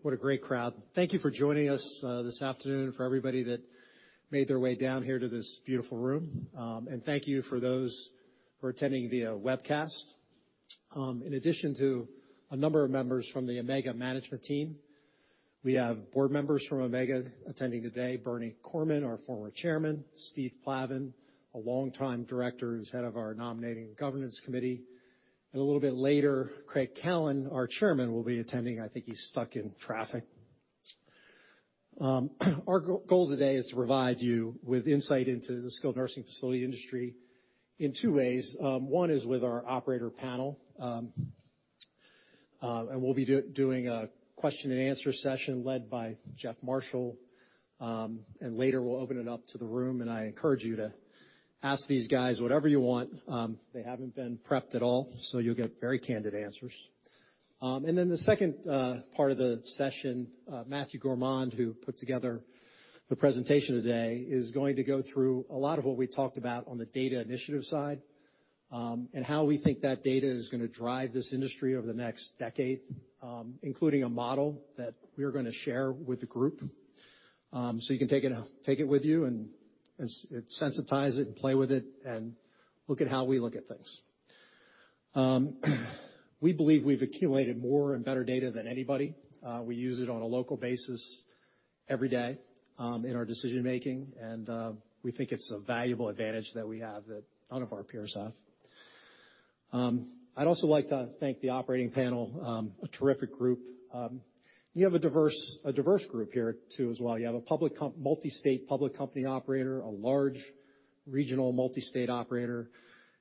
What a great crowd. Thank you for joining us this afternoon, for everybody that made their way down here to this beautiful room, and thank you for those who are attending via webcast. In addition to a number of members from the Omega management team, we have board members from Omega attending today, Bernie Corman, our former Chairman, Steve Plavin, a longtime Director who is head of our nominating governance committee, and a little bit later, Craig Callan, our Chairman, will be attending. I think he is stuck in traffic. Our goal today is to provide you with insight into the skilled nursing facility industry in two ways. One is with our operator panel, and we will be doing a question and answer session led by Jeff Marshall. Later, we will open it up to the room, and I encourage you to ask these guys whatever you want. They haven't been prepped at all, so you will get very candid answers. Then the second part of the session, Matthew Gourmand, who put together the presentation today, is going to go through a lot of what we talked about on the data initiative side, and how we think that data is going to drive this industry over the next decade, including a model that we are going to share with the group. So you can take it with you and sensitize it and play with it and look at how we look at things. We believe we have accumulated more and better data than anybody. We use it on a local basis every day, in our decision-making, and we think it is a valuable advantage that we have that none of our peers have. I would also like to thank the operating panel, a terrific group. You have a diverse group here too, as well. You have a multi-state public company operator, a large regional multi-state operator,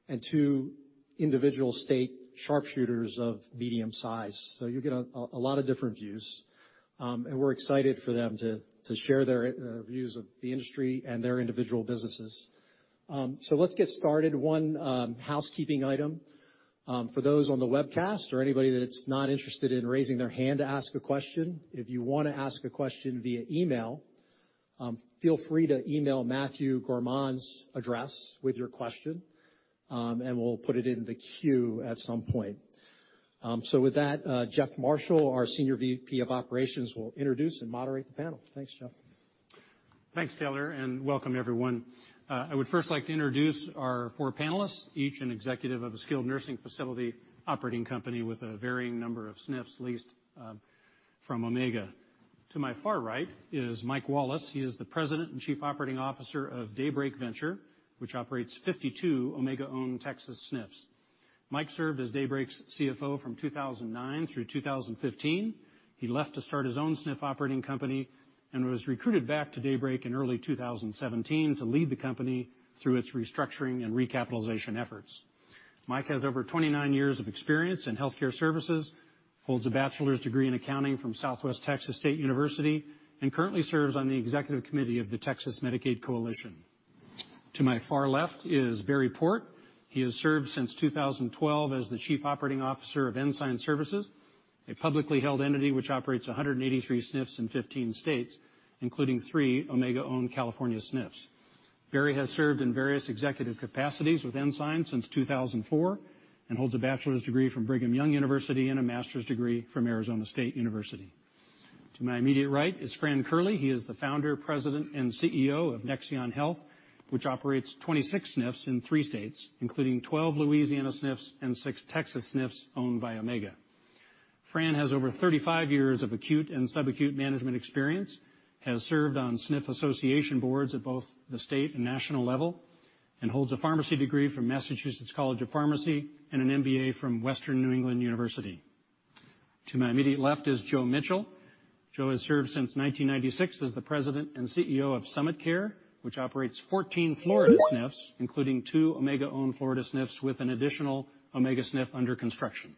and two individual state sharpshooters of medium size. You will get a lot of different views. We are excited for them to share their views of the industry and their individual businesses. Let us get started. One housekeeping item, for those on the webcast or anybody that is not interested in raising their hand to ask a question, if you want to ask a question via email, feel free to email Matthew Gourmand's address with your question, and we will put it in the queue at some point. With that, Jeff Marshall, our Senior VP of Operations, will introduce and moderate the panel. Thanks, Jeff. Thanks, Taylor. Welcome everyone. I would first like to introduce our four panelists, each an executive of a skilled nursing facility operating company with a varying number of SNFs leased from Omega. To my far right is Mike Wallace. He is the President and Chief Operating Officer of Daybreak Venture, which operates 52 Omega-owned Texas SNFs. Mike served as Daybreak's CFO from 2009 through 2015. He left to start his own SNF operating company and was recruited back to Daybreak in early 2017 to lead the company through its restructuring and recapitalization efforts. Mike has over 29 years of experience in healthcare services, holds a bachelor's degree in accounting from Southwest Texas State University, and currently serves on the executive committee of the Texas Medicaid Coalition. To my far left is Barry Port. He has served since 2012 as the Chief Operating Officer of Ensign Services, a publicly held entity which operates 183 SNFs in 15 states, including three Omega-owned California SNFs. Barry has served in various executive capacities with Ensign since 2004 and holds a bachelor's degree from Brigham Young University and a master's degree from Arizona State University. To my immediate right is Fran Kirley. He is the founder, president, and CEO of Nexion Health, which operates 26 SNFs in three states, including 12 Louisiana SNFs and six Texas SNFs owned by Omega. Fran has over 35 years of acute and sub-acute management experience, has served on SNF association boards at both the state and national level, and holds a pharmacy degree from Massachusetts College of Pharmacy and an MBA from Western New England University. To my immediate left is Joe Mitchell. Joe has served since 1996 as the President and CEO of Summit Care, which operates 14 Florida SNFs, including two Omega-owned Florida SNFs with an additional Omega SNF under construction.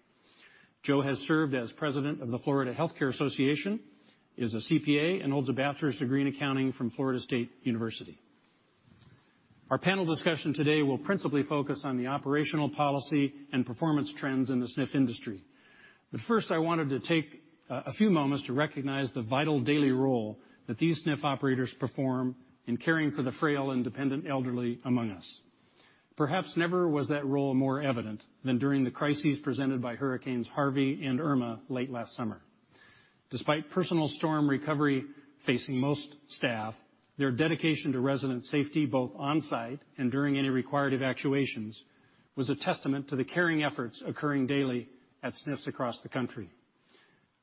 Joe has served as president of the Florida Health Care Association, is a CPA, and holds a bachelor's degree in accounting from Florida State University. Our panel discussion today will principally focus on the operational policy and performance trends in the SNF industry. First, I wanted to take a few moments to recognize the vital daily role that these SNF operators perform in caring for the frail and dependent elderly among us. Perhaps never was that role more evident than during the crises presented by Hurricane Harvey and Hurricane Irma late last summer. Despite personal storm recovery facing most staff, their dedication to resident safety, both on-site and during any required evacuations, was a testament to the caring efforts occurring daily at SNFs across the country.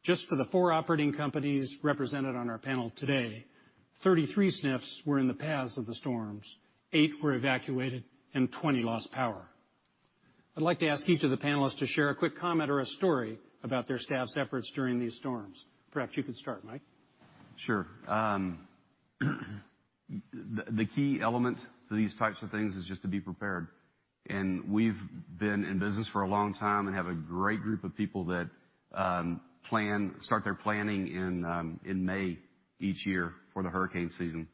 Just for the four operating companies represented on our panel today, 33 SNFs were in the paths of the storms, eight were evacuated, and 20 lost power. I'd like to ask each of the panelists to share a quick comment or a story about their staff's efforts during these storms. Perhaps you could start, Mike. Sure. The key element to these types of things is just to be prepared. We've been in business for a long time and have a great group of people that start their planning in May each year for the hurricane season.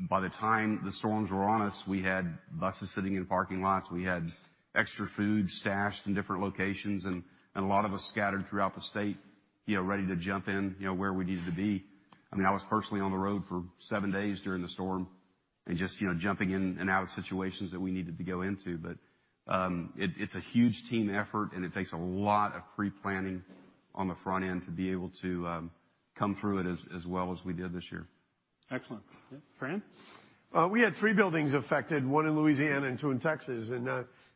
By the time the storms were on us, we had buses sitting in parking lots. We had extra food stashed in different locations, and a lot of us scattered throughout the state, ready to jump in, where we needed to be. I was personally on the road for seven days during the storm. Just jumping in and out of situations that we needed to go into. It's a huge team effort, and it takes a lot of pre-planning on the front end to be able to come through it as well as we did this year. Excellent. Yeah. Fran? We had three buildings affected, one in Louisiana and two in Texas.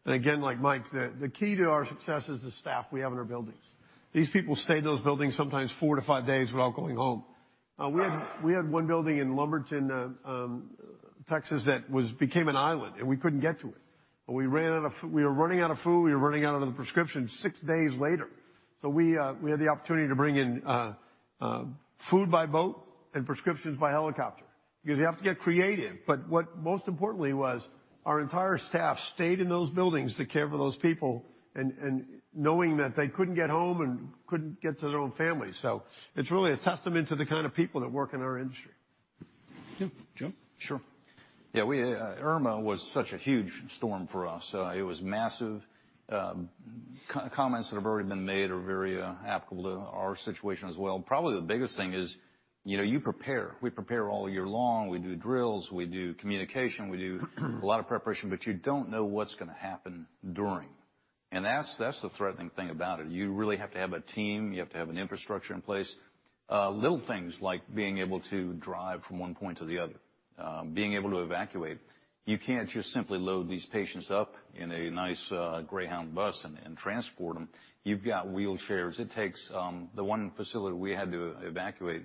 Again, like Mike, the key to our success is the staff we have in our buildings. These people stayed in those buildings sometimes 4-5 days without going home. We had one building in Lumberton, Texas, that became an island, and we couldn't get to it. We were running out of food, we were running out of the prescriptions six days later. We had the opportunity to bring in food by boat and prescriptions by helicopter, because you have to get creative. What, most importantly, was our entire staff stayed in those buildings to care for those people and knowing that they couldn't get home and couldn't get to their own family. It's really a testament to the kind of people that work in our industry. Thank you. Joe? Sure. Yeah. Irma was such a huge storm for us. It was massive. Comments that have already been made are very applicable to our situation as well. Probably the biggest thing is you prepare. We prepare all year long. We do drills, we do communication, we do a lot of preparation, but you don't know what's going to happen during, and that's the threatening thing about it. You really have to have a team. You have to have an infrastructure in place. Little things like being able to drive from one point to the other, being able to evacuate. You can't just simply load these patients up in a nice Greyhound bus and transport them. You've got wheelchairs. The one facility we had to evacuate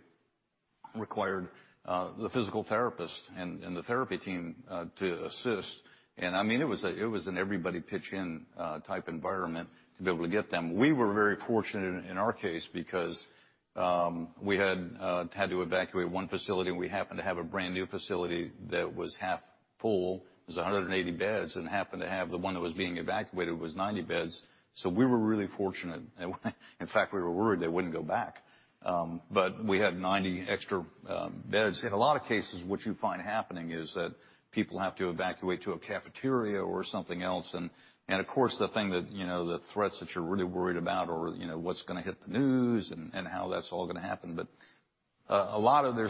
required the physical therapist and the therapy team to assist. It was an everybody pitch in type environment to be able to get them. We were very fortunate in our case because we had to evacuate one facility. We happened to have a brand-new facility that was half full. It was 180 beds. We happened to have the one that was being evacuated was 90 beds. We were really fortunate. In fact, we were worried they wouldn't go back. We had 90 extra beds. In a lot of cases, what you find happening is that people have to evacuate to a cafeteria or something else. Of course, the thing that, the threats that you're really worried about are what's going to hit the news and how that's all going to happen. There's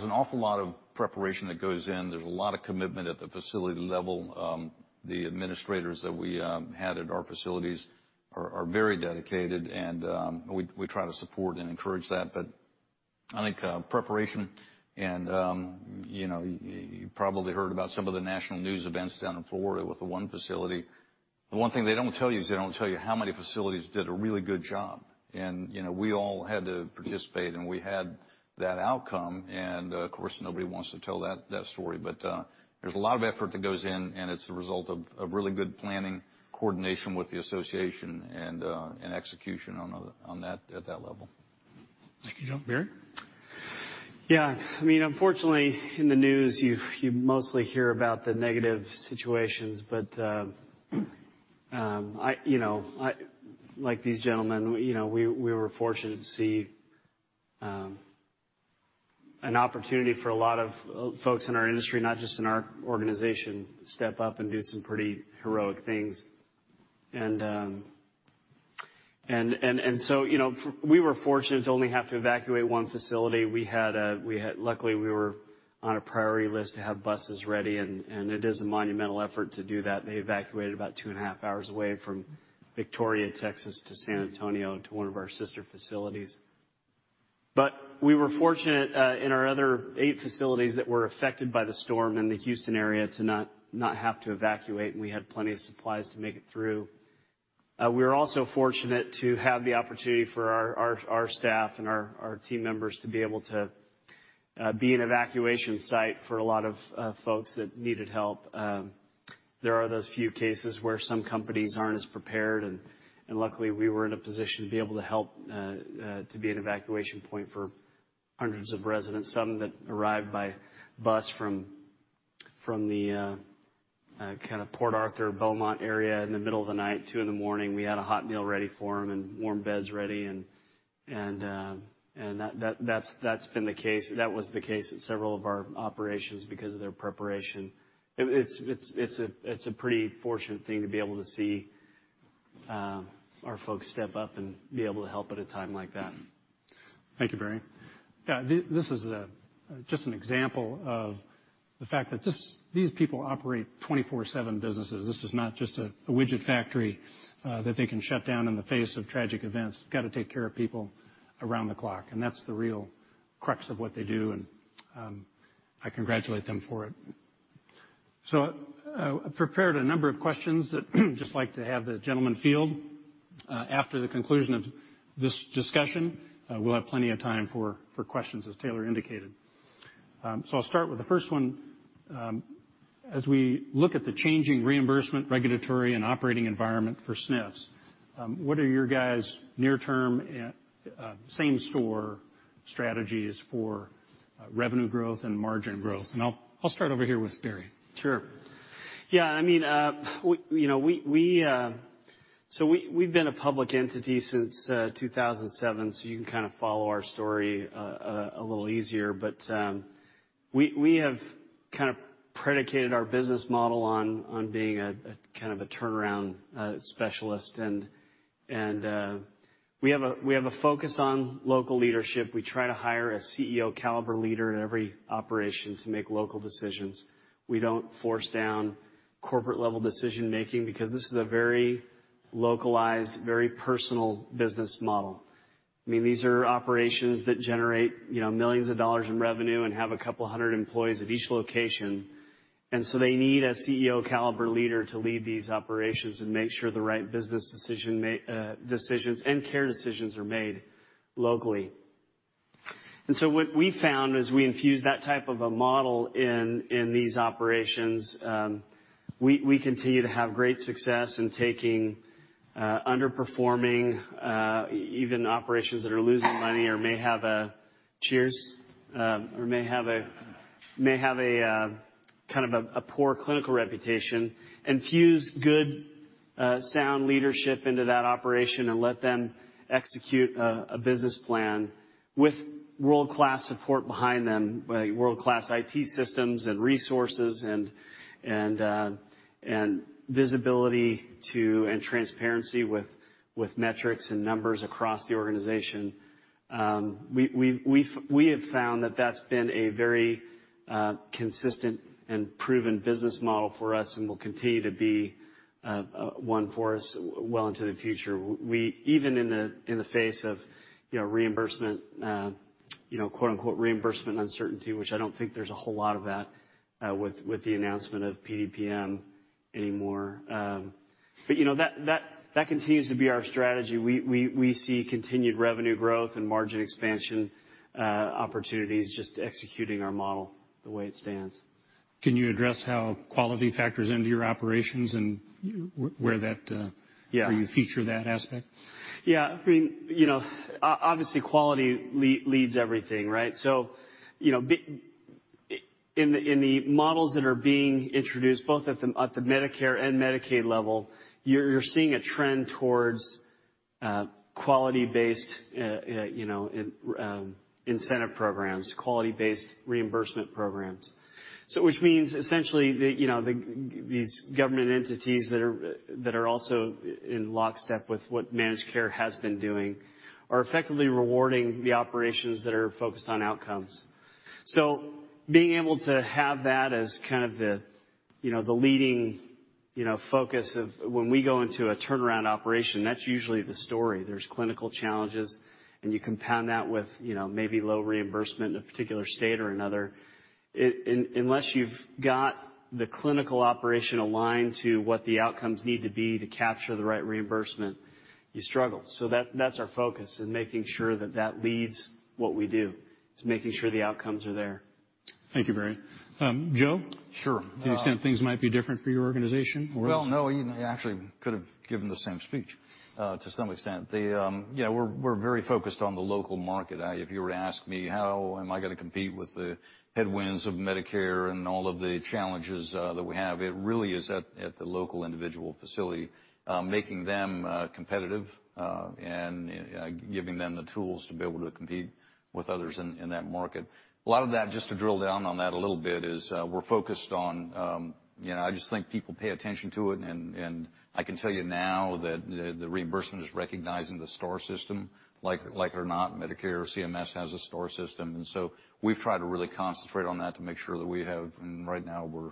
an awful lot of preparation that goes in. There's a lot of commitment at the facility level. The administrators that we had at our facilities are very dedicated, and we try to support and encourage that. I think preparation and you probably heard about some of the national news events down in Florida with the one facility. The one thing they don't tell you is they don't tell you how many facilities did a really good job. We all had to participate, and we had that outcome. Of course, nobody wants to tell that story. There's a lot of effort that goes in, and it's a result of really good planning, coordination with the association, and execution at that level. Thank you, Joe. Barry? Yeah. Unfortunately, in the news, you mostly hear about the negative situations, but like these gentlemen, we were fortunate to see an opportunity for a lot of folks in our industry, not just in our organization, step up and do some pretty heroic things. We were fortunate to only have to evacuate one facility. Luckily, we were on a priority list to have buses ready, and it is a monumental effort to do that. They evacuated about two and a half hours away from Victoria, Texas, to San Antonio to one of our sister facilities. We were fortunate, in our other eight facilities that were affected by the storm in the Houston area, to not have to evacuate, and we had plenty of supplies to make it through. We were also fortunate to have the opportunity for our staff and our team members to be able to be an evacuation site for a lot of folks that needed help. There are those few cases where some companies aren't as prepared. Luckily, we were in a position to be able to help to be an evacuation point for hundreds of residents, some that arrived by bus from the Port Arthur, Beaumont area in the middle of the night, 2:00 A.M. We had a hot meal ready for them and warm beds ready. That was the case at several of our operations because of their preparation. It's a pretty fortunate thing to be able to see our folks step up and be able to help at a time like that. Thank you, Barry. Yeah, this is just an example of the fact that these people operate 24/7 businesses. This is not just a widget factory that they can shut down in the face of tragic events, got to take care of people around the clock. That's the real crux of what they do, and I congratulate them for it. I prepared a number of questions that I'd just like to have the gentlemen field. After the conclusion of this discussion, we'll have plenty of time for questions, as Taylor indicated. I'll start with the first one. As we look at the changing reimbursement, regulatory, and operating environment for SNFs, what are your guys' near-term same-store strategies for revenue growth and margin growth? I'll start over here with Barry. Sure. Yeah, we've been a public entity since 2007, so you can follow our story a little easier. We have predicated our business model on being a turnaround specialist. We have a focus on local leadership. We try to hire a CEO caliber leader in every operation to make local decisions. We don't force down corporate level decision-making because this is a very localized, very personal business model. These are operations that generate millions of dollars in revenue and have a couple of hundred employees at each location. They need a CEO caliber leader to lead these operations and make sure the right business decisions and care decisions are made locally. What we found as we infuse that type of a model in these operations, we continue to have great success in taking underperforming, even operations that are losing money or may have a poor clinical reputation, infuse good, sound leadership into that operation and let them execute a business plan with world-class support behind them, world-class IT systems and resources and visibility to, and transparency with metrics and numbers across the organization. We have found that's been a very consistent and proven business model for us and will continue to be one for us well into the future. Even in the face of "reimbursement uncertainty," which I don't think there's a whole lot of that with the announcement of PDPM anymore. That continues to be our strategy. We see continued revenue growth and margin expansion opportunities just executing our model the way it stands. Can you address how quality factors into your operations and where Yeah you feature that aspect? Yeah. Obviously quality leads everything, right? In the models that are being introduced, both at the Medicare and Medicaid level, you're seeing a trend towards quality-based incentive programs, quality-based reimbursement programs. Which means essentially, these government entities that are also in lockstep with what managed care has been doing, are effectively rewarding the operations that are focused on outcomes. Being able to have that as the leading focus of when we go into a turnaround operation, that's usually the story. There's clinical challenges, you compound that with maybe low reimbursement in a particular state or another. Unless you've got the clinical operation aligned to what the outcomes need to be to capture the right reimbursement, you struggle. That's our focus in making sure that leads what we do, is making sure the outcomes are there. Thank you, Barry. Joe? Sure. To the extent things might be different for your organization or- Well, no, I actually could've given the same speech, to some extent. We're very focused on the local market. If you were to ask me how am I going to compete with the headwinds of Medicare and all of the challenges that we have, it really is at the local individual facility. Making them competitive, giving them the tools to be able to compete with others in that market. A lot of that, just to drill down on that a little bit, is we're focused on, I just think people pay attention to it, I can tell you now that the reimbursement is recognizing the star system. Like it or not, Medicare, CMS has a star system. We've tried to really concentrate on that to make sure that we have. Right now we're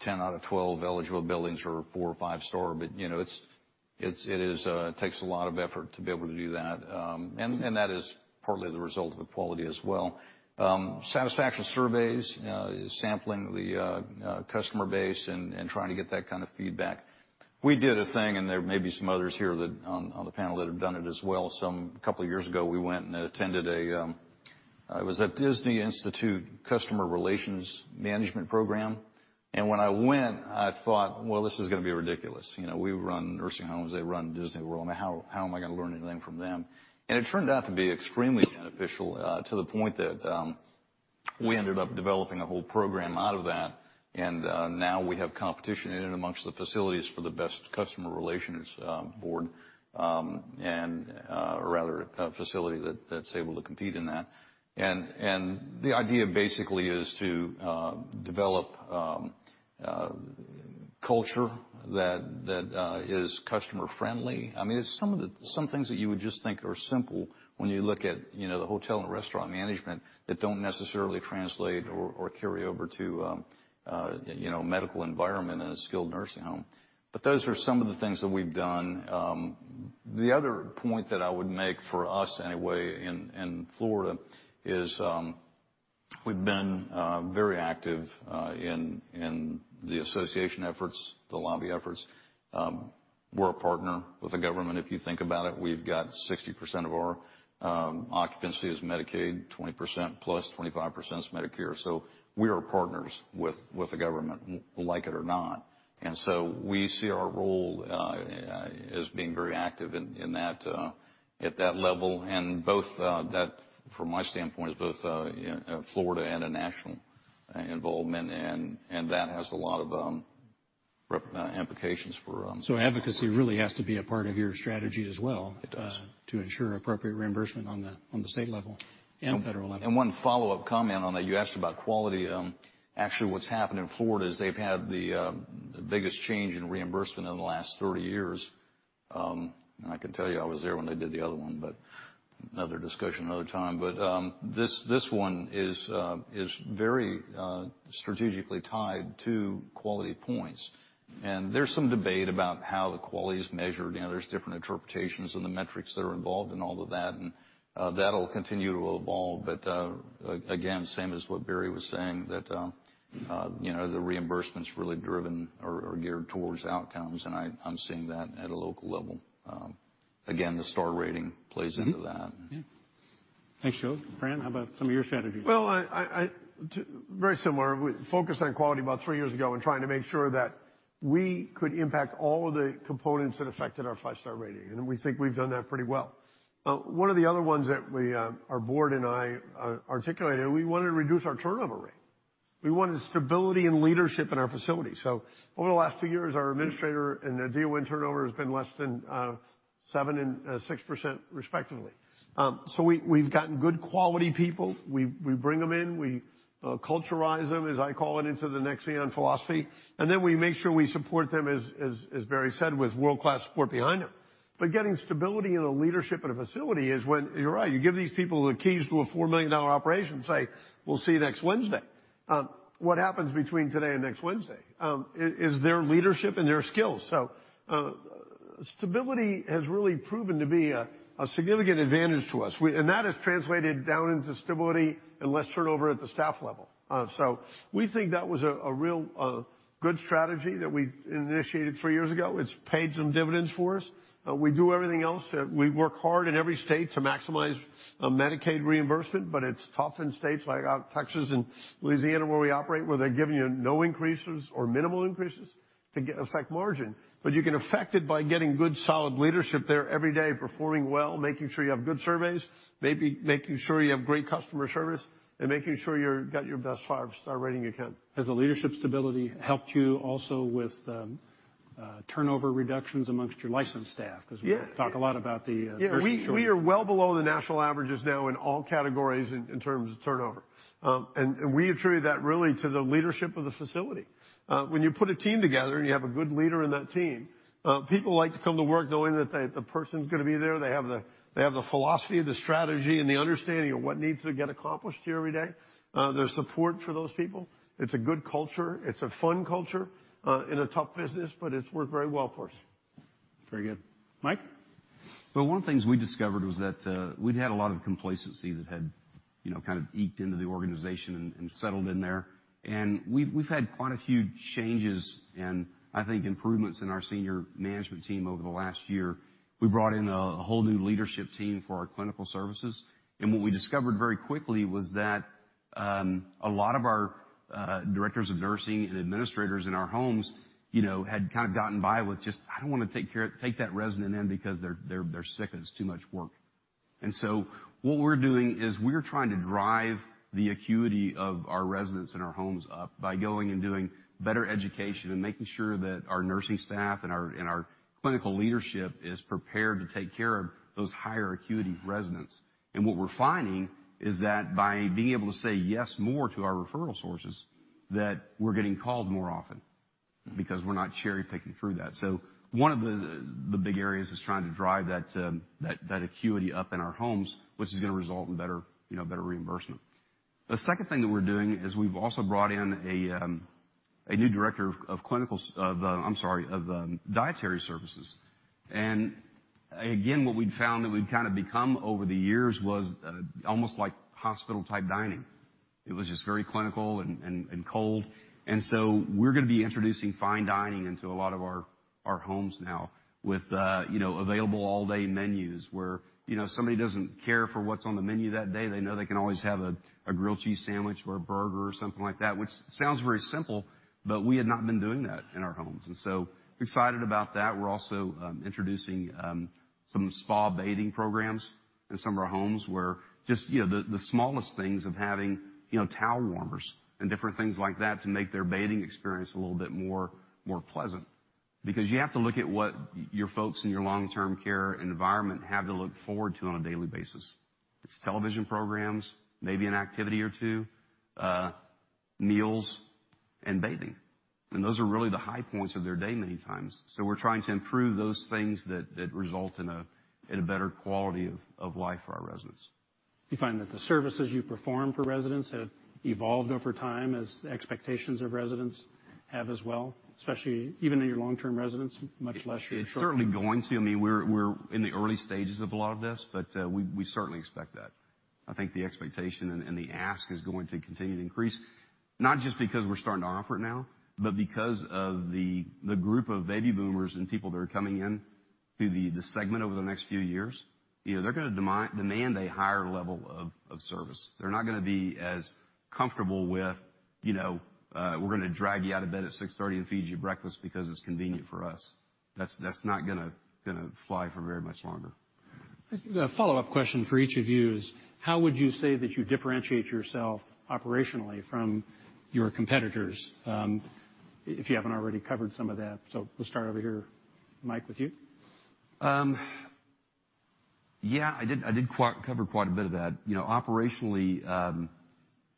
10 out of 12 eligible buildings are four or five-star, but it takes a lot of effort to be able to do that. That is partly the result of the quality as well. Satisfaction surveys, sampling the customer base and trying to get that kind of feedback. We did a thing, and there may be some others here on the panel that have done it as well. A couple of years ago, we went and attended a, it was at Disney Institute Customer Relations Management program. When I went, I thought, "Well, this is going to be ridiculous." We run nursing homes, they run Disney World. How am I going to learn anything from them? It turned out to be extremely beneficial to the point that we ended up developing a whole program out of that. Now we have competition in and amongst the facilities for the best customer relations board, and rather a facility that's able to compete in that. The idea basically is to develop culture that is customer friendly. There's some things that you would just think are simple when you look at the hotel and restaurant management that don't necessarily translate or carry over to a medical environment in a skilled nursing home. Those are some of the things that we've done. The other point that I would make for us anyway in Florida is, we've been very active in the association efforts, the lobby efforts. We're a partner with the government. If you think about it, we've got 60% of our occupancy is Medicaid, 20% plus, 25% is Medicare. We are partners with the government like it or not. We see our role as being very active at that level, and both that, from my standpoint, is both Florida and a national involvement, and that has a lot of implications for. Advocacy really has to be a part of your strategy as well. It does to ensure appropriate reimbursement on the state level and federal level. One follow-up comment on that, you asked about quality. Actually, what's happened in Florida is they've had the biggest change in reimbursement in the last 30 years. I can tell you, I was there when they did the other one, but another discussion another time. This one is very strategically tied to quality points, and there's some debate about how the quality is measured. There's different interpretations of the metrics that are involved in all of that, and that'll continue to evolve. Again, same as what Barry was saying, that the reimbursement's really driven or geared towards outcomes, and I'm seeing that at a local level. Again, the star rating plays into that. Yeah. Thanks, Joe. Fran, how about some of your strategies? Very similar. We focused on quality about three years ago and trying to make sure that we could impact all of the components that affected our five-star rating. We think we've done that pretty well. One of the other ones that our board and I articulated, we wanted to reduce our turnover rate. We wanted stability and leadership in our facility. Over the last two years, our administrator and the DON turnover has been less than 7% and 6%, respectively. We've gotten good quality people. We bring them in, we culturize them, as I call it, into the Nexion philosophy, and then we make sure we support them, as Barry said, with world-class support behind them. Getting stability in the leadership at a facility is when, you're right, you give these people the keys to a $4 million operation and say, "We'll see you next Wednesday." What happens between today and next Wednesday is their leadership and their skills. Stability has really proven to be a significant advantage to us, and that has translated down into stability and less turnover at the staff level. We think that was a real good strategy that we initiated three years ago. It's paid some dividends for us. We do everything else. We work hard in every state to maximize Medicaid reimbursement, but it's tough in states like out in Texas and Louisiana, where we operate, where they're giving you no increases or minimal increases to affect margin. You can affect it by getting good, solid leadership there every day, performing well, making sure you have good surveys, maybe making sure you have great customer service, and making sure you got your best five-star rating you can. Has the leadership stability helped you also with turnover reductions amongst your licensed staff? Yeah. We talk a lot about the nursing shortage. Yeah. We are well below the national averages now in all categories in terms of turnover. We attribute that really to the leadership of the facility. When you put a team together and you have a good leader in that team, people like to come to work knowing that the person's going to be there. They have the philosophy, the strategy, and the understanding of what needs to get accomplished here every day. There's support for those people. It's a good culture. It's a fun culture in a tough business, but it's worked very well for us. Very good. Mike? One of the things we discovered was that we'd had a lot of complacency that had kind of eked into the organization and settled in there. We've had quite a few changes and, I think, improvements in our senior management team over the last year. We brought in a whole new leadership team for our clinical services. What we discovered very quickly was that a lot of our directors of nursing and administrators in our homes had kind of gotten by with just, "I don't want to take that resident in because they're sick and it's too much work." What we're doing is we're trying to drive the acuity of our residents in our homes up by going and doing better education and making sure that our nursing staff and our clinical leadership is prepared to take care of those higher acuity residents. What we're finding is that by being able to say yes more to our referral sources, that we're getting called more often because we're not cherry-picking through that. One of the big areas is trying to drive that acuity up in our homes, which is going to result in better reimbursement. The second thing that we're doing is we've also brought in a new director of clinical, I'm sorry, of dietary services. Again, what we'd found that we'd kind of become over the years was almost like hospital-type dining. It was just very clinical and cold. We're going to be introducing fine dining into a lot of our homes now with available all-day menus where somebody doesn't care for what's on the menu that day, they know they can always have a grilled cheese sandwich or a burger or something like that, which sounds very simple, but we had not been doing that in our homes. Excited about that. We're also introducing some spa bathing programs in some of our homes where just the smallest things of having towel warmers and different things like that to make their bathing experience a little bit more pleasant. You have to look at what your folks in your long-term care environment have to look forward to on a daily basis. It's television programs, maybe an activity or two, meals, and bathing. Those are really the high points of their day many times. We're trying to improve those things that result in a better quality of life for our residents. Do you find that the services you perform for residents have evolved over time as expectations of residents have as well? Especially even in your long-term residents, much less your short-term. It's certainly going to. We're in the early stages of a lot of this, we certainly expect that. I think the expectation and the ask is going to continue to increase, not just because we're starting to offer it now, because of the group of baby boomers and people that are coming in through the segment over the next few years. They're going to demand a higher level of service. They're not going to be as comfortable with, "We're going to drag you out of bed at 6:30 and feed you breakfast because it's convenient for us." That's not going to fly for very much longer. A follow-up question for each of you is, how would you say that you differentiate yourself operationally from your competitors, if you haven't already covered some of that? We'll start over here, Mike, with you. Yeah, I did cover quite a bit of that. Operationally,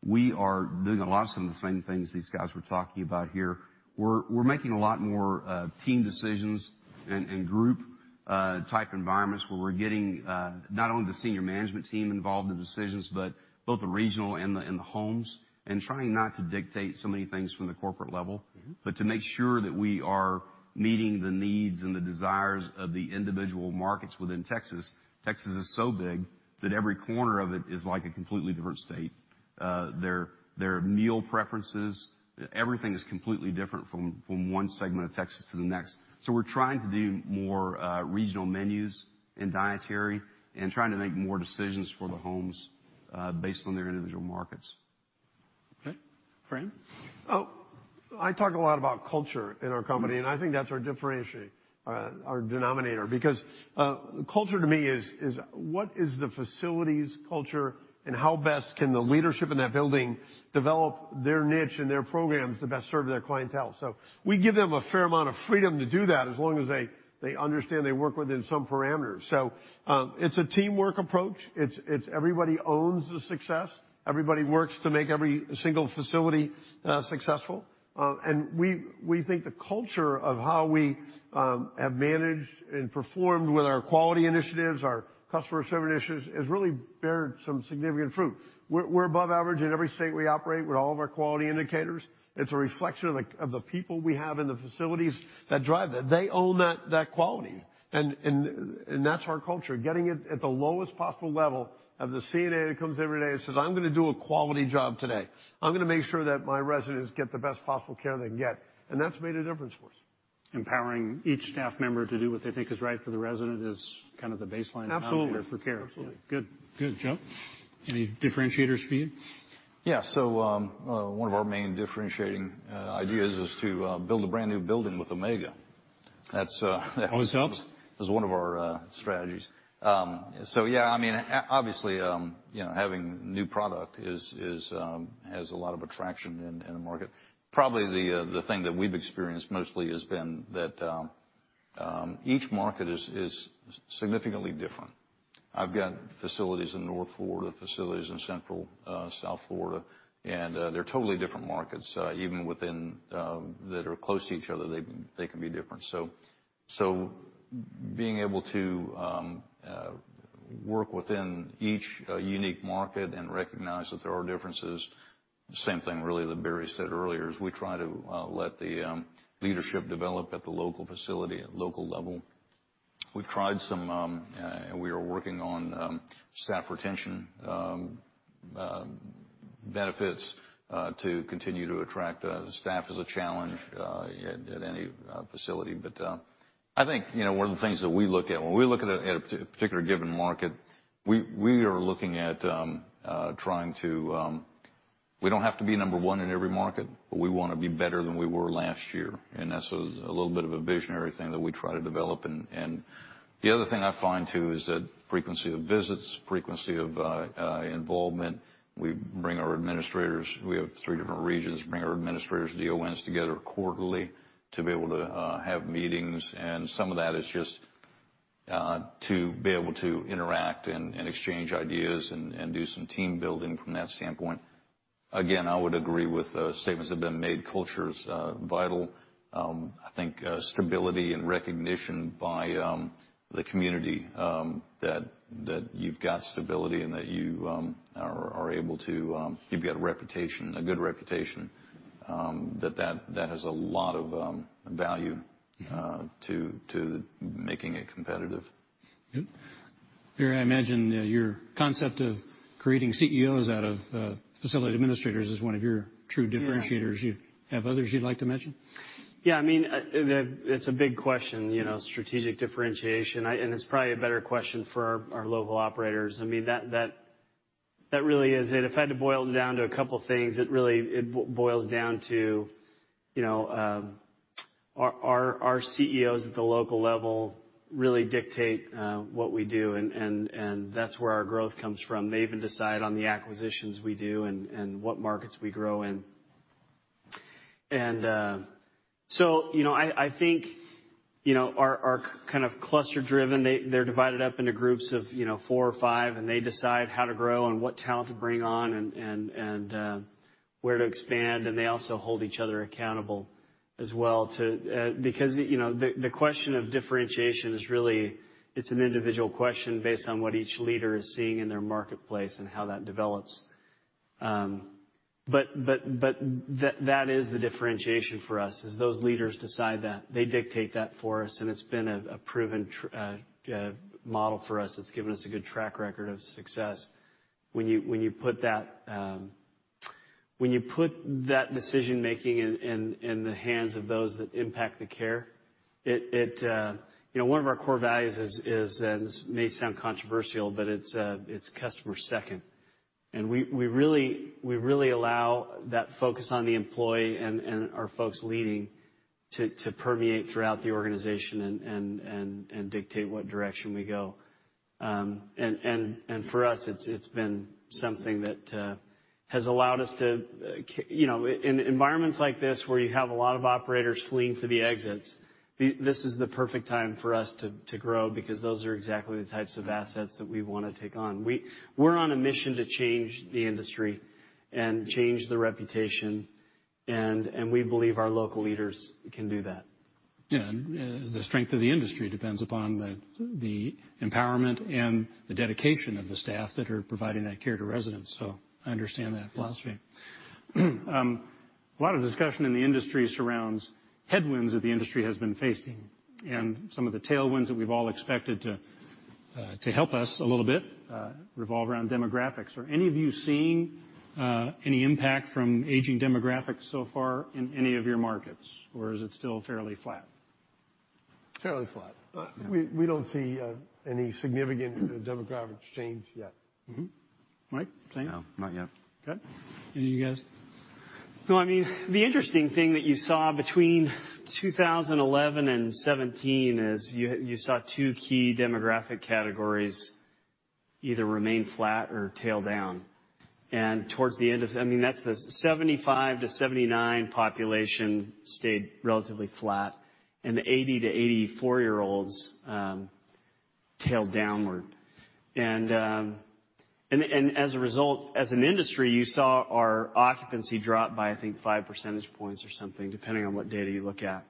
we are doing a lot of some of the same things these guys were talking about here. We're making a lot more team decisions in group type environments where we're getting not only the senior management team involved in the decisions, but both the regional and the homes and trying not to dictate so many things from the corporate level, but to make sure that we are meeting the needs and the desires of the individual markets within Texas. Texas is so big that every corner of it is like a completely different state. Their meal preferences, everything is completely different from one segment of Texas to the next. We're trying to do more regional menus and dietary and trying to make more decisions for the homes, based on their individual markets. Okay. Fran? I talk a lot about culture in our company, and I think that's our denominator, because culture to me is, what is the facility's culture and how best can the leadership in that building develop their niche and their programs to best serve their clientele? We give them a fair amount of freedom to do that as long as they understand they work within some parameters. It's a teamwork approach. It's everybody owns the success. Everybody works to make every single facility successful. We think the culture of how we have managed and performed with our quality initiatives, our customer service initiatives, has really beared some significant fruit. We're above average in every state we operate with all of our quality indicators. It's a reflection of the people we have in the facilities that drive that. They own that quality and that's our culture, getting it at the lowest possible level of the CNA who comes every day and says, "I'm going to do a quality job today. I'm going to make sure that my residents get the best possible care they can get." That's made a difference for us. Empowering each staff member to do what they think is right for the resident is kind of the baseline- Absolutely for care. Absolutely. Good. Joe, any differentiators for you? Yeah. One of our main differentiating ideas is to build a brand-new building with Omega. That's- Always helps. is one of our strategies. Yeah, obviously, having new product has a lot of attraction in the market. Probably the thing that we've experienced mostly has been that each market is significantly different. I've got facilities in North Florida, facilities in Central, South Florida, and they're totally different markets. Even within that are close to each other, they can be different. Being able to work within each unique market and recognize that there are differences, the same thing really that Barry said earlier, is we try to let the leadership develop at the local facility, at local level. We've tried some, and we are working on staff retention benefits, to continue to attract staff is a challenge at any facility. I think one of the things that we look at when we look at a particular given market. We don't have to be number one in every market, but we want to be better than we were last year. That's a little bit of a visionary thing that we try to develop and the other thing I find too is that frequency of visits, frequency of involvement, we bring our administrators. We have three different regions, bring our administrators, DONs together quarterly to be able to have meetings, and some of that is just to be able to interact and exchange ideas and do some team building from that standpoint. Again, I would agree with statements that have been made. Culture is vital. I think stability and recognition by the community, that you've got stability and that you've got a good reputation, that has a lot of value to making it competitive. Good. Barry, I imagine that your concept of creating CEOs out of facility administrators is one of your true differentiators. You have others you'd like to mention? It's a big question, strategic differentiation. It's probably a better question for our local operators. If I had to boil it down to a couple of things, it boils down to our CEOs at the local level really dictate what we do. That's where our growth comes from. They even decide on the acquisitions we do and what markets we grow in. I think our kind of cluster-driven, they're divided up into groups of four or five, and they decide how to grow and what talent to bring on and where to expand, and they also hold each other accountable as well, too. The question of differentiation is really, it's an individual question based on what each leader is seeing in their marketplace and how that develops. That is the differentiation for us, is those leaders decide that. They dictate that for us, it's been a proven model for us. It's given us a good track record of success. When you put that decision-making in the hands of those that impact the care, one of our core values is, and this may sound controversial, but it's customer second. We really allow that focus on the employee and our folks leading to permeate throughout the organization and dictate what direction we go. For us, it's been something that has allowed us to, in environments like this where you have a lot of operators fleeing for the exits. This is the perfect time for us to grow because those are exactly the types of assets that we want to take on. We're on a mission to change the industry and change the reputation, we believe our local leaders can do that. Yeah. The strength of the industry depends upon the empowerment and the dedication of the staff that are providing that care to residents, so I understand that philosophy. A lot of discussion in the industry surrounds headwinds that the industry has been facing, some of the tailwinds that we've all expected to help us a little bit, revolve around demographics. Are any of you seeing any impact from aging demographics so far in any of your markets? Or is it still fairly flat? Fairly flat. We don't see any significant demographic change yet. Mike, same? No, not yet. Okay. Any of you guys? The interesting thing that you saw between 2011 and 2017 is you saw two key demographic categories either remain flat or tail down. Towards the end of that, the 75-79 population stayed relatively flat, and the 80-84 year olds tailed downward. As a result, as an industry, you saw our occupancy drop by, I think, five percentage points or something, depending on what data you look at.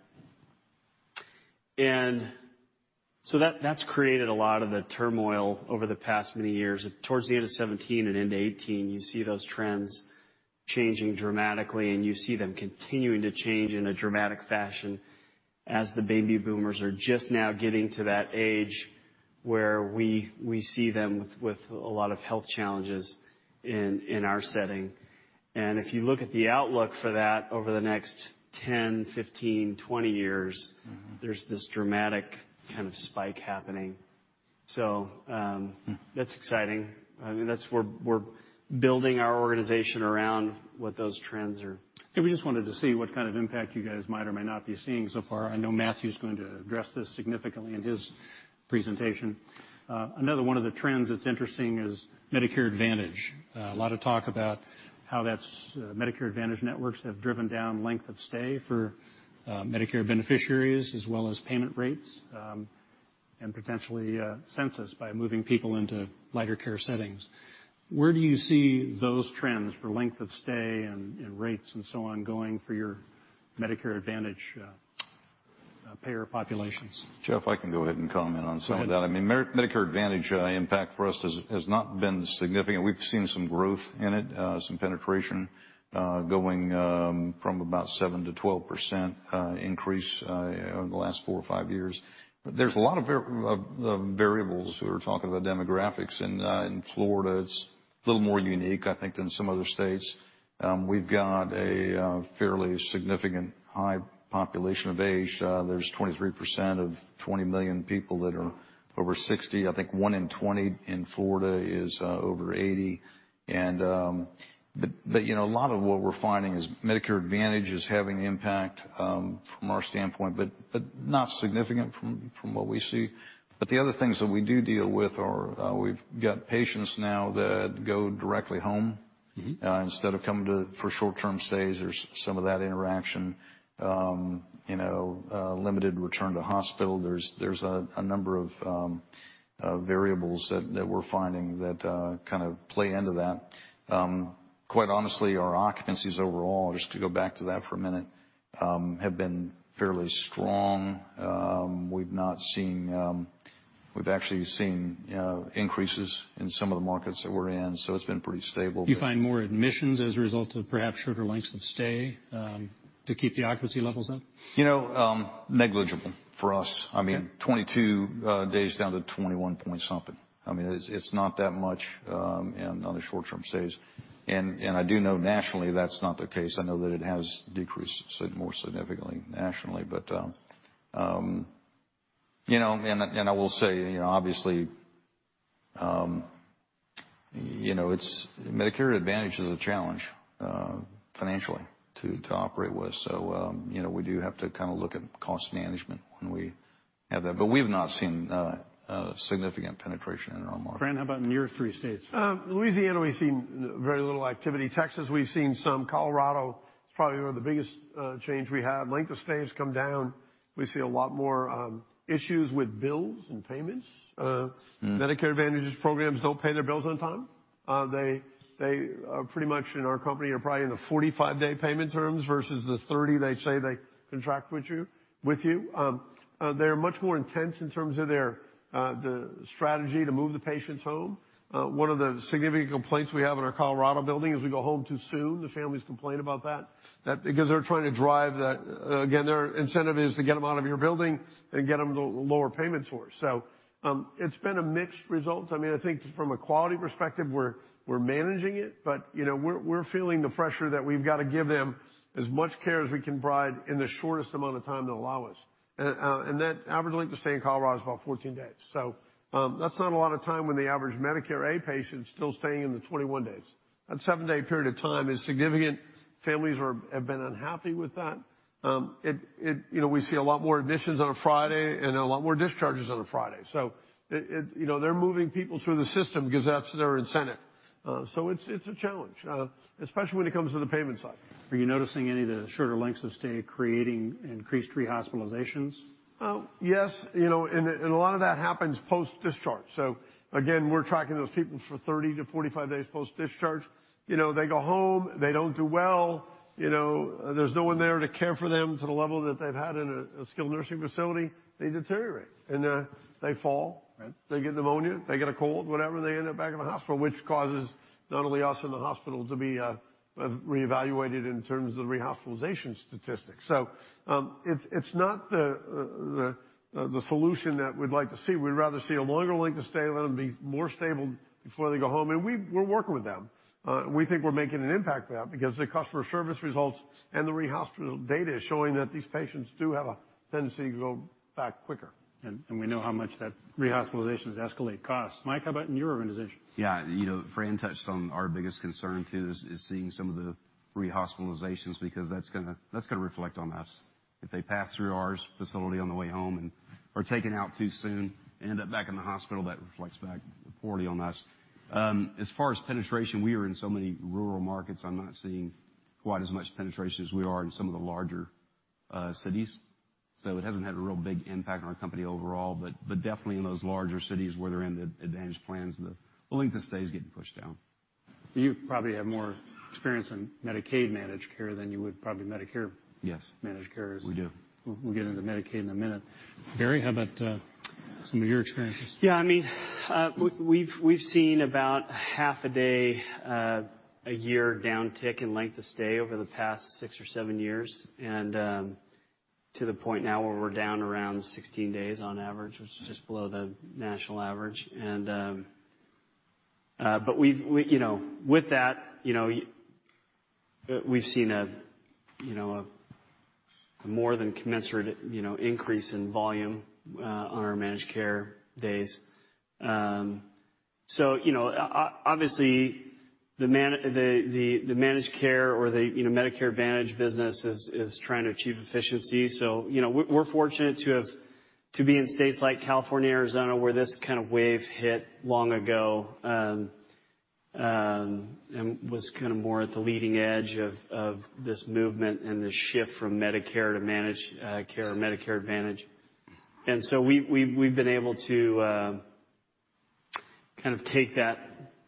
So that's created a lot of the turmoil over the past many years. Towards the end of 2017 and into 2018, you see those trends changing dramatically, and you see them continuing to change in a dramatic fashion as the baby boomers are just now getting to that age where we see them with a lot of health challenges in our setting. If you look at the outlook for that over the next 10, 15, 20 years. There's this dramatic kind of spike happening. That's exciting. We're building our organization around what those trends are. We just wanted to see what kind of impact you guys might or might not be seeing so far. I know Matthew's going to address this significantly in his presentation. Another one of the trends that's interesting is Medicare Advantage. A lot of talk about how Medicare Advantage networks have driven down length of stay for Medicare beneficiaries, as well as payment rates, and potentially census by moving people into lighter care settings. Where do you see those trends for length of stay and rates and so on, going for your Medicare Advantage payer populations? Jeff, I can go ahead and comment on some of that. Go ahead. Medicare Advantage impact for us has not been significant. We've seen some growth in it, some penetration, going from about 7%-12% increase over the last four or five years. There's a lot of variables. We're talking about demographics. In Florida, it's a little more unique, I think, than some other states. We've got a fairly significant high population of age. There's 23% of 20 million people that are over 60. I think one in 20 in Florida is over 80. A lot of what we're finding is Medicare Advantage is having impact, from our standpoint, but not significant from what we see. The other things that we do deal with are, we've got patients now that go directly home. Instead of coming for short-term stays. There's some of that interaction. Limited return to hospital. There's a number of variables that we're finding that kind of play into that. Quite honestly, our occupancies overall, just to go back to that for a minute, have been fairly strong. We've actually seen increases in some of the markets that we're in. It's been pretty stable. Do you find more admissions as a result of perhaps shorter lengths of stay, to keep the occupancy levels up? Negligible for us. Okay. 22 days down to 21 point something. It's not that much on the short-term stays. I do know nationally that's not the case. I know that it has decreased more significantly nationally. I will say, obviously, Medicare Advantage is a challenge, financially, to operate with, so, we do have to look at cost management when we have that. We've not seen significant penetration in our market. Fran, how about in your three states? Louisiana, we've seen very little activity. Texas, we've seen some. Colorado, it's probably one of the biggest change we have. Length of stay has come down. We see a lot more issues with bills and payments. Medicare Advantage's programs don't pay their bills on time. They pretty much, in our company, are probably in the 45-day payment terms versus the 30 they say they contract with you. They're much more intense in terms of their strategy to move the patients home. One of the significant complaints we have in our Colorado building is we go home too soon. The families complain about that, because they're trying to drive that Again, their incentive is to get them out of your building and get them to lower payments for. It's been a mixed result. I think from a quality perspective, we're managing it, but we're feeling the pressure that we've got to give them as much care as we can provide in the shortest amount of time they'll allow us. That average length of stay in Colorado is about 14 days. That's not a lot of time when the average Medicare A patient is still staying in the 21 days. That seven-day period of time is significant. Families have been unhappy with that. We see a lot more admissions on a Friday and a lot more discharges on a Friday. They're moving people through the system because that's their incentive. It's a challenge, especially when it comes to the payment side. Are you noticing any of the shorter lengths of stay creating increased rehospitalizations? Yes, and a lot of that happens post-discharge. Again, we're tracking those people for 30 to 45 days post-discharge. They go home, they don't do well. There's no one there to care for them to the level that they've had in a Skilled Nursing Facility. They deteriorate, and they fall. Right. They get pneumonia, they get a cold, whatever, they end up back in the hospital, which causes not only us in the hospital to be reevaluated in terms of the rehospitalization statistics. It's not the solution that we'd like to see. We'd rather see a longer length of stay, let them be more stable before they go home, and we're working with them. We think we're making an impact with that because the customer service results and the rehospital data is showing that these patients do have a tendency to go back quicker. We know how much that rehospitalizations escalate costs. Mike, how about in your organization? Yeah. Fran touched on our biggest concern too, is seeing some of the rehospitalizations because that's going to reflect on us. If they pass through our facility on the way home and are taken out too soon and end up back in the hospital, that reflects back poorly on us. As far as penetration, we are in so many rural markets, I'm not seeing quite as much penetration as we are in some of the larger cities. It hasn't had a real big impact on our company overall. Definitely in those larger cities where they're in the advantage plans, the length of stay is getting pushed down. You probably have more experience in Medicaid managed care than you would probably Medicare- Yes managed care as- We do. We'll get into Medicaid in a minute. Barry, how about some of your experiences? Yeah. We've seen about a half a day a year downtick in length of stay over the past six or seven years, to the point now where we're down around 16 days on average, which is just below the national average. With that, we've seen a more than commensurate increase in volume on our managed care days. Obviously, the managed care or the Medicare Advantage business is trying to achieve efficiency. We're fortunate to be in states like California, Arizona, where this kind of wave hit long ago, and was kind of more at the leading edge of this movement and this shift from Medicare to managed care or Medicare Advantage. We've been able to kind of take that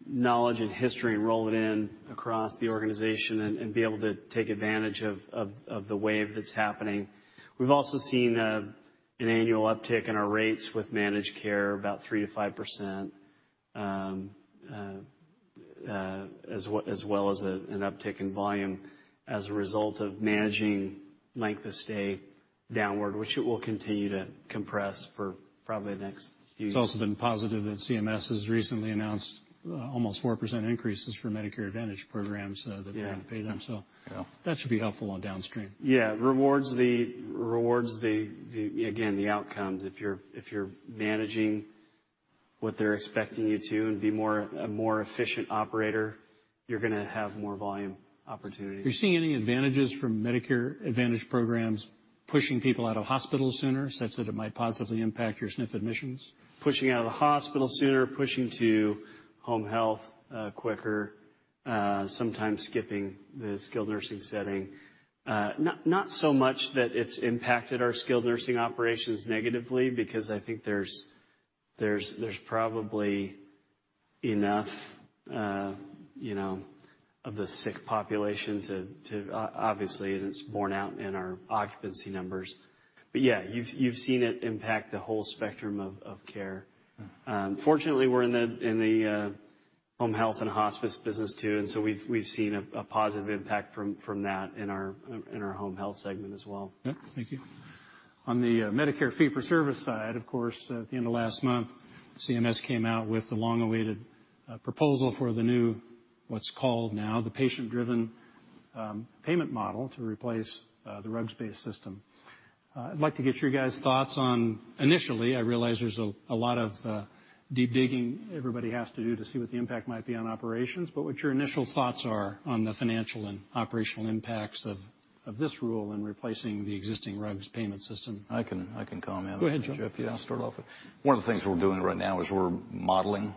knowledge and history and roll it in across the organization and be able to take advantage of the wave that's happening. We've also seen an annual uptick in our rates with managed care, about 3%-5%, as well as an uptick in volume as a result of managing length of stay downward, which it will continue to compress for probably the next few years. It's also been positive that CMS has recently announced almost 4% increases for Medicare Advantage programs. Yeah That are going to pay them. That should be helpful on downstream. Yeah. Rewards the, again, the outcomes. If you're managing what they're expecting you to and be a more efficient operator, you're going to have more volume opportunities. Are you seeing any advantages from Medicare Advantage programs pushing people out of hospitals sooner, such that it might positively impact your SNF admissions? Pushing out of the hospital sooner, pushing to home health quicker, sometimes skipping the skilled nursing setting. Not so much that it's impacted our skilled nursing operations negatively because I think there's probably enough of the sick population to, obviously, and it's borne out in our occupancy numbers. Yeah, you've seen it impact the whole spectrum of care. Fortunately, we're in the home health and hospice business too, we've seen a positive impact from that in our home health segment as well. Yep. Thank you. On the Medicare fee-for-service side, of course, at the end of last month, CMS came out with the long-awaited proposal for the new, what's called now the Patient Driven Payment Model to replace the RUG-based system. I'd like to get your guys' thoughts on, initially, I realize there's a lot of deep digging everybody has to do to see what the impact might be on operations, but what your initial thoughts are on the financial and operational impacts of this rule and replacing the existing RUGs payment system. I can comment. Go ahead, Joe. I'll start off with. One of the things we're doing right now is we're modeling,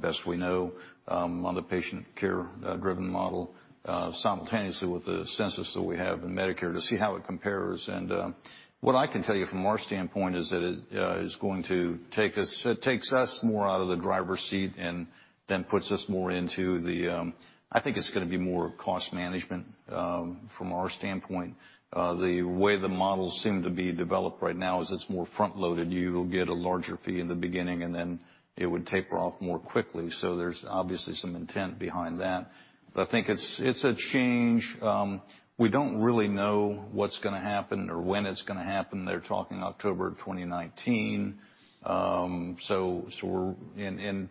best we know, on the patient care-driven model, simultaneously with the census that we have in Medicare to see how it compares. What I can tell you from our standpoint is that it takes us more out of the driver's seat and puts us more into the, I think, it's going to be more cost management from our standpoint. The way the models seem to be developed right now is it's more front-loaded. You get a larger fee in the beginning, and it would taper off more quickly. There's obviously some intent behind that. I think it's a change. We don't really know what's going to happen or when it's going to happen. They're talking October 2019.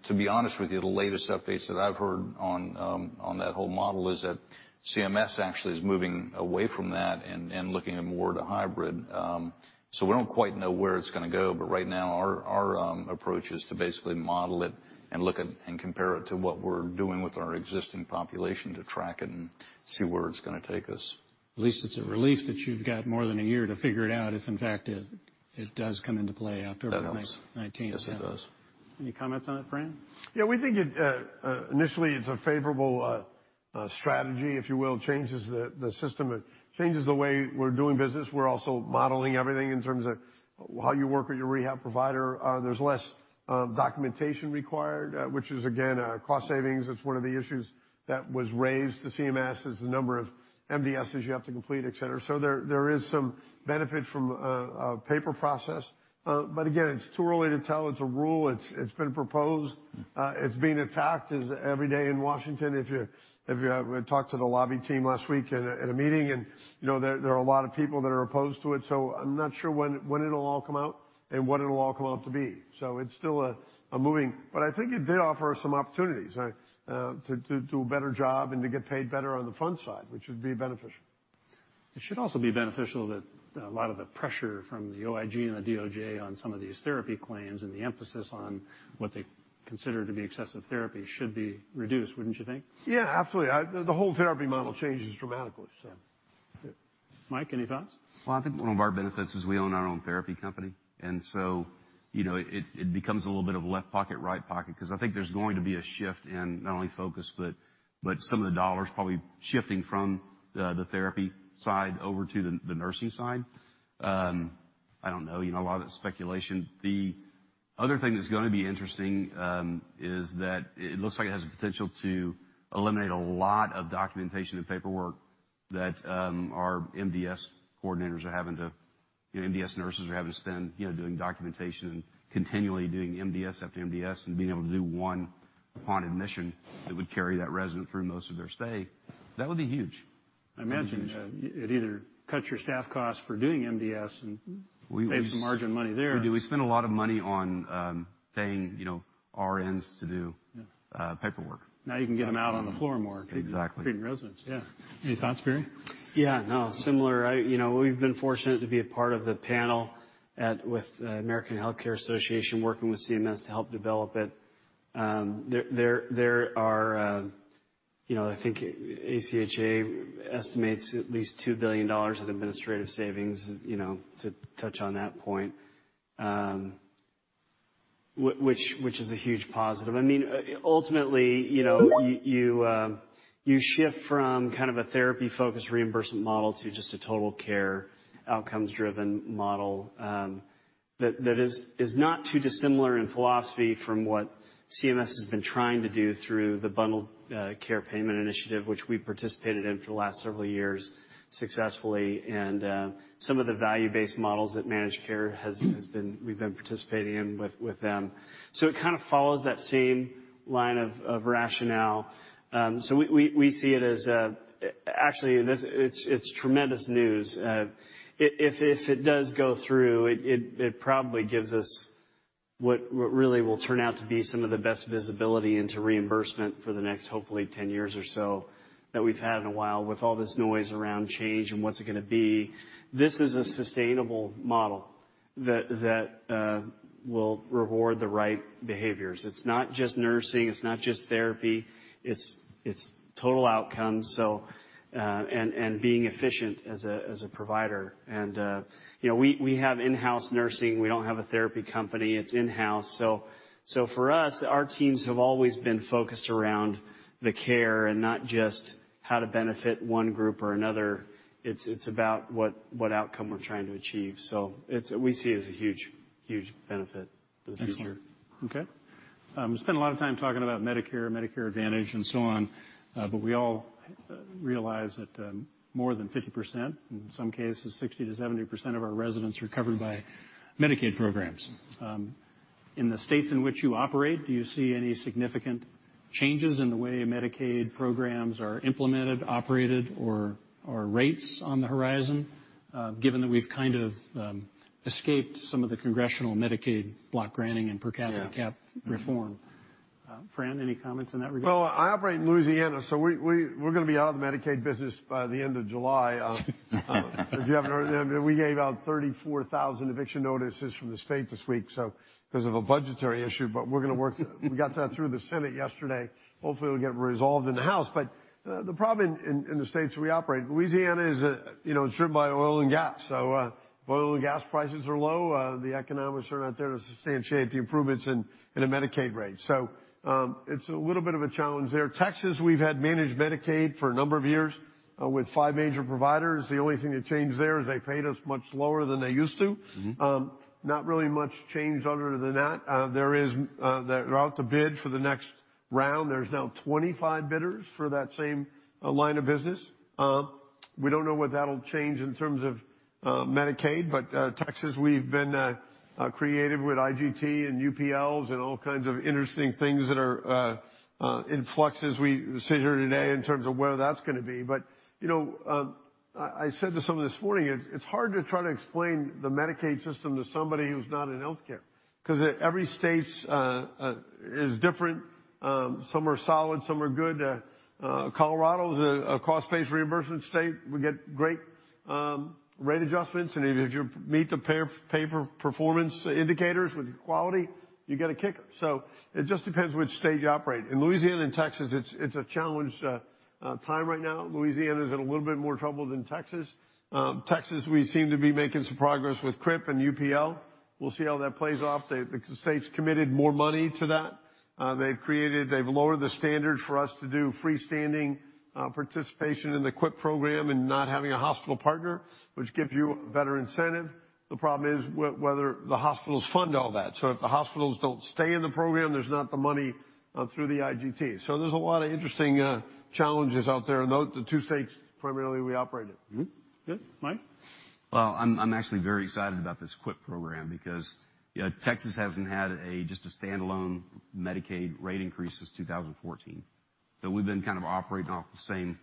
To be honest with you, the latest updates that I've heard on that whole model is that CMS actually is moving away from that and looking more at a hybrid. We don't quite know where it's going to go, but right now, our approach is to basically model it and look at and compare it to what we're doing with our existing population to track it and see where it's going to take us. At least it's a relief that you've got more than a year to figure it out, if in fact it does come into play October 2019. That helps. Yes, it does. Any comments on it, Fran? Yeah, we think initially it's a favorable strategy, if you will, changes the system. It changes the way we're doing business. We're also modeling everything in terms of how you work with your rehab provider. There's less documentation required, which is, again, cost savings. That's one of the issues that was raised to CMS, is the number of MDSes you have to complete, et cetera. There is some benefit from a paper process. Again, it's too early to tell. It's a rule. It's been proposed. It's being attacked as every day in Washington. We talked to the lobby team last week in a meeting, and there are a lot of people that are opposed to it. I'm not sure when it'll all come out and what it'll all come out to be. It's still moving. I think it did offer some opportunities to do a better job and to get paid better on the front side, which would be beneficial. It should also be beneficial that a lot of the pressure from the OIG and the DOJ on some of these therapy claims, and the emphasis on what they consider to be excessive therapy should be reduced, wouldn't you think? Yeah, absolutely. The whole therapy model changes dramatically. Mike, any thoughts? Well, I think one of our benefits is we own our own therapy company, and so it becomes a little bit of left pocket, right pocket, because I think there's going to be a shift in not only focus, but some of the dollars probably shifting from the therapy side over to the nursing side. I don't know. A lot of speculation. The other thing that's going to be interesting is that it looks like it has the potential to eliminate a lot of documentation and paperwork that our MDS nurses are having to spend doing documentation and continually doing MDS after MDS, and being able to do one upon admission that would carry that resident through most of their stay. That would be huge. I imagine it either cuts your staff costs for doing MDS and saves some margin money there. We do. We spend a lot of money on paying RNs to do paperwork. You can get them out on the floor more. Exactly. Treating residents, yeah. Any thoughts, Barry? Yeah, no, similar. We've been fortunate to be a part of the panel with the American Health Care Association, working with CMS to help develop it. I think AHCA estimates at least $2 billion in administrative savings, to touch on that point, which is a huge positive. Ultimately, you shift from a therapy-focused reimbursement model to just a total care outcomes-driven model that is not too dissimilar in philosophy from what CMS has been trying to do through the bundled care payment initiative, which we participated in for the last several years successfully. Some of the value-based models that managed care we've been participating in with them. It follows that same line of rationale. We see it as, actually, it's tremendous news. If it does go through, it probably gives us what really will turn out to be some of the best visibility into reimbursement for the next, hopefully, 10 years or so that we've had in a while, with all this noise around change and what's it going to be. This is a sustainable model that will reward the right behaviors. It's not just nursing, it's not just therapy. It's total outcomes, and being efficient as a provider. We have in-house nursing. We don't have a therapy company. It's in-house. For us, our teams have always been focused around the care and not just how to benefit one group or another. It's about what outcome we're trying to achieve. We see it as a huge benefit for the future. Excellent. Okay. We spend a lot of time talking about Medicare Advantage, and so on. We all realize that more than 50%, in some cases, 60%-70% of our residents are covered by Medicaid programs. In the states in which you operate, do you see any significant changes in the way Medicaid programs are implemented, operated, or rates on the horizon, given that we've kind of escaped some of the congressional Medicaid block granting and per capita cap reform? Fran, any comments on that regard? I operate in Louisiana, we're going to be out of the Medicaid business by the end of July. We gave out 34,000 eviction notices from the state this week because of a budgetary issue, we're going to work through. We got that through the Senate yesterday. Hopefully, we'll get it resolved in the House. The problem in the states we operate, Louisiana is driven by oil and gas. Oil and gas prices are low. The economics are not there to substantiate the improvements in a Medicaid rate. It's a little bit of a challenge there. Texas, we've had Managed Medicaid for a number of years with five major providers. The only thing that changed there is they paid us much lower than they used to. Not really much changed other than that. They're out to bid for the next round. There's now 25 bidders for that same line of business. We don't know what that'll change in terms of Medicaid, Texas, we've been creative with IGT and UPLs and all kinds of interesting things that are in flux as we sit here today in terms of where that's going to be. I said to someone this morning, it's hard to try to explain the Medicaid system to somebody who's not in healthcare, because every state is different. Some are solid, some are good. Colorado is a cost-based reimbursement state. We get great rate adjustments, and if you meet the pay-for-performance indicators with quality, you get a kicker. It just depends which state you operate. In Louisiana and Texas, it's a challenged time right now. Louisiana's in a little bit more trouble than Texas. Texas, we seem to be making some progress with CHIRP and UPL. We'll see how that plays off. The state's committed more money to that. They've lowered the standard for us to do freestanding participation in the QIP program and not having a hospital partner, which gives you better incentive. The problem is whether the hospitals fund all that. If the hospitals don't stay in the program, there's not the money through the IGT. There's a lot of interesting challenges out there in the two states primarily we operate in. Good. Mike? I'm actually very excited about this QIP program because Texas hasn't had just a standalone Medicaid rate increase since 2014. We've been kind of operating off the same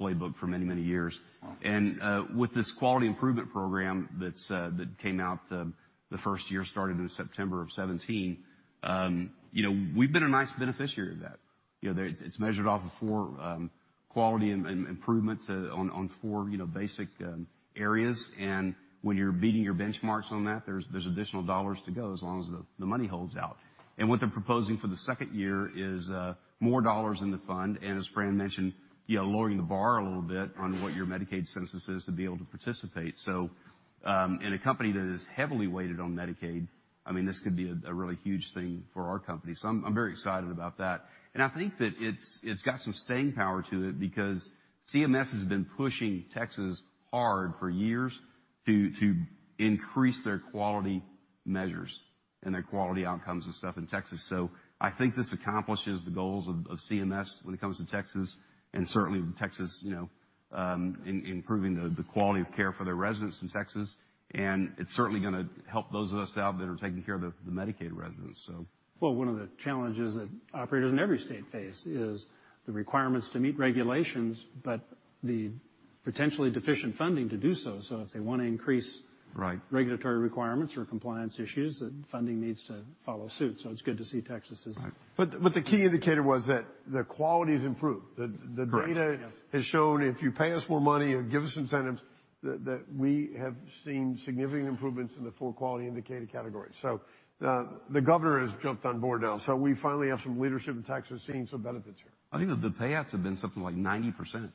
playbook for many, many years. Wow. With this quality improvement program that came out the first year, starting in September of 2017, we've been a nice beneficiary of that. It's measured off of four, quality improvements on four basic areas. When you're beating your benchmarks on that, there's additional dollars to go as long as the money holds out. What they're proposing for the second year is more dollars in the fund. As Fran mentioned, lowering the bar a little bit on what your Medicaid census is to be able to participate. In a company that is heavily weighted on Medicaid, this could be a really huge thing for our company. I'm very excited about that. I think that it's got some staying power to it because CMS has been pushing Texas hard for years to increase their quality measures and their quality outcomes and stuff in Texas. I think this accomplishes the goals of CMS when it comes to Texas and certainly Texas improving the quality of care for their residents in Texas. It's certainly going to help those of us out that are taking care of the Medicaid residents. Well, one of the challenges that operators in every state face is the requirements to meet regulations, but the potentially deficient funding to do so. Right Regulatory requirements or compliance issues, then funding needs to follow suit. It's good to see Texas. Right. The key indicator was that the quality has improved. Correct. Yes. The data has shown if you pay us more money or give us incentives, that we have seen significant improvements in the four quality indicator categories. The governor has jumped on board now, so we finally have some leadership in Texas seeing some benefits here. I think that the payouts have been something like 90%.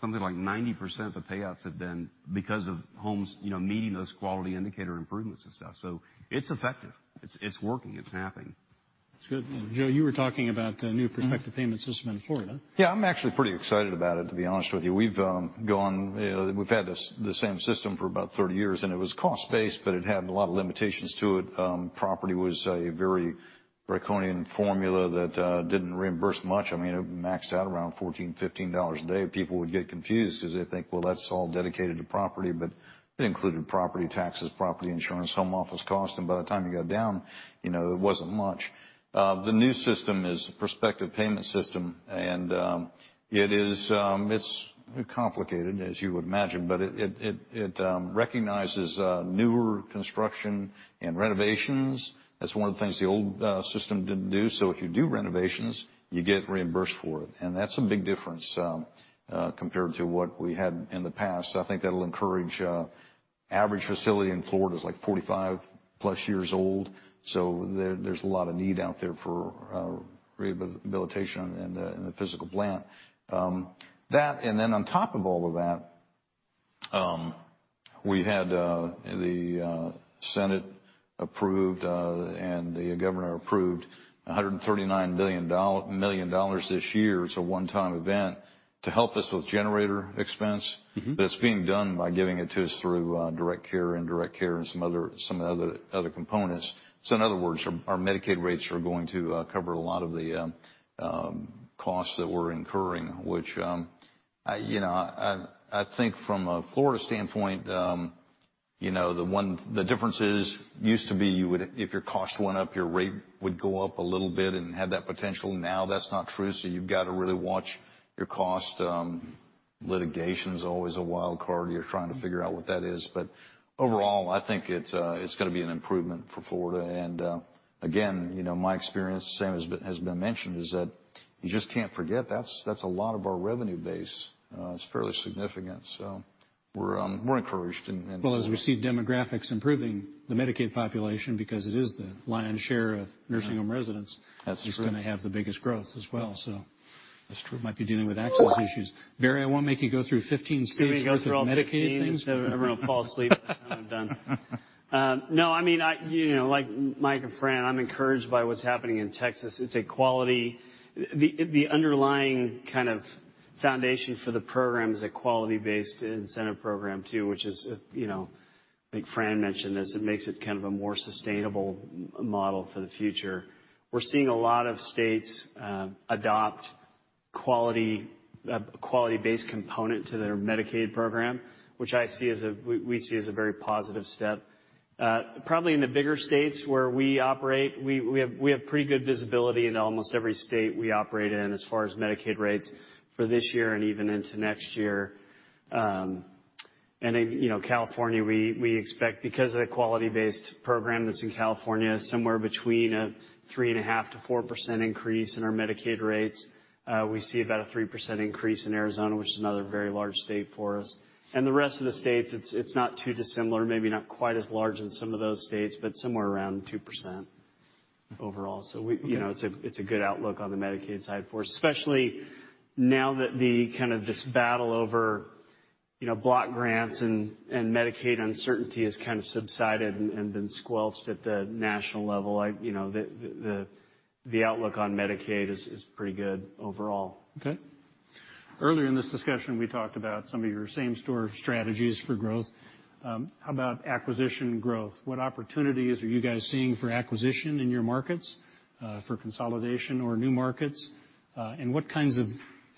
Something like 90% of the payouts have been because of homes meeting those quality indicator improvements and stuff. It's effective, it's working, it's happening. That's good. Joe, you were talking about the new prospective- payment system in Florida. Yeah. I'm actually pretty excited about it, to be honest with you. We've had the same system for about 30 years, it was cost-based, but it had a lot of limitations to it. Property was a very Draconian formula that didn't reimburse much. It maxed out around $14-$15 a day. People would get confused because they'd think, well, that's all dedicated to property. It included property taxes, property insurance, home office cost, and by the time you got down, it wasn't much. The new system is a prospective payment system, it's complicated, as you would imagine. It recognizes newer construction and renovations. That's one of the things the old system didn't do. If you do renovations, you get reimbursed for it, and that's a big difference compared to what we had in the past. Average facility in Florida is, like, 45-plus years old, so there's a lot of need out there for rehabilitation in the physical plant. On top of all of that, we've had the Senate approved, and the Governor approved $139 million this year. It's a one-time event to help us with generator expense. That's being done by giving it to us through direct care, indirect care, and some other components. In other words, our Medicaid rates are going to cover a lot of the costs that we're incurring, which I think from a Florida standpoint, the difference is, used to be if your cost went up, your rate would go up a little bit and had that potential. Now that's not true, you've got to really watch your cost. Litigation's always a wild card. You're trying to figure out what that is. Overall, I think it's going to be an improvement for Florida. Again, my experience, same as been mentioned, is that you just can't forget that's a lot of our revenue base. It's fairly significant. Well, as we see demographics improving the Medicaid population because it is the lion's share of Yeah nursing home residents That's true. it's going to have the biggest growth as well, so. That's true. Might be dealing with access issues. Barry, I won't make you go through 15 states worth of Medicaid things. You want me to go through all 15 so everyone will fall asleep, I'm done. No. Like Mike and Fran, I'm encouraged by what's happening in Texas. The underlying kind of foundation for the program is a quality-based incentive program, too, which is, I think Fran mentioned this, it makes it kind of a more sustainable model for the future. We're seeing a lot of states adopt quality-based component to their Medicaid program, which we see as a very positive step. Probably in the bigger states where we operate, we have pretty good visibility in almost every state we operate in as far as Medicaid rates for this year and even into next year. California, we expect, because of the quality-based program that's in California, somewhere between a 3.5% to 4% increase in our Medicaid rates. We see about a 3% increase in Arizona, which is another very large state for us. The rest of the states, it's not too dissimilar. Maybe not quite as large in some of those states, but somewhere around 2% overall. It's a good outlook on the Medicaid side for us, especially now that this battle over Block grants and Medicaid uncertainty has kind of subsided and been squelched at the national level. The outlook on Medicaid is pretty good overall. Okay. Earlier in this discussion, we talked about some of your same-store strategies for growth. How about acquisition growth? What opportunities are you guys seeing for acquisition in your markets, for consolidation or new markets? What kinds of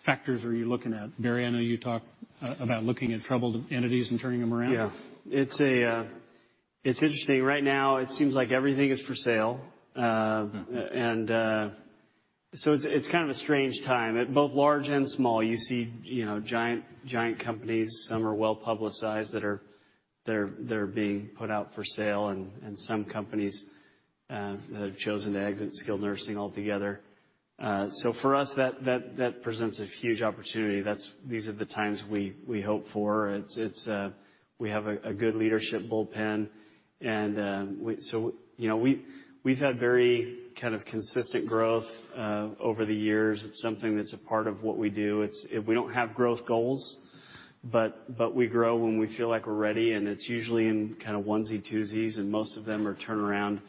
factors are you looking at? Barry, I know you talk about looking at troubled entities and turning them around. Yeah. It's interesting. Right now it seems like everything is for sale. It's kind of a strange time. At both large and small, you see giant companies, some are well-publicized, that are being put out for sale, and some companies have chosen to exit skilled nursing altogether. For us, that presents a huge opportunity. These are the times we hope for. We have a good leadership bullpen. We've had very consistent growth over the years. It's something that's a part of what we do. We don't have growth goals, but we grow when we feel like we're ready, and it's usually in kind of onesie-twosies, and most of them are turnaround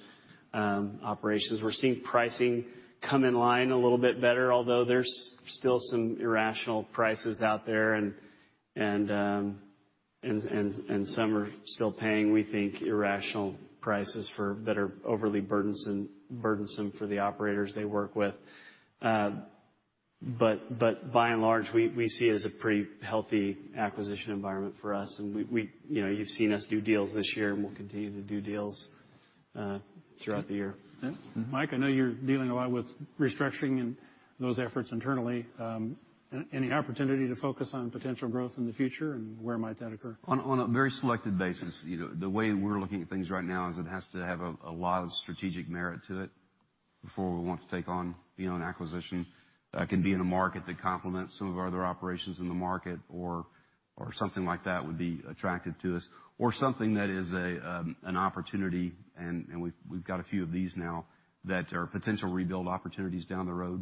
operations. We're seeing pricing come in line a little bit better, although there's still some irrational prices out there. Some are still paying, we think, irrational prices that are overly burdensome for the operators they work with. By and large, we see it as a pretty healthy acquisition environment for us. You've seen us do deals this year, and we'll continue to do deals throughout the year. Mike, I know you're dealing a lot with restructuring and those efforts internally. Any opportunity to focus on potential growth in the future, and where might that occur? On a very selected basis. The way we're looking at things right now is it has to have a lot of strategic merit to it before we want to take on an acquisition. That can be in a market that complements some of our other operations in the market or something like that would be attractive to us. Something that is an opportunity, and we've got a few of these now, that are potential rebuild opportunities down the road,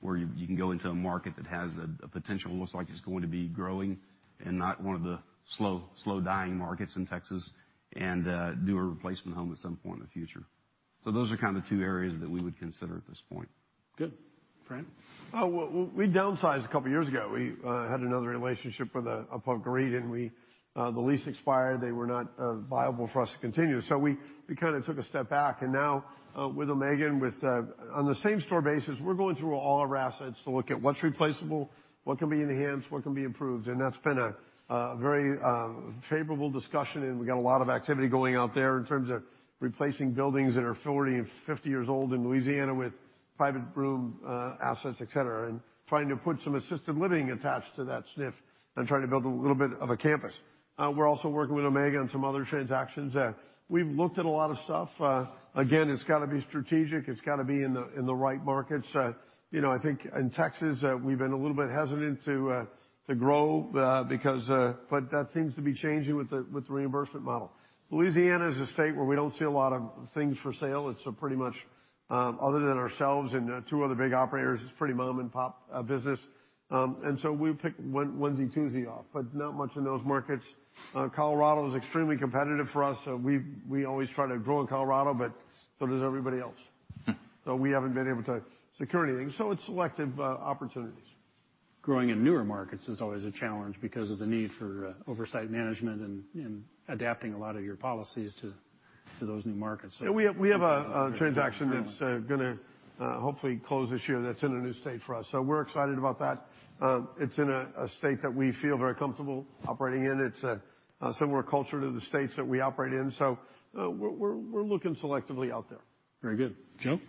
where you can go into a market that has a potential, looks like it's going to be growing and not one of the slow-dying markets in Texas, and do a replacement home at some point in the future. Those are kind of the two areas that we would consider at this point. Good. Fran? We downsized a couple of years ago. We had another relationship with a public REIT, and the lease expired. They were not viable for us to continue. We kind of took a step back, and now with Omega, on the same store basis, we're going through all our assets to look at what's replaceable, what can be enhanced, what can be improved. That's been a very favorable discussion, and we've got a lot of activity going out there in terms of replacing buildings that are 40 and 50 years old in Louisiana with private room assets, et cetera, and trying to put some assisted living attached to that SNF and trying to build a little bit of a campus. We're also working with Omega on some other transactions. We've looked at a lot of stuff. Again, it's got to be strategic. It's got to be in the right markets. I think in Texas, we've been a little bit hesitant to grow, but that seems to be changing with the reimbursement model. Louisiana is a state where we don't see a lot of things for sale. It's pretty much, other than ourselves and two other big operators, it's pretty mom-and-pop business. We pick onesie-twosie off, but not much in those markets. Colorado is extremely competitive for us, so we always try to grow in Colorado, but so does everybody else. We haven't been able to secure anything. It's selective opportunities. Growing in newer markets is always a challenge because of the need for oversight management and adapting a lot of your policies to those new markets. We have a transaction that's going to hopefully close this year that's in a new state for us. We're excited about that. It's in a state that we feel very comfortable operating in. It's a similar culture to the states that we operate in. We're looking selectively out there. Very good. Joe?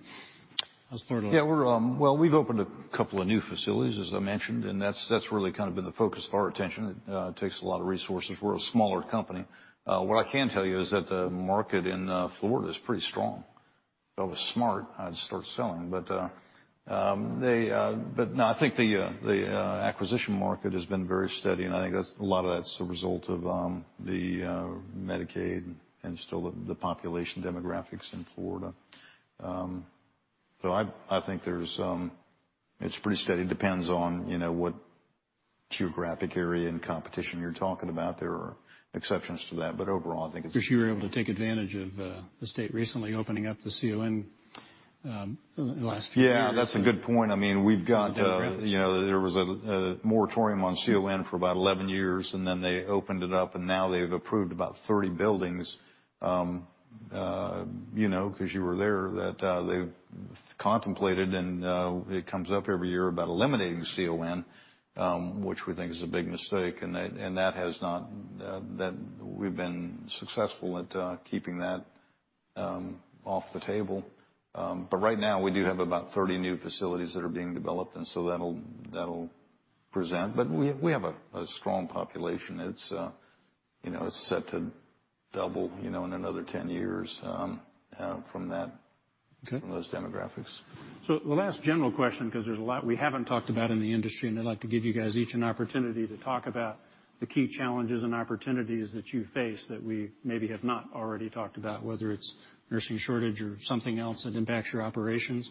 How's Florida looking? Well, we've opened a couple of new facilities, as I mentioned. That's really kind of been the focus of our attention. It takes a lot of resources. We're a smaller company. What I can tell you is that the market in Florida is pretty strong. If I was smart, I'd start selling. No, I think the acquisition market has been very steady, and I think a lot of that's the result of the Medicaid and still the population demographics in Florida. I think it's pretty steady. Depends on what geographic area and competition you're talking about. There are exceptions to that, overall, I think it's. You were able to take advantage of the state recently opening up to CON in the last few years. Yeah, that's a good point. There was a moratorium on CON for about 11 years, then they opened it up, now they've approved about 30 buildings, because you were there, that they contemplated, it comes up every year, about eliminating CON, which we think is a big mistake. We've been successful at keeping that off the table. Right now, we do have about 30 new facilities that are being developed, that'll present. We have a strong population. It's set to double in another 10 years from those demographics. The last general question, because there's a lot we haven't talked about in the industry, I'd like to give you guys each an opportunity to talk about the key challenges and opportunities that you face that we maybe have not already talked about, whether it's nursing shortage or something else that impacts your operations.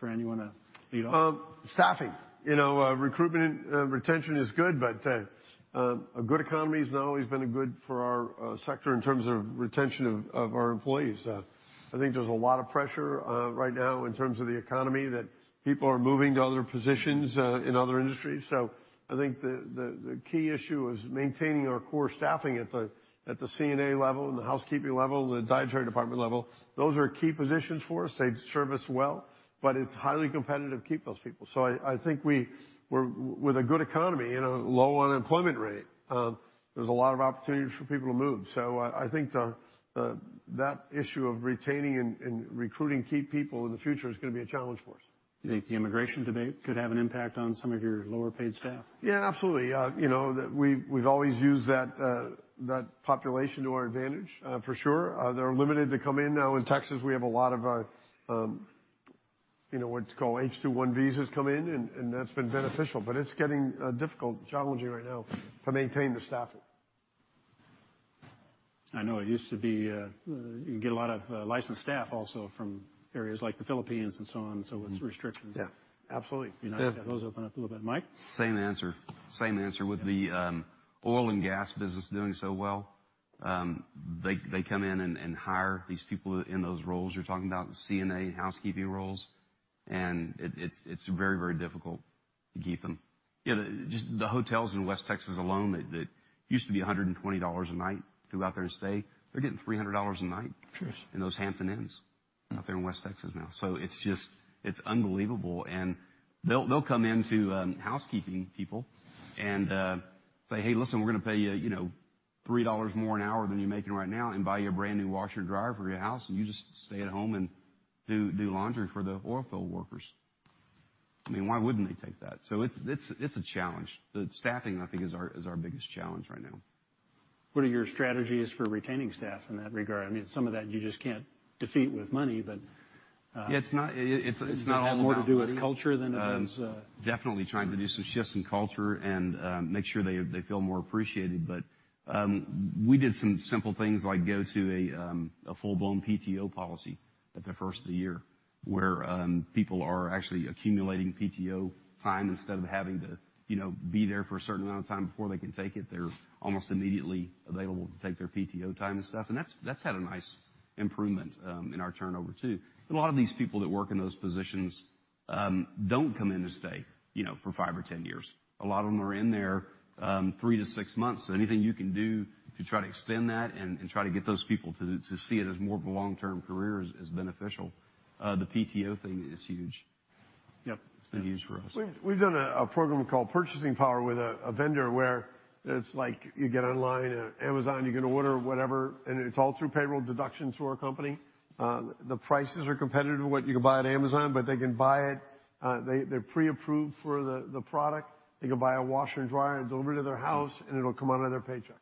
Fran, you want to lead off? Staffing. Recruitment and retention is good, a good economy has not always been good for our sector in terms of retention of our employees. I think there's a lot of pressure right now in terms of the economy, that people are moving to other positions in other industries. I think the key issue is maintaining our core staffing at the CNA level and the housekeeping level and the dietary department level. Those are key positions for us. They serve us well, it's highly competitive to keep those people. I think with a good economy and a low unemployment rate, there's a lot of opportunities for people to move. I think that issue of retaining and recruiting key people in the future is going to be a challenge for us. Do you think the immigration debate could have an impact on some of your lower-paid staff? Yeah, absolutely. We've always used that population to our advantage. For sure. They're limited to come in now in Texas. We have a lot of what's called H-2B visas come in, and that's been beneficial, but it's getting difficult, challenging right now to maintain the staffing. I know it used to be you get a lot of licensed staff also from areas like the Philippines and so on. It's restricted. Yeah, absolutely. You'd like to have those open up a little bit. Mike? Same answer. With the oil and gas business doing so well, they come in and hire these people in those roles you're talking about, the CNA, housekeeping roles. It's very, very difficult to keep them. Just the hotels in West Texas alone that used to be $120 a night to go out there and stay, they're getting $300 a night. Sure in those Hampton Inns out there in West Texas now. It's just unbelievable. They'll come into housekeeping people and say, "Hey, listen, we're going to pay you $3 more an hour than you're making right now, and buy you a brand new washer and dryer for your house, and you just stay at home and do laundry for the oil field workers." I mean, why wouldn't they take that? It's a challenge. The staffing, I think, is our biggest challenge right now. What are your strategies for retaining staff in that regard? I mean, some of that you just can't defeat with money. It's not all about money Does it have more to do with culture than it does? Definitely trying to do some shifts in culture and make sure they feel more appreciated. We did some simple things like go to a full-blown PTO policy at the first of the year where people are actually accumulating PTO time instead of having to be there for a certain amount of time before they can take it. They're almost immediately available to take their PTO time and stuff, and that's had a nice improvement in our turnover, too. A lot of these people that work in those positions don't come in to stay for five or 10 years. A lot of them are in there three to six months. Anything you can do to try to extend that and try to get those people to see it as more of a long-term career is beneficial. The PTO thing is huge. Yep. It's been huge for us. We've done a program called Purchasing Power with a vendor where it's like you get online, Amazon, you can order whatever, and it's all through payroll deduction through our company. The prices are competitive of what you can buy at Amazon, but they can buy it. They're pre-approved for the product. They can buy a washer and dryer and deliver it to their house, and it'll come out of their paycheck.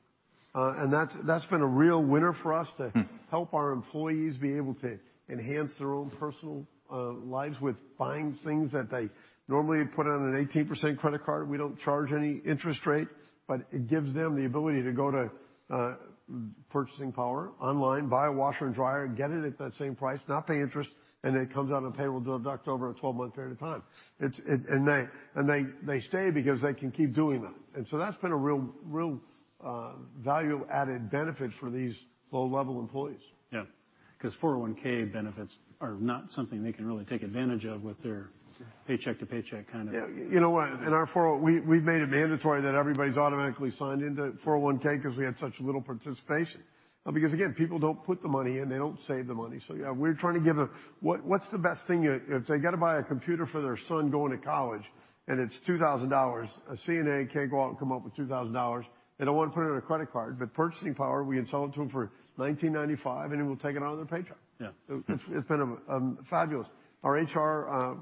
That's been a real winner for us to help our employees be able to enhance their own personal lives with buying things that they normally put on an 18% credit card. We don't charge any interest rate. It gives them the ability to go to Purchasing Power online, buy a washer and dryer, and get it at that same price, not pay interest, and it comes out of the payroll deduction over a 12-month period of time. They stay because they can keep doing that. That's been a real value-added benefit for these low-level employees. Yeah. 401 benefits are not something they can really take advantage of with their paycheck-to-paycheck. You know what? In our 401, we've made it mandatory that everybody's automatically signed into 401 because we had such little participation. Again, people don't put the money in. They don't save the money. Yeah. What's the best thing if they got to buy a computer for their son going to college and it's $2,000? A CNA can't go out and come up with $2,000. They don't want to put it on a credit card. Purchasing Power, we can sell it to them for $1,995, and it will take it out of their paycheck. Yeah. It's been fabulous. Our HR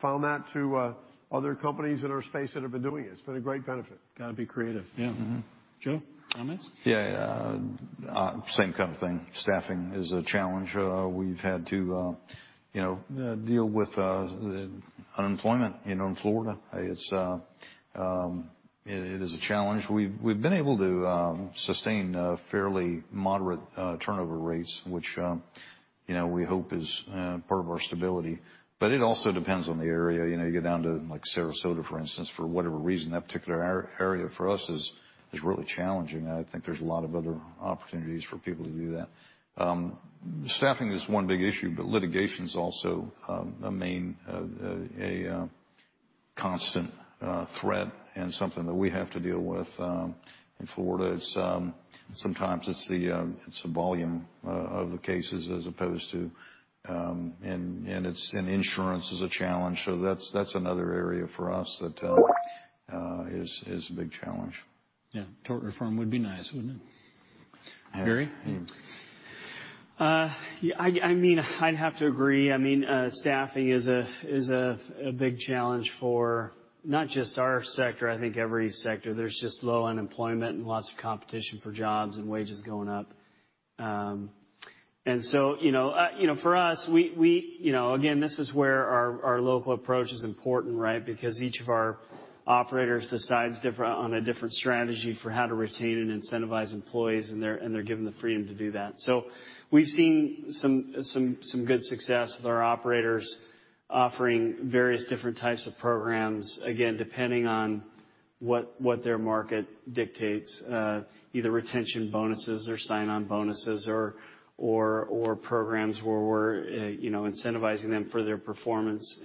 found that to other companies in our space that have been doing it. It's been a great benefit. Got to be creative, yeah. Joe, comments? Yeah. Same kind of thing. Staffing is a challenge. We've had to deal with the unemployment in Florida. It is a challenge. We've been able to sustain fairly moderate turnover rates, which we hope is part of our stability. It also depends on the area. You go down to Sarasota, for instance. For whatever reason, that particular area for us is really challenging. I think there's a lot of other opportunities for people to do that. Staffing is one big issue. Litigation's also a main, a constant threat and something that we have to deal with in Florida. Sometimes it's the volume of the cases as opposed to. Insurance is a challenge. That's another area for us that is a big challenge. Yeah. Tort reform would be nice, wouldn't it? Barry? I'd have to agree. Staffing is a big challenge for not just our sector, I think every sector. There's just low unemployment and lots of competition for jobs and wages going up. For us, again, this is where our local approach is important, right? Because each of our operators decides on a different strategy for how to retain and incentivize employees, and they're given the freedom to do that. We've seen some good success with our operators offering various different types of programs, again, depending on what their market dictates, either retention bonuses or sign-on bonuses, or programs where we're incentivizing them for their performance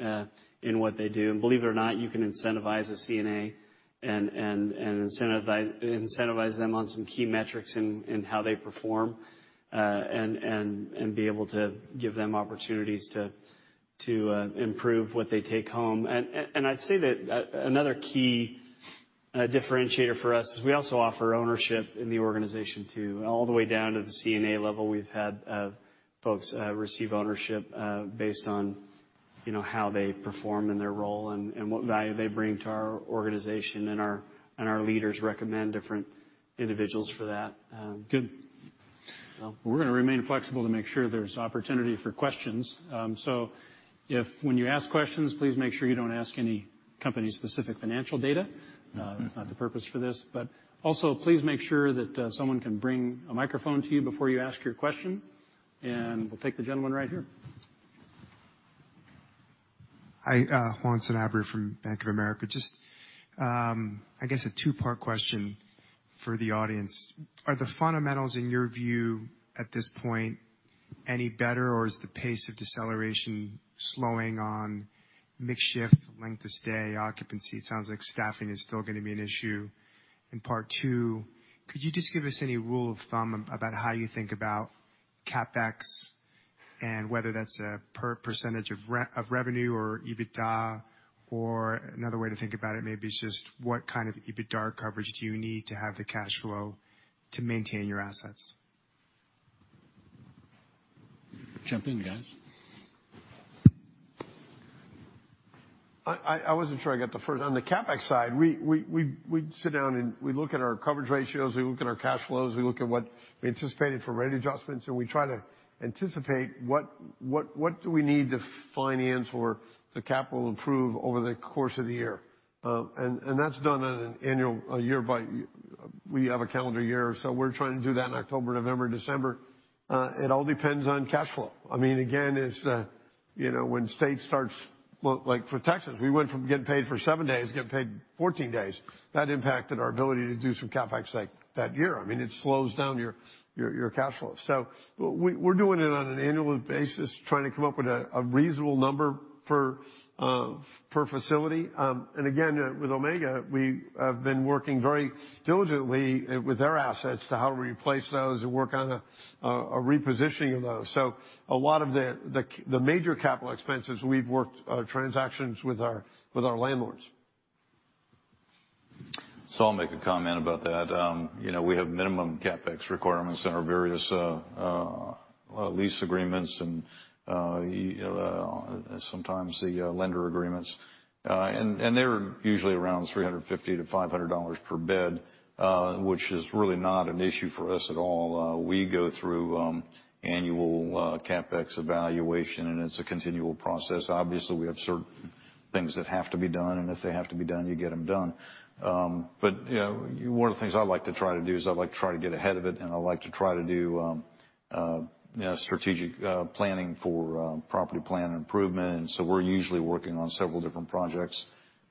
in what they do. Believe it or not, you can incentivize a CNA and incentivize them on some key metrics in how they perform, and be able to give them opportunities to improve what they take home. I'd say that another key differentiator for us is we also offer ownership in the organization too. All the way down to the CNA level, we've had folks receive ownership, based on how they perform in their role and what value they bring to our organization, and our leaders recommend different individuals for that. Good. We're going to remain flexible to make sure there's opportunity for questions. When you ask questions, please make sure you don't ask any company-specific financial data. That's not the purpose for this. Please make sure that someone can bring a microphone to you before you ask your question. We'll take the gentleman right here. Hi, Juan Sanabria from Bank of America. I guess a two-part question for the audience. Are the fundamentals, in your view, at this point, any better or is the pace of deceleration slowing on mix shift, length of stay, occupancy? It sounds like staffing is still going to be an issue. Part two, could you just give us any rule of thumb about how you think about CapEx and whether that's a percentage of revenue or EBITDA, or another way to think about it maybe is just what kind of EBITDA coverage do you need to have the cash flow to maintain your assets? Jump in, guys. I wasn't sure I got the first. On the CapEx side, we sit down, we look at our coverage ratios, we look at our cash flows, we look at what we anticipated for rate adjustments, we try to anticipate what do we need to finance or the capital improve over the course of the year. That's done on an annual. We have a calendar year. We're trying to do that in October, November, December. It all depends on cash flow. Again, when state starts, like for Texas, we went from getting paid for seven days to getting paid 14 days. That impacted our ability to do some CapEx that year. It slows down your cash flow. We're doing it on an annual basis, trying to come up with a reasonable number per facility. With Omega, we have been working very diligently with their assets to how to replace those and work on a repositioning of those. A lot of the major capital expenses, we've worked transactions with our landlords. I'll make a comment about that. We have minimum CapEx requirements in our various lease agreements and, sometimes the lender agreements. They're usually around $350 to $500 per bed, which is really not an issue for us at all. We go through annual CapEx evaluation, and it's a continual process. Obviously, we have certain things that have to be done, and if they have to be done, you get them done. One of the things I like to try to do is I like to try to get ahead of it, and I like to try to do strategic planning for property plan improvement, and we're usually working on several different projects.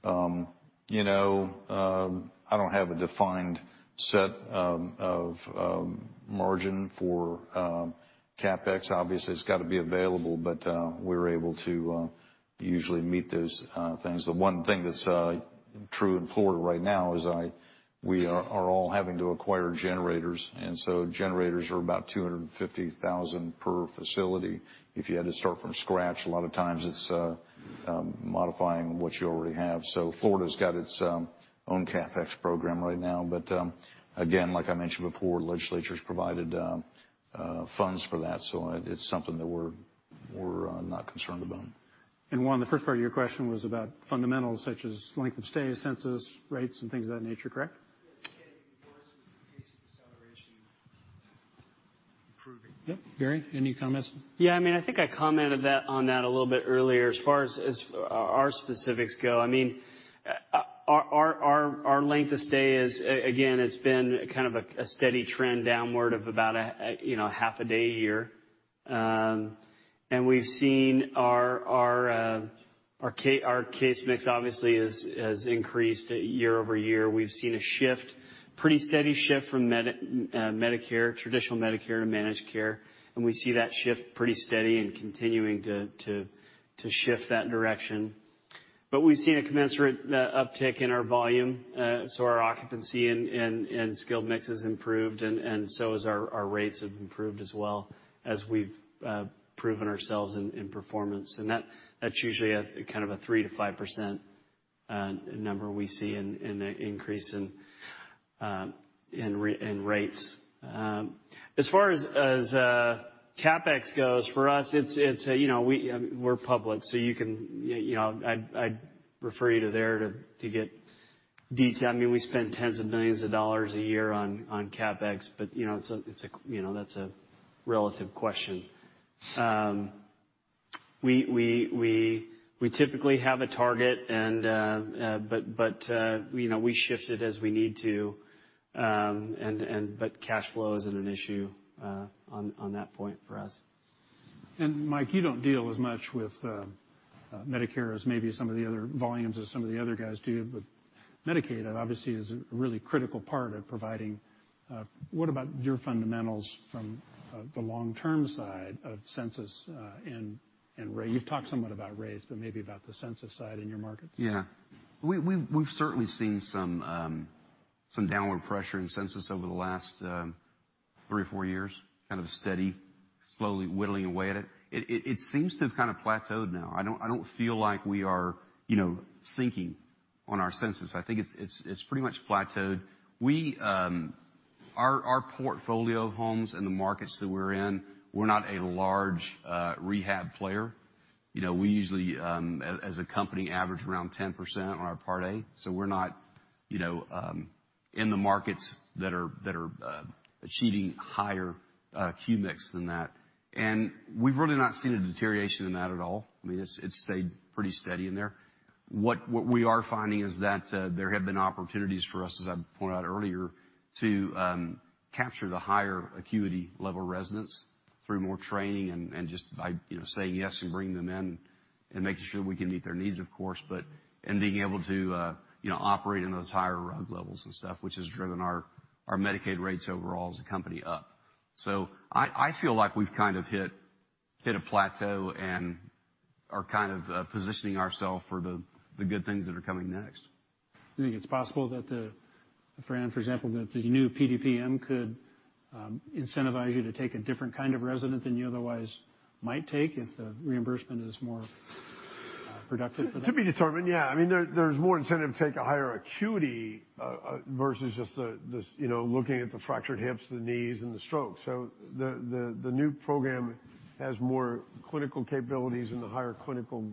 I don't have a defined set of margin for CapEx. Obviously, it's got to be available, but we're able to usually meet those things. The one thing that's true in Florida right now is we are all having to acquire generators, and generators are about $250,000 per facility. If you had to start from scratch, a lot of times it's modifying what you already have. Florida's got its own CapEx program right now. Again, like I mentioned before, legislature's provided funds for that, it's something that we're not concerned about. Juan, the first part of your question was about fundamentals such as length of stay, census, rates, and things of that nature, correct? Yeah. Getting worse with the pace of deceleration improving. Yep. Barry, any comments? Yeah, I think I commented on that a little bit earlier. As far as our specifics go, our length of stay is, again, it's been kind of a steady trend downward of about a half a day a year. We've seen our case mix obviously has increased year-over-year. We've seen a pretty steady shift from traditional Medicare to managed care. We see that shift pretty steady and continuing to shift that direction. We've seen a commensurate uptick in our volume. Our occupancy and skilled mix has improved and so has our rates have improved as well, as we've proven ourselves in performance. That's usually a kind of a 3%-5% number we see in an increase in rates. As far as CapEx goes, for us, we're public, so I'd refer you to there to get detail. We spend $tens of millions a year on CapEx. That's a relative question. We typically have a target. We shift it as we need to. Cash flow isn't an issue on that point for us. Mike, you don't deal as much with Medicare as maybe some of the other volumes as some of the other guys do, but Medicaid obviously is a really critical part of providing. What about your fundamentals from the long-term side of census and rate? You've talked somewhat about rates, but maybe about the census side in your markets. Yeah. We've certainly seen some downward pressure in census over the last three or four years, kind of steady, slowly whittling away at it. It seems to have kind of plateaued now. I don't feel like we are sinking on our census. I think it's pretty much plateaued. Our portfolio of homes and the markets that we're in, we're not a large rehab player. We usually, as a company, average around 10% on our Part A, so we're not in the markets that are achieving higher case mix than that. We've really not seen a deterioration in that at all. It stayed pretty steady in there. What we are finding is that there have been opportunities for us, as I pointed out earlier, to capture the higher acuity level residents through more training and just by saying yes and bringing them in and making sure we can meet their needs, of course, and being able to operate in those higher RUG levels and stuff, which has driven our Medicaid rates overall as a company up. I feel like we've kind of hit a plateau and are kind of positioning ourself for the good things that are coming next. Do you think it's possible, Fran, for example, that the new PDPM could incentivize you to take a different kind of resident than you otherwise might take if the reimbursement is more productive for them? To be determined, yeah. There's more incentive to take a higher acuity, versus just looking at the fractured hips, the knees, and the strokes. The new program has more clinical capabilities and the higher clinical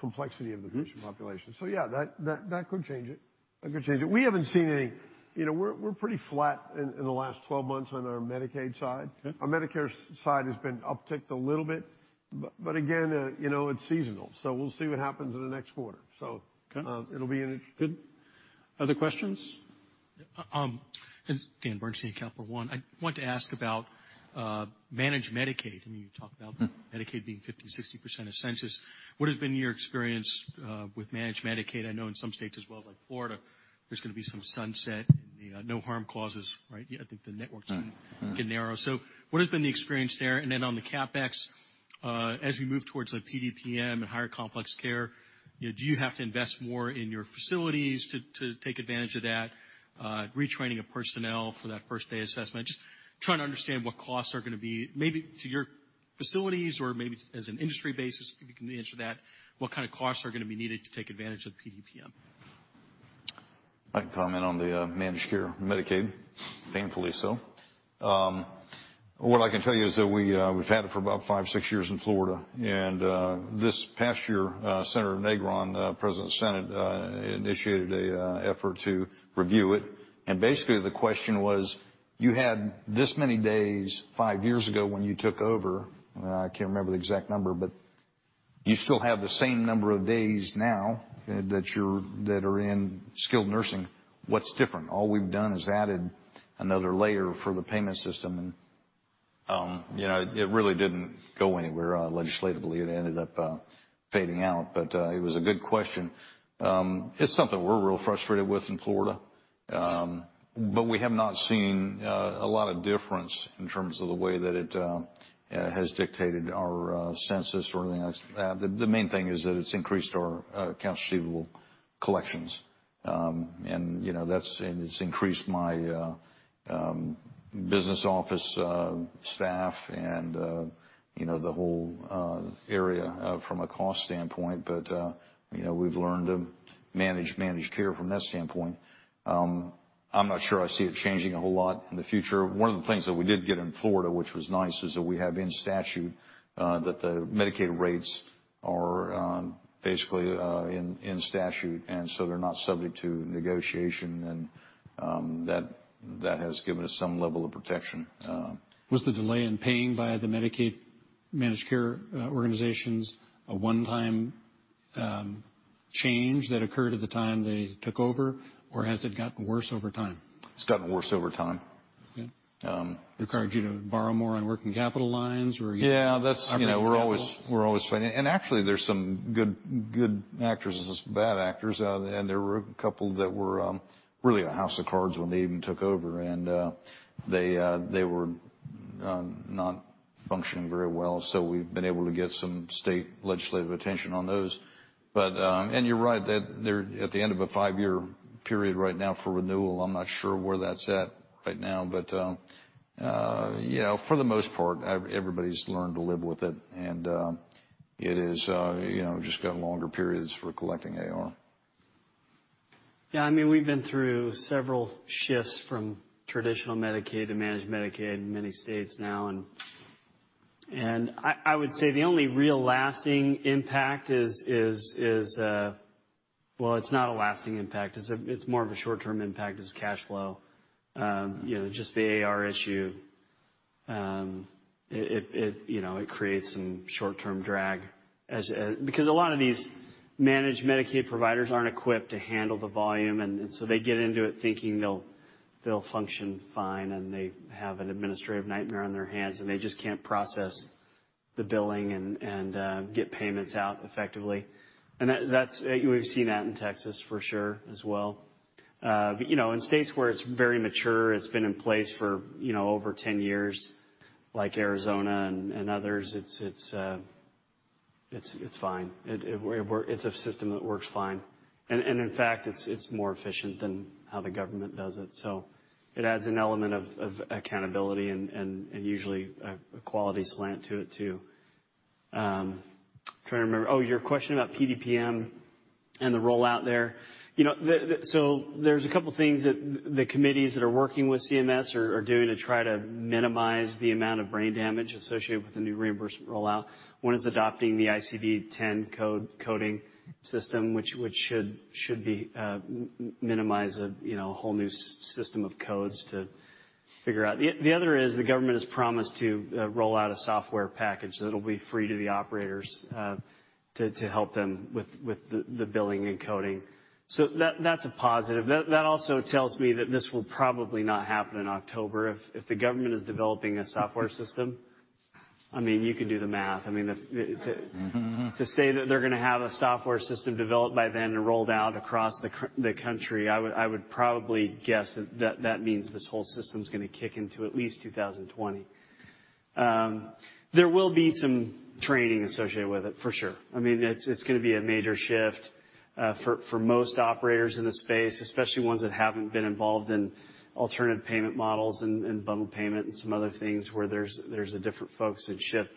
complexity of the patient population. Yeah, that could change it. We haven't seen any. We're pretty flat in the last 12 months on our Medicaid side. Okay. Our Medicare side has been upticked a little bit. Again, it's seasonal. We'll see what happens in the next quarter. Okay. It'll be in- Good. Other questions? Dan Bernstein at Capital One. I want to ask about Managed Medicaid. You talked about Medicaid being 50%, 60% of census. What has been your experience with Managed Medicaid? I know in some states as well, like Florida, there's going to be some sunset in the no-harm clauses, right? I think the networks get narrow. What has been the experience there? On the CapEx, as we move towards a PDPM and higher complex care, do you have to invest more in your facilities to take advantage of that, retraining of personnel for that first day assessment? Just trying to understand what costs are going to be, maybe to your facilities or maybe as an industry basis, if you can answer that, what kind of costs are going to be needed to take advantage of PDPM? I can comment on the Managed Medicaid, painfully so. What I can tell you is that we've had it for about 5, 6 years in Florida. This past year, Senator Negron, President of the Senate, initiated an effort to review it. Basically, the question was, "You had this many days 5 years ago when you took over." I can't remember the exact number, but, "You still have the same number of days now that are in skilled nursing. What's different?" All we've done is added another layer for the payment system, and it really didn't go anywhere legislatively. It ended up fading out. But it was a good question. It's something we're real frustrated with in Florida, but we have not seen a lot of difference in terms of the way that it has dictated our census or anything like that. The main thing is that it's increased our accounts receivable collections. It's increased my business office staff and the whole area, from a cost standpoint. But we've learned to manage managed care from that standpoint. I'm not sure I see it changing a whole lot in the future. One of the things that we did get in Florida, which was nice, is that we have in statute that the Medicaid rates are basically in statute, and so they're not subject to negotiation. That has given us some level of protection. Was the delay in paying by the Managed Medicaid organizations a one-time change that occurred at the time they took over, or has it gotten worse over time? It's gotten worse over time. Okay. Encourage you to borrow more on working capital lines. Yeah. We're always fighting. Actually, there's some good actors and some bad actors. There were a couple that were really a house of cards when they even took over, and they were not functioning very well. We've been able to get some state legislative attention on those. You're right. They're at the end of a five-year period right now for renewal. I'm not sure where that's at right now. For the most part, everybody's learned to live with it. It is just got longer periods for collecting AR. Yeah, we've been through several shifts from traditional Medicaid to Managed Medicaid in many states now. I would say the only real lasting impact is Well, it's not a lasting impact, it's more of a short-term impact, is cash flow. Just the AR issue. It creates some short-term drag. A lot of these Managed Medicaid providers aren't equipped to handle the volume. They get into it thinking they'll function fine. They have an administrative nightmare on their hands. They just can't process the billing and get payments out effectively. We've seen that in Texas, for sure, as well. In states where it's very mature, it's been in place for over 10 years, like Arizona and others, it's fine. It's a system that works fine. In fact, it's more efficient than how the government does it. It adds an element of accountability and usually a quality slant to it, too. I am trying to remember. Your question about PDPM and the rollout there. There is a couple things that the committees that are working with CMS are doing to try to minimize the amount of brain damage associated with the new reimbursement rollout. One is adopting the ICD-10 coding system, which should minimize a whole new system of codes to figure out. The other is, the government has promised to roll out a software package that will be free to the operators, to help them with the billing and coding. That is a positive. That also tells me that this will probably not happen in October. If the government is developing a software system, you can do the math. To say that they are going to have a software system developed by then and rolled out across the country, I would probably guess that means this whole system is going to kick into at least 2020. There will be some training associated with it, for sure. It is going to be a major shift for most operators in the space, especially ones that have not been involved in alternative payment models and bundle payment and some other things where there is a different focus and shift.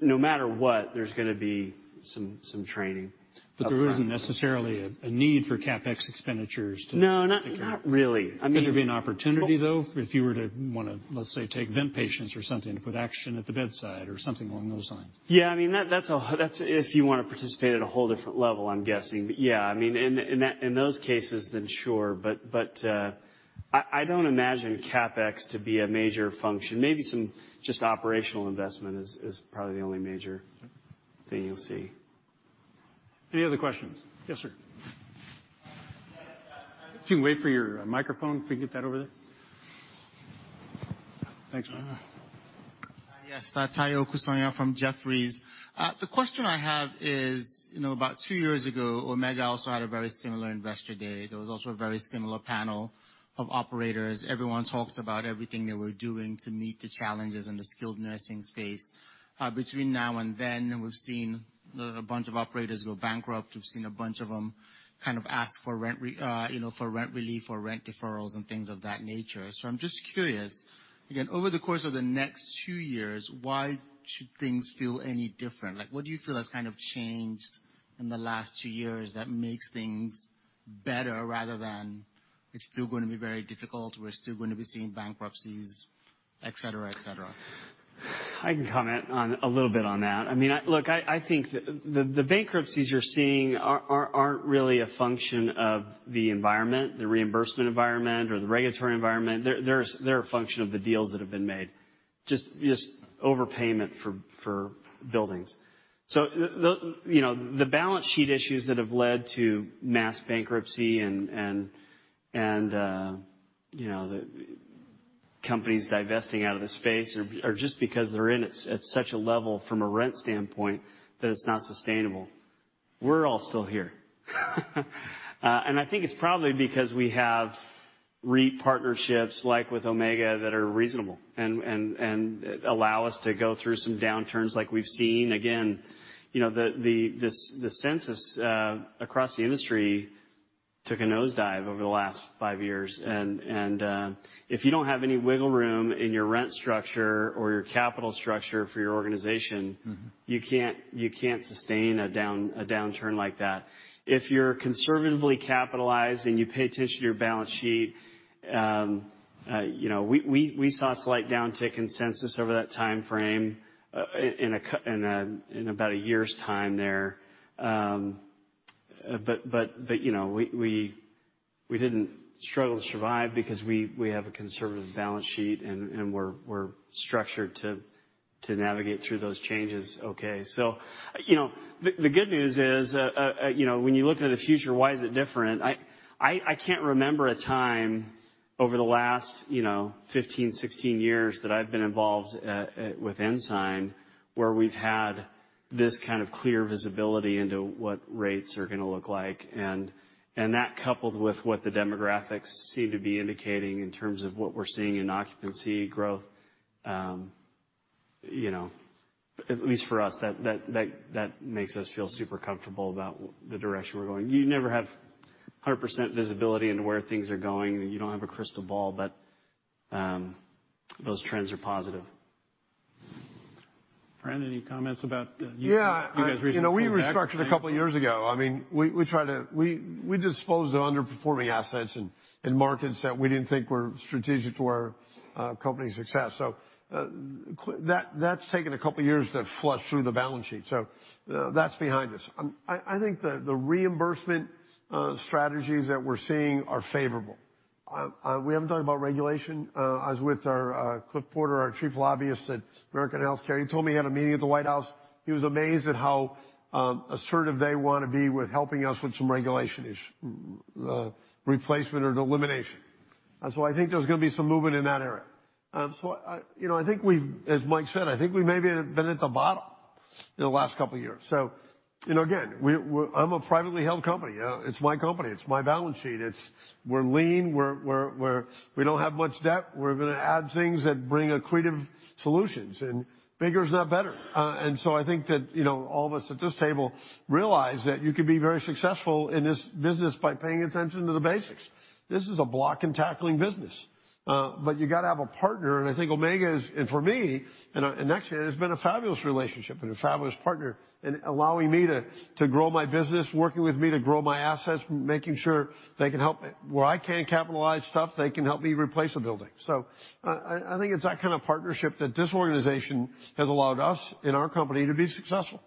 No matter what, there is going to be some training upfront. There is not necessarily a need for CapEx expenditures to- No, not really. I mean. Could there be an opportunity, though, if you were to want to, let's say, take vent patients or something to put action at the bedside or something along those lines? Yeah, that's if you want to participate at a whole different level, I'm guessing. Yeah. In those cases, sure. I don't imagine CapEx to be a major function. Maybe some just operational investment is probably the only major thing you'll see. Any other questions? Yes, sir. If you can wait for your microphone. If we get that over there. Thanks. Yes. Omotayo Okusanya from Jefferies. The question I have is, about two years ago, Omega also had a very similar investor day. There was also a very similar panel of operators. Everyone talked about everything they were doing to meet the challenges in the skilled nursing space. Between now and then, we've seen a bunch of operators go bankrupt. We've seen a bunch of them ask for rent relief or rent deferrals and things of that nature. I'm just curious, again, over the course of the next two years, why should things feel any different? What do you feel has changed in the last two years that makes things better rather than it's still going to be very difficult, we're still going to be seeing bankruptcies, et cetera? I can comment a little bit on that. Look, I think the bankruptcies you're seeing aren't really a function of the environment, the reimbursement environment or the regulatory environment. They're a function of the deals that have been made, just overpayment for buildings. The balance sheet issues that have led to mass bankruptcy and the companies divesting out of the space are just because they're in it at such a level from a rent standpoint that it's not sustainable. We're all still here. I think it's probably because we have REIT partnerships like with Omega that are reasonable and allow us to go through some downturns like we've seen. The census across the industry took a nosedive over the last five years, and if you don't have any wiggle room in your rent structure or your capital structure for your organization, you can't sustain a downturn like that. If you're conservatively capitalized and you pay attention to your balance sheet, we saw a slight downtick in census over that timeframe in about a year's time there. We didn't struggle to survive because we have a conservative balance sheet, and we're structured to navigate through those changes okay. The good news is, when you look to the future, why is it different? I can't remember a time over the last 15, 16 years that I've been involved with Ensign where we've had this kind of clear visibility into what rates are going to look like. That coupled with what the demographics seem to be indicating in terms of what we're seeing in occupancy growth, at least for us, that makes us feel super comfortable about the direction we're going. You never have 100% visibility into where things are going, and you don't have a crystal ball, but those trends are positive. Fran, any comments about? Yeah You guys recently pulling back? We restructured a couple of years ago. We disposed of underperforming assets in markets that we didn't think were strategic to our company's success. That's taken a couple of years to flush through the balance sheet. That's behind us. I think the reimbursement strategies that we're seeing are favorable. We haven't talked about regulation. I was with Cliff Porter, our chief lobbyist at American Health Care Association. He told me he had a meeting at the White House. He was amazed at how assertive they want to be with helping us with some regulation issues, the replacement or the elimination. I think there's going to be some movement in that area. As Mike said, I think we maybe have been at the bottom in the last couple of years. Again, I'm a privately held company. It's my company, it's my balance sheet. We're lean. We don't have much debt. We're going to add things that bring accretive solutions. Bigger is not better. I think that all of us at this table realize that you can be very successful in this business by paying attention to the basics. This is a block and tackling business. You got to have a partner, and I think Omega is, and for me, and actually, it has been a fabulous relationship and a fabulous partner in allowing me to grow my business, working with me to grow my assets, making sure they can help where I can't capitalize stuff, they can help me replace a building. I think it's that kind of partnership that this organization has allowed us in our company to be successful.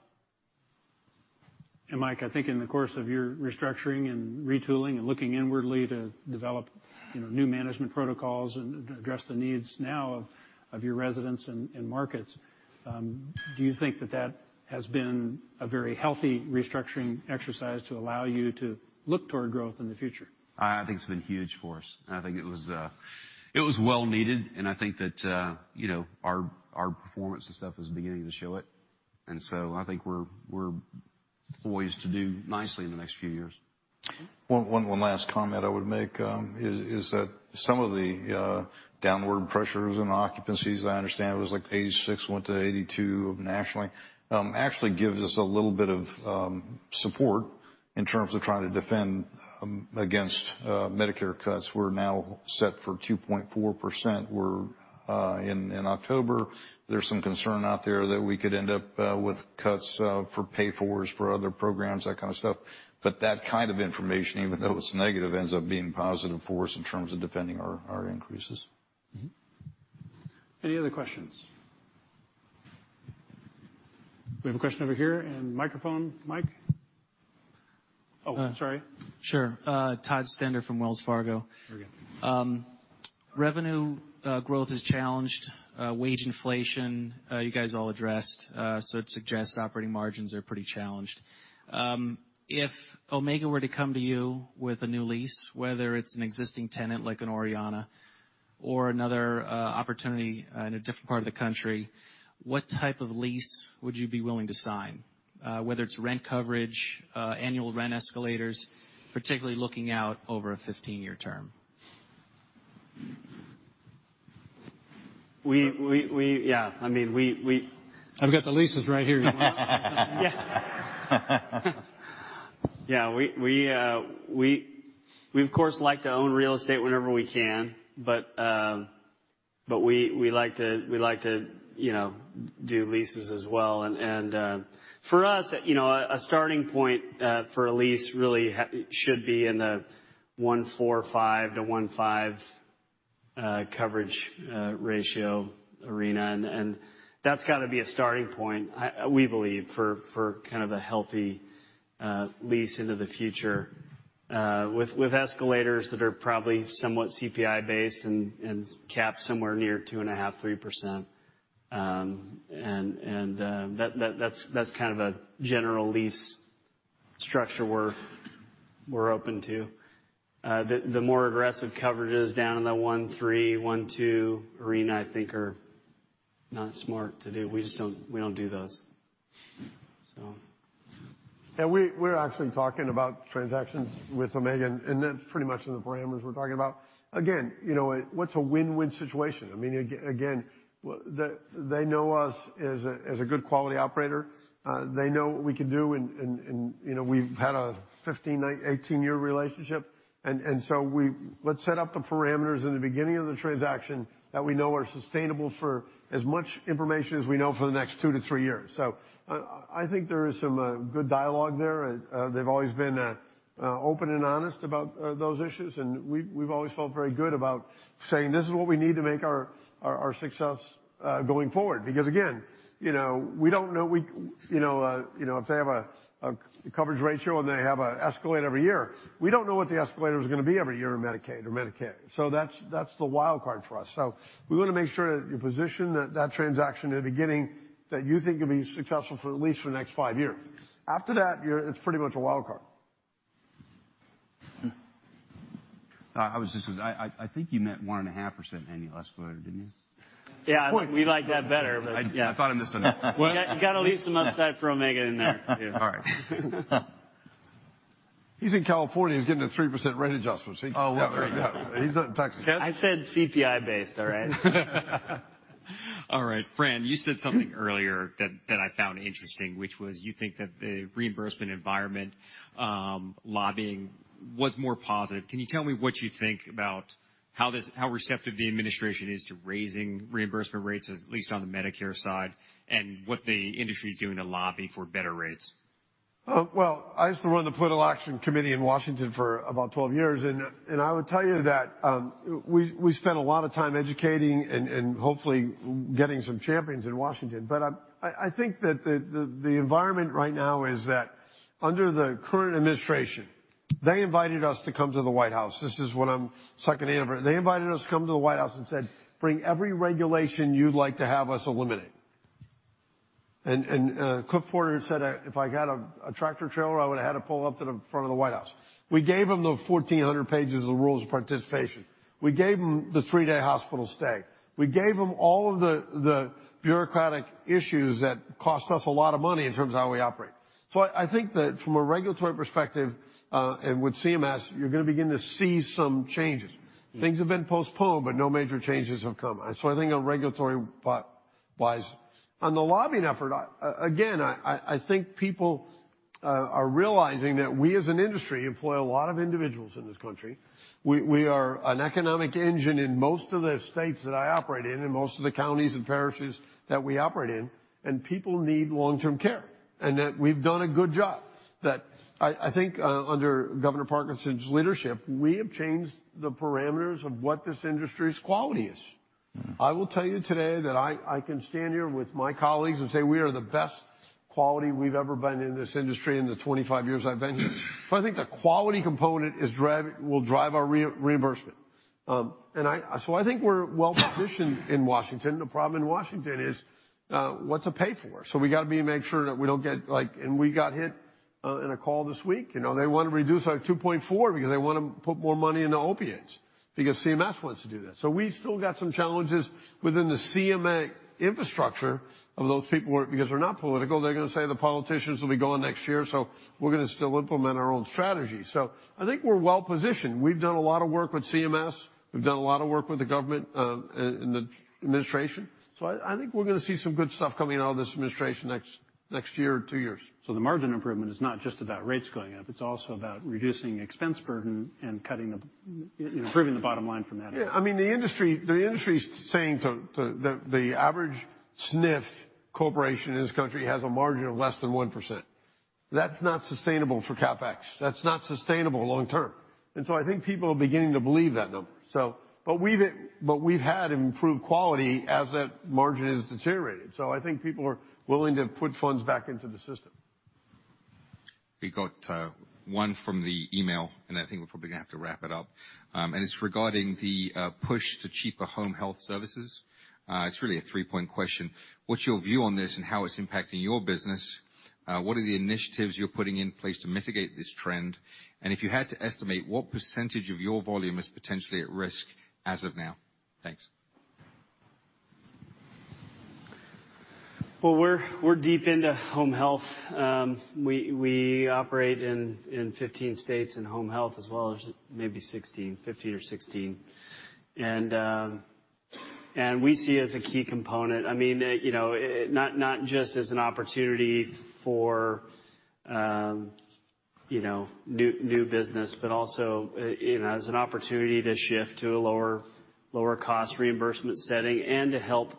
Mike, I think in the course of your restructuring and retooling and looking inwardly to develop new management protocols and address the needs now of your residents and markets, do you think that that has been a very healthy restructuring exercise to allow you to look toward growth in the future? I think it's been huge for us, and I think it was well needed, and I think that our performance and stuff is beginning to show it. I think we're poised to do nicely in the next few years. One last comment I would make is that some of the downward pressures and occupancies, I understand, it was like 86 went to 82 nationally, actually gives us a little bit of support in terms of trying to defend against Medicare cuts. We're now set for 2.4% in October. There's some concern out there that we could end up with cuts for pay-fors for other programs, that kind of stuff. That kind of information, even though it's negative, ends up being positive for us in terms of defending our increases. Any other questions? We have a question over here in microphone. Mike? Oh, sorry. Sure. Todd Stender from Wells Fargo. Very good. Revenue growth has challenged wage inflation. You guys all addressed. It suggests operating margins are pretty challenged. If Omega were to come to you with a new lease, whether it's an existing tenant, like an Orianna or another opportunity in a different part of the country, what type of lease would you be willing to sign? Whether it's rent coverage, annual rent escalators, particularly looking out over a 15-year term. Yeah. I mean, I've got the leases right here, you want them? Yeah. We, of course, like to own real estate whenever we can. We like to do leases as well. For us, a starting point for a lease really should be in the 1.45-1.5 coverage ratio arena, and that has to be a starting point, we believe, for a healthy lease into the future, with escalators that are probably somewhat CPI-based and capped somewhere near 2.5%-3%. That is a general lease structure we are open to. The more aggressive coverage is down in the 1.3-1.2 arena, I think, are not smart to do. We do not do those. We are actually talking about transactions with Omega, and that is pretty much in the parameters we are talking about. Again, what is a win-win situation? I mean, again, they know us as a good quality operator. They know what we can do. We have had a 15-18-year relationship. Let us set up the parameters in the beginning of the transaction that we know are sustainable for as much information as we know for the next 2-3 years. I think there is some good dialogue there. They have always been open and honest about those issues. We have always felt very good about saying, "This is what we need to make our success going forward." Because again, if they have a coverage ratio and they have an escalator every year, we do not know what the escalator is going to be every year in Medicaid. That is the wild card for us. We want to make sure that you position that transaction in the beginning that you think will be successful for at least for the next 5 years. After that, it is pretty much a wild card. I think you meant 1.5% annual escalator, did not you? Yeah. We like that better, but yeah. I thought I misheard. You got to leave some upside for Omega in there too. All right. He's in California. He's getting a 3% rent adjustment, see? Oh, well. He's not in Texas. I said CPI based, all right? All right. Fran, you said something earlier that I found interesting, which was, you think that the reimbursement environment lobbying was more positive. Can you tell me what you think about how receptive the administration is to raising reimbursement rates, at least on the Medicare side, and what the industry is doing to lobby for better rates? Well, I used to run the political action committee in Washington for about 12 years, I would tell you that we spent a lot of time educating and hopefully getting some champions in Washington. I think that the environment right now is that under the current administration They invited us to come to the White House. This is what I'm sucking in over. They invited us to come to the White House and said, "Bring every regulation you'd like to have us eliminate." Cliff Porter said, "If I had a tractor trailer, I would've had it pull up to the front of the White House." We gave them the 1,400 pages of the rules of participation. We gave them the three-day hospital stay. We gave them all of the bureaucratic issues that cost us a lot of money in terms of how we operate. I think that from a regulatory perspective, and with CMS, you're going to begin to see some changes. Things have been postponed, no major changes have come. I think regulatory-wise. On the lobbying effort, again, I think people are realizing that we as an industry employ a lot of individuals in this country. We are an economic engine in most of the states that I operate in and most of the counties and parishes that we operate in, people need long-term care, that we've done a good job. That I think under Governor Parkinson's leadership, we have changed the parameters of what this industry's quality is. I will tell you today that I can stand here with my colleagues and say we are the best quality we've ever been in this industry in the 25 years I've been here. I think the quality component will drive our reimbursement. We got to be and make sure that we don't get We got hit, in a call this week. They want to reduce our 2.4% because they want to put more money into opiates, because CMS wants to do that. We still got some challenges within the CMS infrastructure of those people where, because they're not political, they're going to say the politicians will be gone next year, we're going to still implement our own strategy. I think we're well-positioned. We've done a lot of work with CMS. We've done a lot of work with the government, in the administration. I think we're going to see some good stuff coming out of this administration next year or two years. The margin improvement is not just about rates going up, it's also about reducing expense burden and improving the bottom line from that. Yeah. The industry's saying the average SNF corporation in this country has a margin of less than 1%. That's not sustainable for CapEx. That's not sustainable long term. I think people are beginning to believe that number. We've had improved quality as that margin has deteriorated. I think people are willing to put funds back into the system. We got one from the email, and I think we're probably going to have to wrap it up. It's regarding the push to cheaper home health services. It's really a three-point question. What's your view on this and how it's impacting your business? What are the initiatives you're putting in place to mitigate this trend? If you had to estimate, what percentage of your volume is potentially at risk as of now? Thanks. Well, we're deep into home health. We operate in 15 states in home health as well as maybe 16, 15 or 16. We see it as a key component. Not just as an opportunity for new business, but also as an opportunity to shift to a lower cost reimbursement setting and to help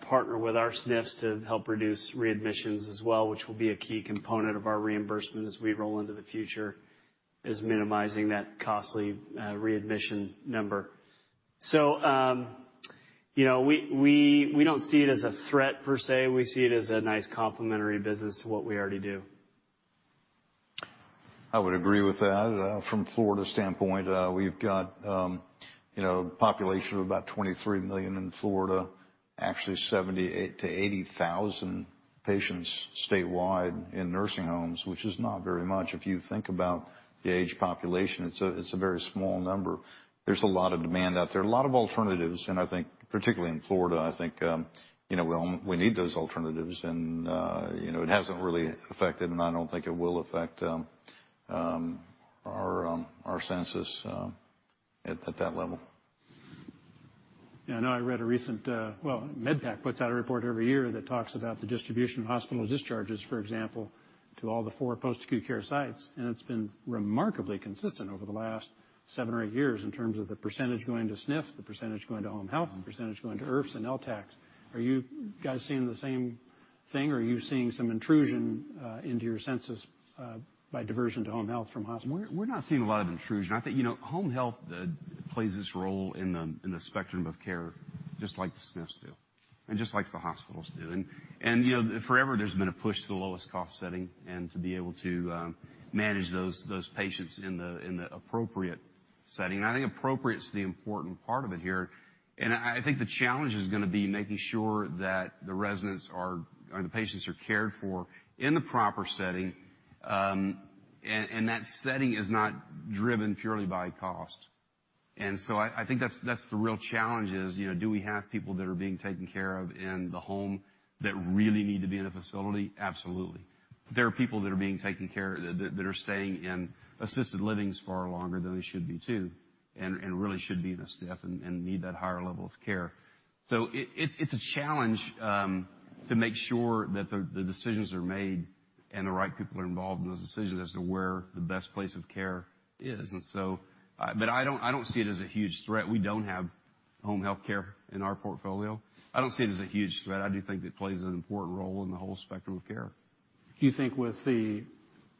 partner with our SNFs to help reduce readmissions as well, which will be a key component of our reimbursement as we roll into the future, is minimizing that costly readmission number. We don't see it as a threat per se. We see it as a nice complementary business to what we already do. I would agree with that. From Florida's standpoint, we've got a population of about 23 million in Florida. Actually 78,000 to 80,000 patients statewide in nursing homes, which is not very much. If you think about the aged population, it's a very small number. There's a lot of demand out there, a lot of alternatives. I think particularly in Florida, I think, we need those alternatives and it hasn't really affected, and I don't think it will affect our census at that level. Yeah, I know I read a recent, well, MedPAC puts out a report every year that talks about the distribution of hospital discharges, for example, to all the four post-acute care sites. It's been remarkably consistent over the last seven or eight years in terms of the percentage going to SNFs, the percentage going to home health, the percentage going to IRFs and LTACs. Are you guys seeing the same thing, or are you seeing some intrusion into your census by diversion to home health from hospital? We're not seeing a lot of intrusion. I think, home health plays its role in the spectrum of care, just like the SNFs do and just like the hospitals do. Forever, there's been a push to the lowest cost setting and to be able to manage those patients in the appropriate setting. I think appropriate's the important part of it here. I think the challenge is going to be making sure that the residents or the patients are cared for in the proper setting, and that setting is not driven purely by cost. I think that's the real challenge is, do we have people that are being taken care of in the home that really need to be in a facility? Absolutely. There are people that are being taken care, that are staying in assisted livings far longer than they should be too, and really should be in a SNF and need that higher level of care. It's a challenge to make sure that the decisions are made and the right people are involved in those decisions as to where the best place of care is. I don't see it as a huge threat. We don't have home healthcare in our portfolio. I don't see it as a huge threat. I do think it plays an important role in the whole spectrum of care. Do you think with the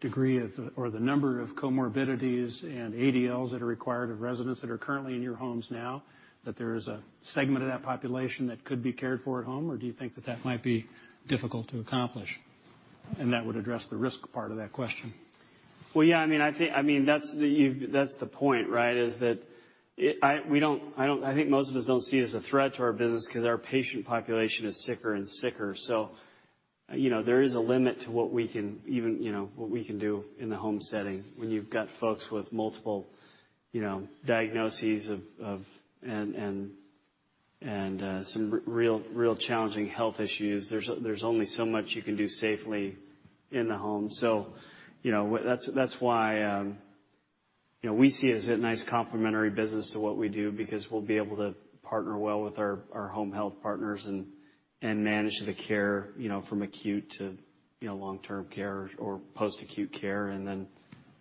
degree or the number of comorbidities and ADLs that are required of residents that are currently in your homes now, that there is a segment of that population that could be cared for at home or do you think that that might be difficult to accomplish? That would address the risk part of that question. Well, yeah, that's the point, right? Is that I think most of us don't see it as a threat to our business because our patient population is sicker and sicker. There is a limit to what we can do in the home setting when you've got folks with multiple diagnoses and some real challenging health issues. There's only so much you can do safely in the home. That's why we see it as a nice complementary business to what we do, because we'll be able to partner well with our home health partners and manage the care from acute to long-term care or post-acute care, and then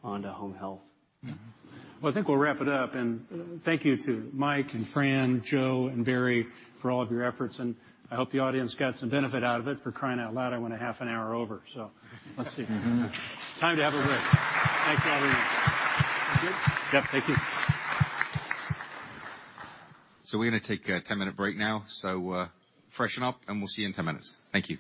on to home health. I think we'll wrap it up. Thank you to Mike Wallace and Fran Curley, Joe Mitchell, and Barry Port for all of your efforts. I hope the audience got some benefit out of it. For crying out loud, I went a half an hour over. Let's see. Time to have a break. Thanks, everyone. Thank you. Yep. Thank you. We're going to take a 10-minute break now. Freshen up, we'll see you in 10 minutes. Thank you.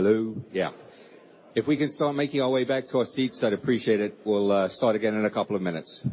Hello. Yeah. If we can start making our way back to our seats, I'd appreciate it. We'll start again in a couple of minutes.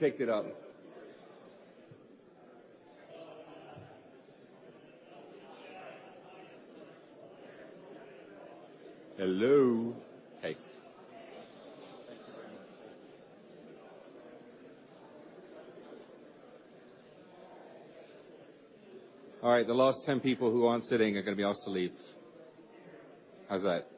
I know it is. Hello, buddy. We picked it up. Hello. All right. The last 10 people who aren't sitting are going to be asked to leave. How's that?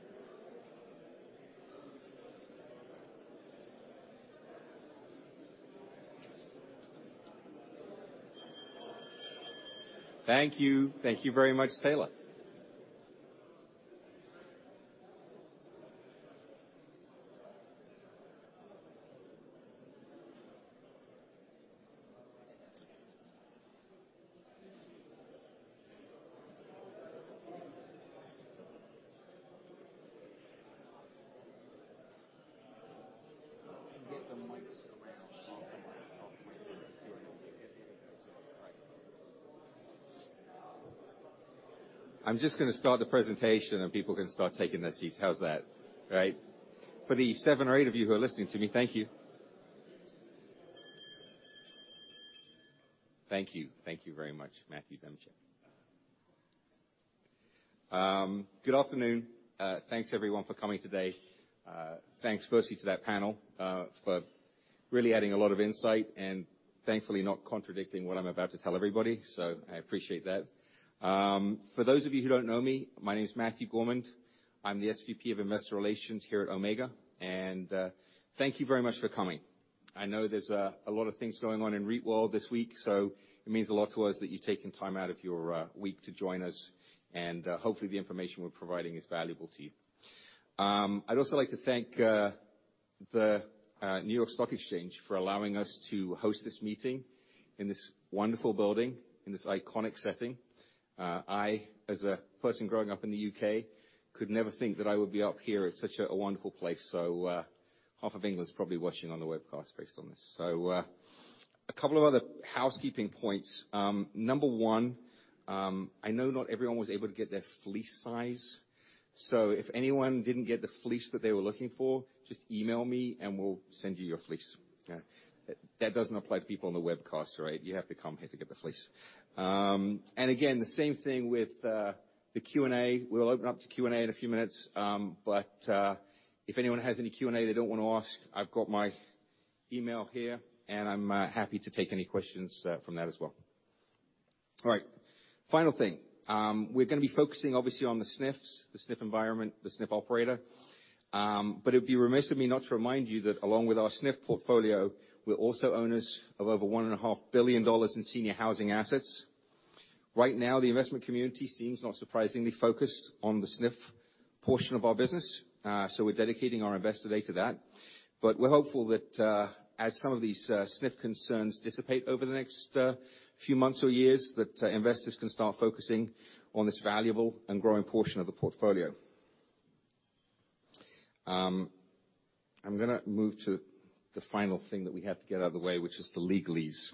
Thank you. Thank you very much, Taylor Pickett. Get the mics around. I'm just going to start the presentation. People can start taking their seats. How's that? For the seven or eight of you who are listening to me, thank you. Thank you. Thank you very much, Matthew Gourmand. Good afternoon. Thanks, everyone, for coming today. Thanks firstly to that panel, for really adding a lot of insight and thankfully not contradicting what I'm about to tell everybody. I appreciate that. For those of you who don't know me, my name is Matthew Gourmand. I'm the SVP of Investor Relations here at Omega. Thank you very much for coming. I know there's a lot of things going on in REIT world this week. It means a lot to us that you've taken time out of your week to join us. Hopefully, the information we're providing is valuable to you. I'd also like to thank the New York Stock Exchange for allowing us to host this meeting in this wonderful building, in this iconic setting. I, as a person growing up in the U.K., could never think that I would be up here at such a wonderful place. Half of England's probably watching on the webcast based on this. A couple of other housekeeping points. Number one, I know not everyone was able to get their fleece size. If anyone didn't get the fleece that they were looking for, just email me. We'll send you your fleece. Okay? That doesn't apply to people on the webcast. Right? You have to come here to get the fleece. Again, the same thing with the Q&A. We'll open up to Q&A in a few minutes. If anyone has any Q&A they don't want to ask, I've got my email here. I'm happy to take any questions from that as well. All right. Final thing. We're going to be focusing obviously on the SNFs, the SNF environment, the SNF operator. It'd be remiss of me not to remind you that along with our SNF portfolio, we're also owners of over $1.5 billion in senior housing assets. Right now, the investment community seems not surprisingly focused on the SNF portion of our business. We're dedicating our Investor Day to that. We're hopeful that, as some of these SNF concerns dissipate over the next few months or years, that investors can start focusing on this valuable and growing portion of the portfolio. I'm going to move to the final thing that we have to get out of the way, which is the legalese.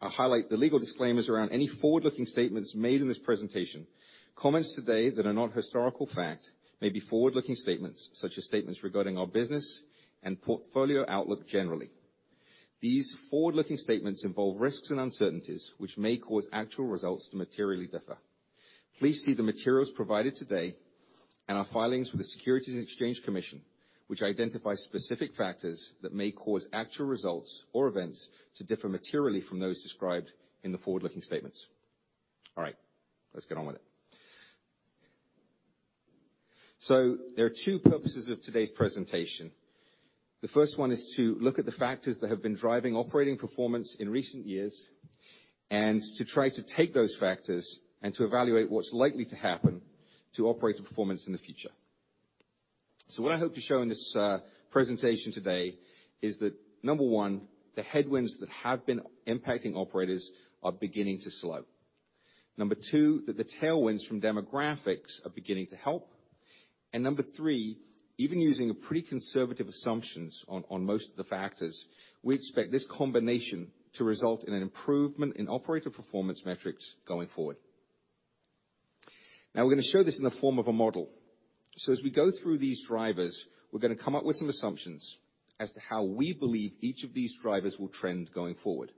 I'll highlight the legal disclaimers around any forward-looking statements made in this presentation. Comments today that are not historical fact may be forward-looking statements, such as statements regarding our business and portfolio outlook generally. These forward-looking statements involve risks and uncertainties, which may cause actual results to materially differ. Please see the materials provided today and our filings with the Securities and Exchange Commission, which identify specific factors that may cause actual results or events to differ materially from those described in the forward-looking statements. All right. Let's get on with it. There are two purposes of today's presentation. The first one is to look at the factors that have been driving operating performance in recent years and to try to take those factors and to evaluate what's likely to happen to operating performance in the future. What I hope to show in this presentation today is that, number one, the headwinds that have been impacting operators are beginning to slow. Number two, that the tailwinds from demographics are beginning to help. number three, even using pretty conservative assumptions on most of the factors, we expect this combination to result in an improvement in operator performance metrics going forward. We're going to show this in the form of a model. As we go through these drivers, we're going to come up with some assumptions as to how we believe each of these drivers will trend going forward.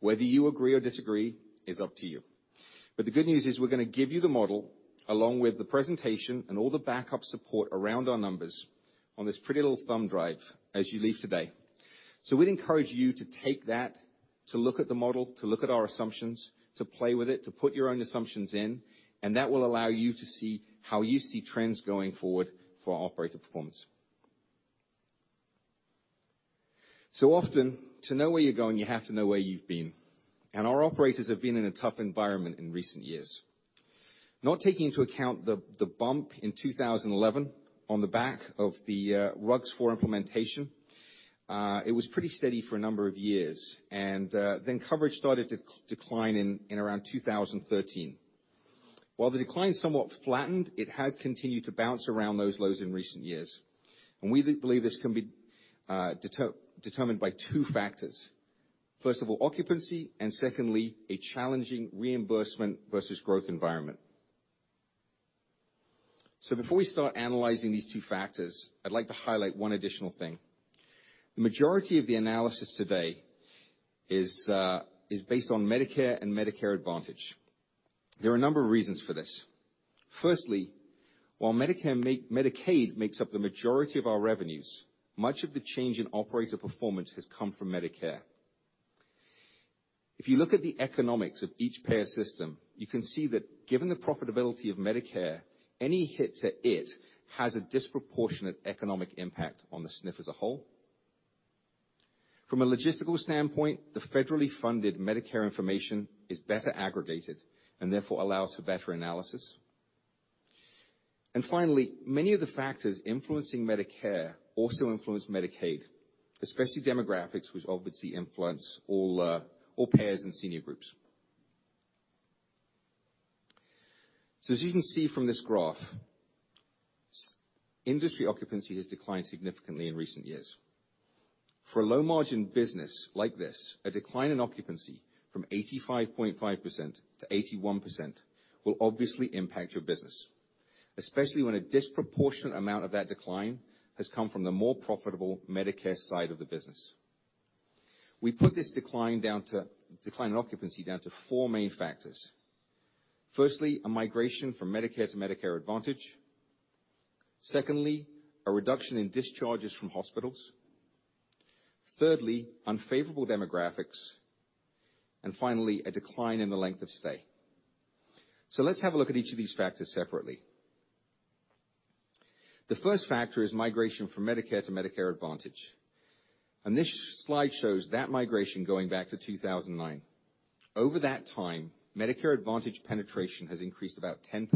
Whether you agree or disagree is up to you. The good news is we're going to give you the model, along with the presentation and all the backup support around our numbers, on this pretty little thumb drive as you leave today. We'd encourage you to take that, to look at the model, to look at our assumptions, to play with it, to put your own assumptions in, and that will allow you to see how you see trends going forward for our operator performance. Often, to know where you're going, you have to know where you've been, and our operators have been in a tough environment in recent years. Not taking into account the bump in 2011 on the back of the RUG-IV implementation, it was pretty steady for a number of years, and then coverage started to decline in around 2013. While the decline somewhat flattened, it has continued to bounce around those lows in recent years. We believe this can be determined by two factors. First of all, occupancy, and secondly, a challenging reimbursement versus growth environment. Before we start analyzing these two factors, I'd like to highlight one additional thing. The majority of the analysis today is based on Medicare and Medicare Advantage. There are a number of reasons for this. Firstly, while Medicaid makes up the majority of our revenues, much of the change in operator performance has come from Medicare. If you look at the economics of each payer system, you can see that given the profitability of Medicare, any hit to it has a disproportionate economic impact on the SNF as a whole. From a logistical standpoint, the federally funded Medicare information is better aggregated, and therefore allows for better analysis. Finally, many of the factors influencing Medicare also influence Medicaid, especially demographics, which obviously influence all payers and senior groups. As you can see from this graph, industry occupancy has declined significantly in recent years. For a low-margin business like this, a decline in occupancy from 85.5% to 81% will obviously impact your business, especially when a disproportionate amount of that decline has come from the more profitable Medicare side of the business. We put this decline in occupancy down to four main factors. Firstly, a migration from Medicare to Medicare Advantage. Secondly, a reduction in discharges from hospitals. Thirdly, unfavorable demographics. Finally, a decline in the length of stay. Let's have a look at each of these factors separately. The first factor is migration from Medicare to Medicare Advantage. This slide shows that migration going back to 2009. Over that time, Medicare Advantage penetration has increased about 10%,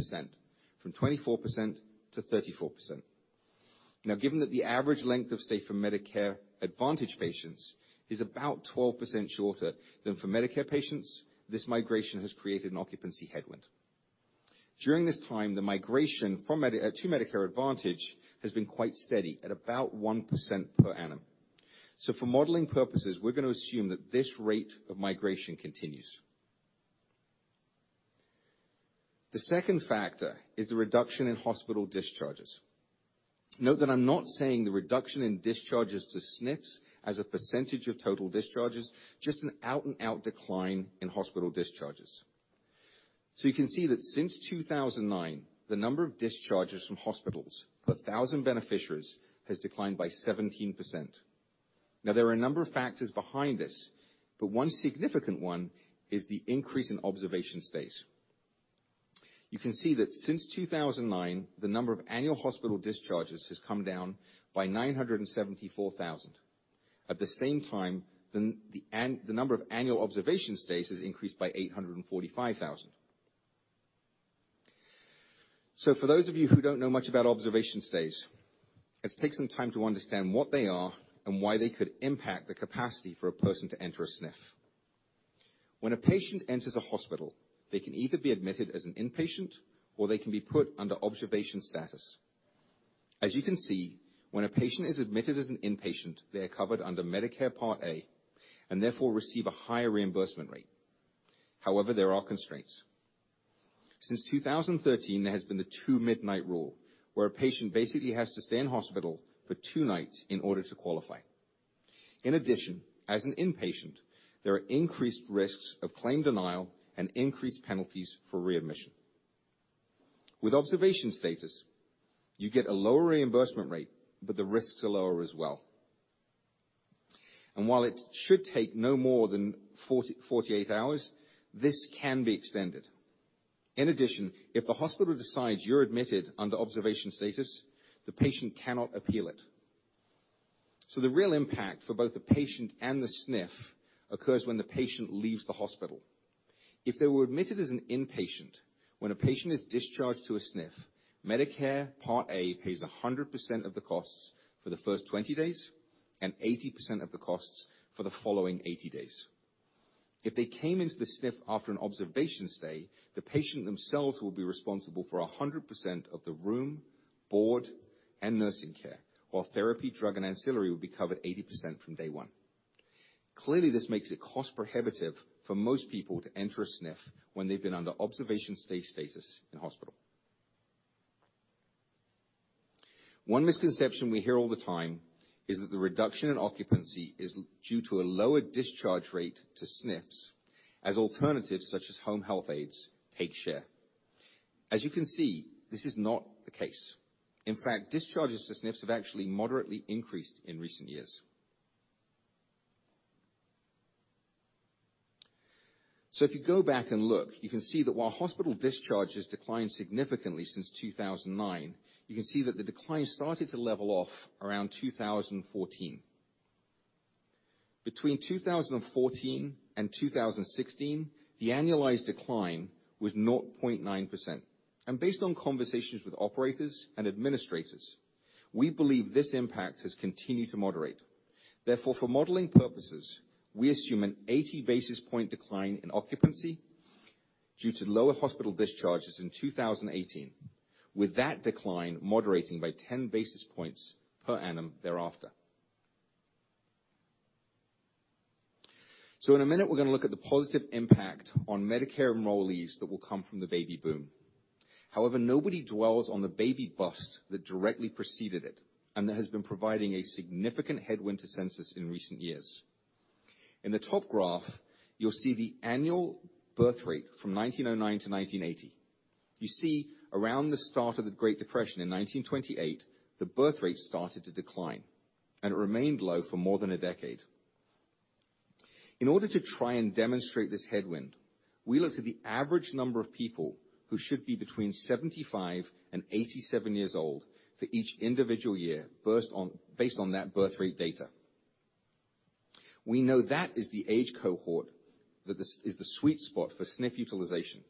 from 24% to 34%. Given that the average length of stay for Medicare Advantage patients is about 12% shorter than for Medicare patients, this migration has created an occupancy headwind. During this time, the migration to Medicare Advantage has been quite steady, at about 1% per annum. For modeling purposes, we're going to assume that this rate of migration continues. The second factor is the reduction in hospital discharges. Note that I'm not saying the reduction in discharges to SNFs as a percentage of total discharges, just an out-and-out decline in hospital discharges. You can see that since 2009, the number of discharges from hospitals per thousand beneficiaries has declined by 17%. Now, there are a number of factors behind this, but one significant one is the increase in observation stays. You can see that since 2009, the number of annual hospital discharges has come down by 974,000. At the same time, the number of annual observation stays has increased by 845,000. For those of you who don't know much about observation stays, let's take some time to understand what they are and why they could impact the capacity for a person to enter a SNF. When a patient enters a hospital, they can either be admitted as an inpatient or they can be put under observation status. As you can see, when a patient is admitted as an inpatient, they are covered under Medicare Part A, and therefore receive a higher reimbursement rate. However, there are constraints. Since 2013, there has been the two-midnight rule, where a patient basically has to stay in hospital for two nights in order to qualify. In addition, as an inpatient, there are increased risks of claim denial and increased penalties for readmission. With observation status, you get a lower reimbursement rate, but the risks are lower as well. While it should take no more than 48 hours, this can be extended. In addition, if the hospital decides you're admitted under observation status, the patient cannot appeal it. The real impact for both the patient and the SNF occurs when the patient leaves the hospital. If they were admitted as an inpatient, when a patient is discharged to a SNF, Medicare Part A pays 100% of the costs for the first 20 days. 80% of the costs for the following 80 days. If they came into the SNF after an observation stay, the patient themselves will be responsible for 100% of the room, board, and nursing care, while therapy, drug, and ancillary will be covered 80% from day one. Clearly, this makes it cost prohibitive for most people to enter a SNF when they've been under observation stay status in hospital. One misconception we hear all the time is that the reduction in occupancy is due to a lower discharge rate to SNFs as alternatives such as home health aides take share. As you can see, this is not the case. In fact, discharges to SNFs have actually moderately increased in recent years. If you go back and look, you can see that while hospital discharges declined significantly since 2009, you can see that the decline started to level off around 2014. Between 2014 and 2016, the annualized decline was 0.9%. Based on conversations with operators and administrators, we believe this impact has continued to moderate. Therefore, for modeling purposes, we assume an 80-basis-point decline in occupancy due to lower hospital discharges in 2018, with that decline moderating by 10 basis points per annum thereafter. In a minute, we are going to look at the positive impact on Medicare enrollees that will come from the baby boom. However, nobody dwells on the baby bust that directly preceded it and that has been providing a significant headwind to census in recent years. In the top graph, you will see the annual birth rate from 1909 to 1980. You see around the start of the Great Depression in 1928, the birth rate started to decline, and it remained low for more than a decade. In order to try and demonstrate this headwind, we look to the average number of people who should be between 75 and 87 years old for each individual year, based on that birth rate data. We know that is the age cohort that is the sweet spot for SNF utilization.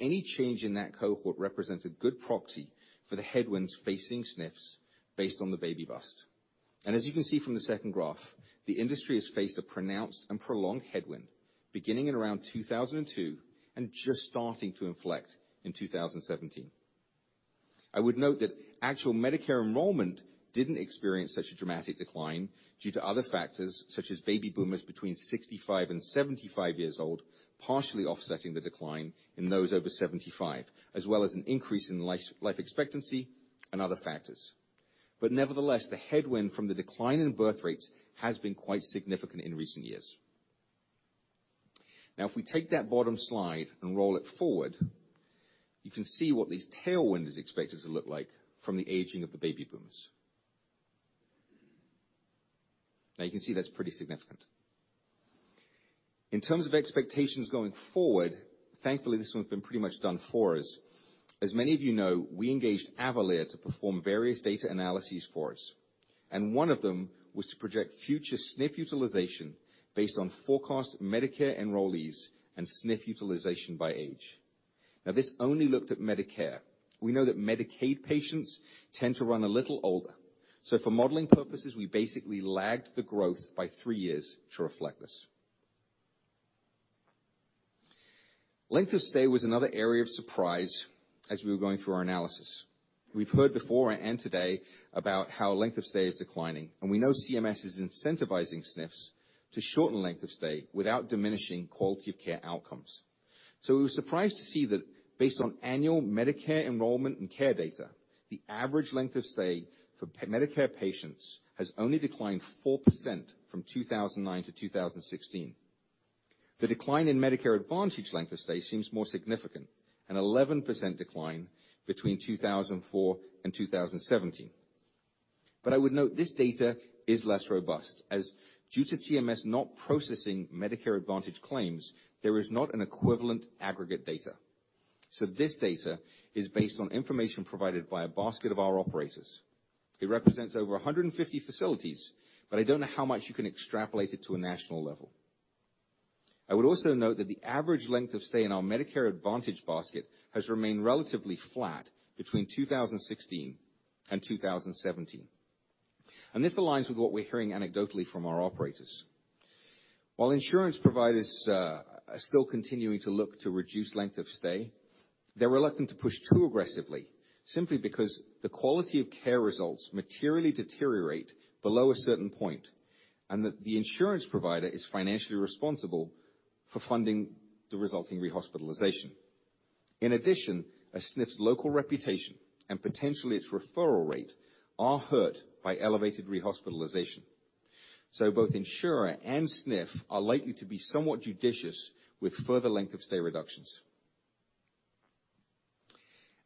Any change in that cohort represents a good proxy for the headwinds facing SNFs based on the baby bust. As you can see from the second graph, the industry has faced a pronounced and prolonged headwind beginning in around 2002 and just starting to inflect in 2017. I would note that actual Medicare enrollment didn't experience such a dramatic decline due to other factors, such as baby boomers between 65 and 75 years old, partially offsetting the decline in those over 75, as well as an increase in life expectancy and other factors. But nevertheless, the headwind from the decline in birth rates has been quite significant in recent years. Now, if we take that bottom slide and roll it forward, you can see what this tailwind is expected to look like from the aging of the baby boomers. Now you can see that's pretty significant. In terms of expectations going forward, thankfully, this one's been pretty much done for us. As many of you know, we engaged Avalere to perform various data analyses for us, and one of them was to project future SNF utilization based on forecast Medicare enrollees and SNF utilization by age. Now, this only looked at Medicare. We know that Medicaid patients tend to run a little older. For modeling purposes, we basically lagged the growth by three years to reflect this. Length of stay was another area of surprise as we were going through our analysis. We've heard before and today about how length of stay is declining, and we know CMS is incentivizing SNFs to shorten length of stay without diminishing quality of care outcomes. We were surprised to see that based on annual Medicare enrollment and care data, the average length of stay for Medicare patients has only declined 4% from 2009 to 2016. The decline in Medicare Advantage length of stay seems more significant, an 11% decline between 2004 and 2017. But I would note this data is less robust, as due to CMS not processing Medicare Advantage claims, there is not an equivalent aggregate data. This data is based on information provided by a basket of our operators. It represents over 150 facilities, but I don't know how much you can extrapolate it to a national level. I would also note that the average length of stay in our Medicare Advantage basket has remained relatively flat between 2016 and 2017. And this aligns with what we're hearing anecdotally from our operators. While insurance providers are still continuing to look to reduce length of stay, they're reluctant to push too aggressively, simply because the quality of care results materially deteriorate below a certain point, and that the insurance provider is financially responsible for funding the resulting rehospitalization. In addition, a SNF's local reputation and potentially its referral rate are hurt by elevated rehospitalization. Both insurer and SNF are likely to be somewhat judicious with further length of stay reductions.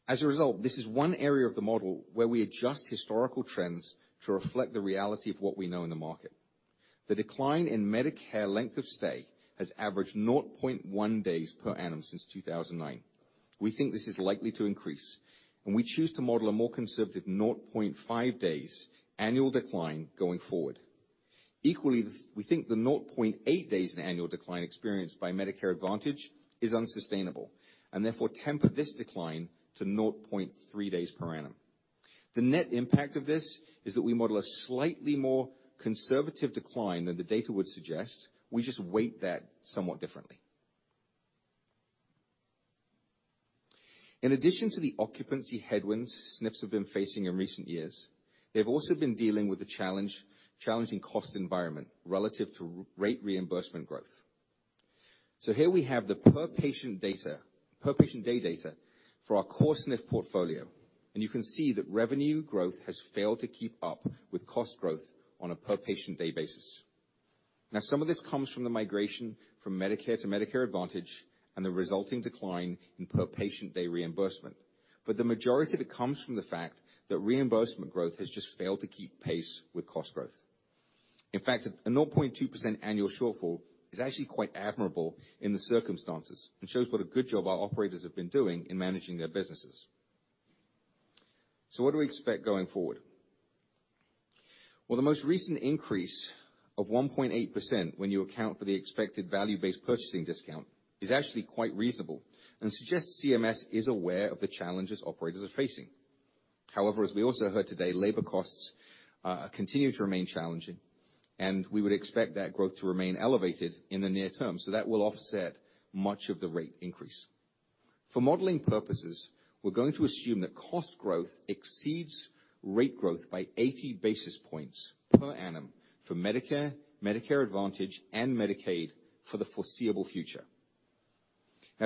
As a result, this is one area of the model where we adjust historical trends to reflect the reality of what we know in the market. The decline in Medicare length of stay has averaged 0.1 days per annum since 2009. We think this is likely to increase, and we choose to model a more conservative 0.5 days annual decline going forward. Equally, we think the 0.8 days in annual decline experienced by Medicare Advantage is unsustainable, and therefore temper this decline to 0.3 days per annum. The net impact of this is that we model a slightly more conservative decline than the data would suggest. We just weight that somewhat differently. In addition to the occupancy headwinds SNFs have been facing in recent years, they've also been dealing with the challenging cost environment relative to rate reimbursement growth. Here we have the per patient day data for our core SNF portfolio, and you can see that revenue growth has failed to keep up with cost growth on a per-patient day basis. Some of this comes from the migration from Medicare to Medicare Advantage and the resulting decline in per patient day reimbursement, but the majority of it comes from the fact that reimbursement growth has just failed to keep pace with cost growth. In fact, a 0.2% annual shortfall is actually quite admirable in the circumstances and shows what a good job our operators have been doing in managing their businesses. What do we expect going forward? Well, the most recent increase of 1.8% when you account for the expected value-based purchasing discount, is actually quite reasonable and suggests CMS is aware of the challenges operators are facing. However, as we also heard today, labor costs continue to remain challenging, and we would expect that growth to remain elevated in the near term. That will offset much of the rate increase. For modeling purposes, we're going to assume that cost growth exceeds rate growth by 80 basis points per annum for Medicare Advantage, and Medicaid for the foreseeable future.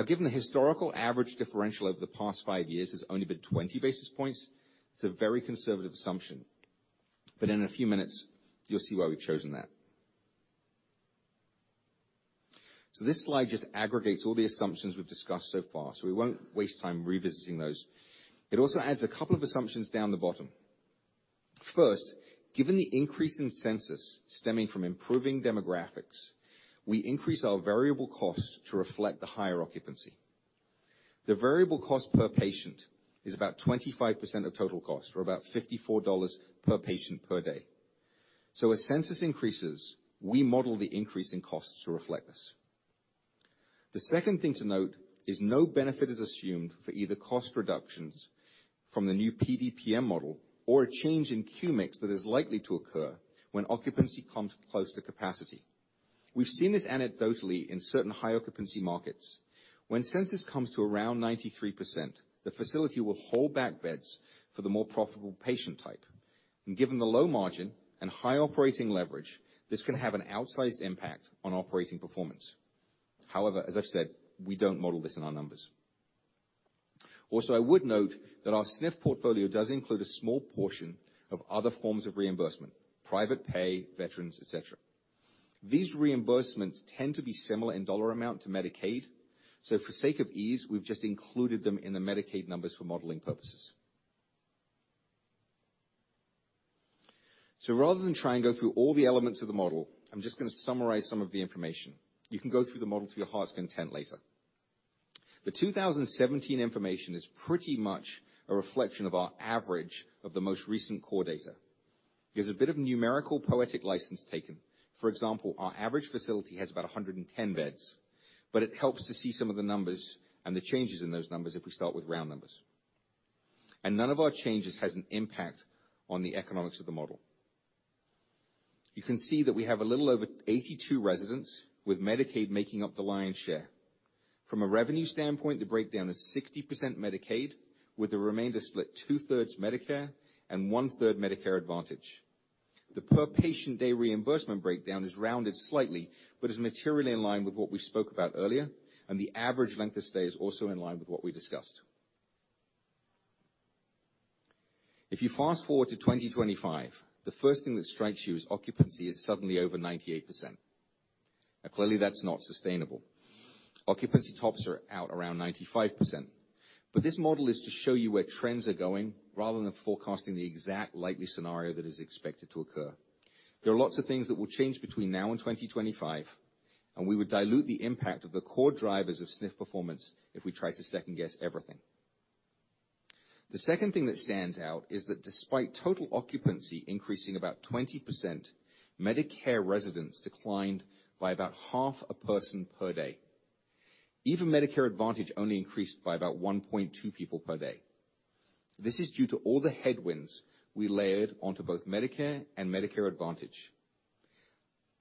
Given the historical average differential over the past five years has only been 20 basis points, it's a very conservative assumption. In a few minutes, you'll see why we've chosen that. This slide just aggregates all the assumptions we've discussed so far, so we won't waste time revisiting those. It also adds a couple of assumptions down the bottom. First, given the increase in census stemming from improving demographics, we increase our variable costs to reflect the higher occupancy. The variable cost per patient is about 25% of total cost or about $54 per patient per day. As census increases, we model the increase in costs to reflect this. The second thing to note is no benefit is assumed for either cost reductions from the new PDPM model or a change in q mix that is likely to occur when occupancy comes close to capacity. We've seen this anecdotally in certain high occupancy markets. When census comes to around 93%, the facility will hold back beds for the more profitable patient type. Given the low margin and high operating leverage, this can have an outsized impact on operating performance. However, as I've said, we don't model this in our numbers. I would note that our SNF portfolio does include a small portion of other forms of reimbursement, private pay, veterans, et cetera. These reimbursements tend to be similar in dollar amount to Medicaid. For sake of ease, we've just included them in the Medicaid numbers for modeling purposes. Rather than try and go through all the elements of the model, I'm just going to summarize some of the information. You can go through the model to your heart's content later. The 2017 information is pretty much a reflection of our average of the most recent core data. There's a bit of numerical poetic license taken. For example, our average facility has about 110 beds, but it helps to see some of the numbers and the changes in those numbers if we start with round numbers. None of our changes has an impact on the economics of the model. You can see that we have a little over 82 residents, with Medicaid making up the lion's share. From a revenue standpoint, the breakdown is 60% Medicaid, with the remainder split 2/3 Medicare and 1/3 Medicare Advantage. The per patient day reimbursement breakdown is rounded slightly, but is materially in line with what we spoke about earlier, and the average length of stay is also in line with what we discussed. If you fast-forward to 2025, the first thing that strikes you is occupancy is suddenly over 98%. Clearly, that's not sustainable. Occupancy tops are out around 95%. This model is to show you where trends are going rather than forecasting the exact likely scenario that is expected to occur. There are lots of things that will change between now and 2025, and we would dilute the impact of the core drivers of SNF performance if we try to second-guess everything. The second thing that stands out is that despite total occupancy increasing about 20%, Medicare residents declined by about half a person per day. Even Medicare Advantage only increased by about 1.2 people per day. This is due to all the headwinds we layered onto both Medicare and Medicare Advantage.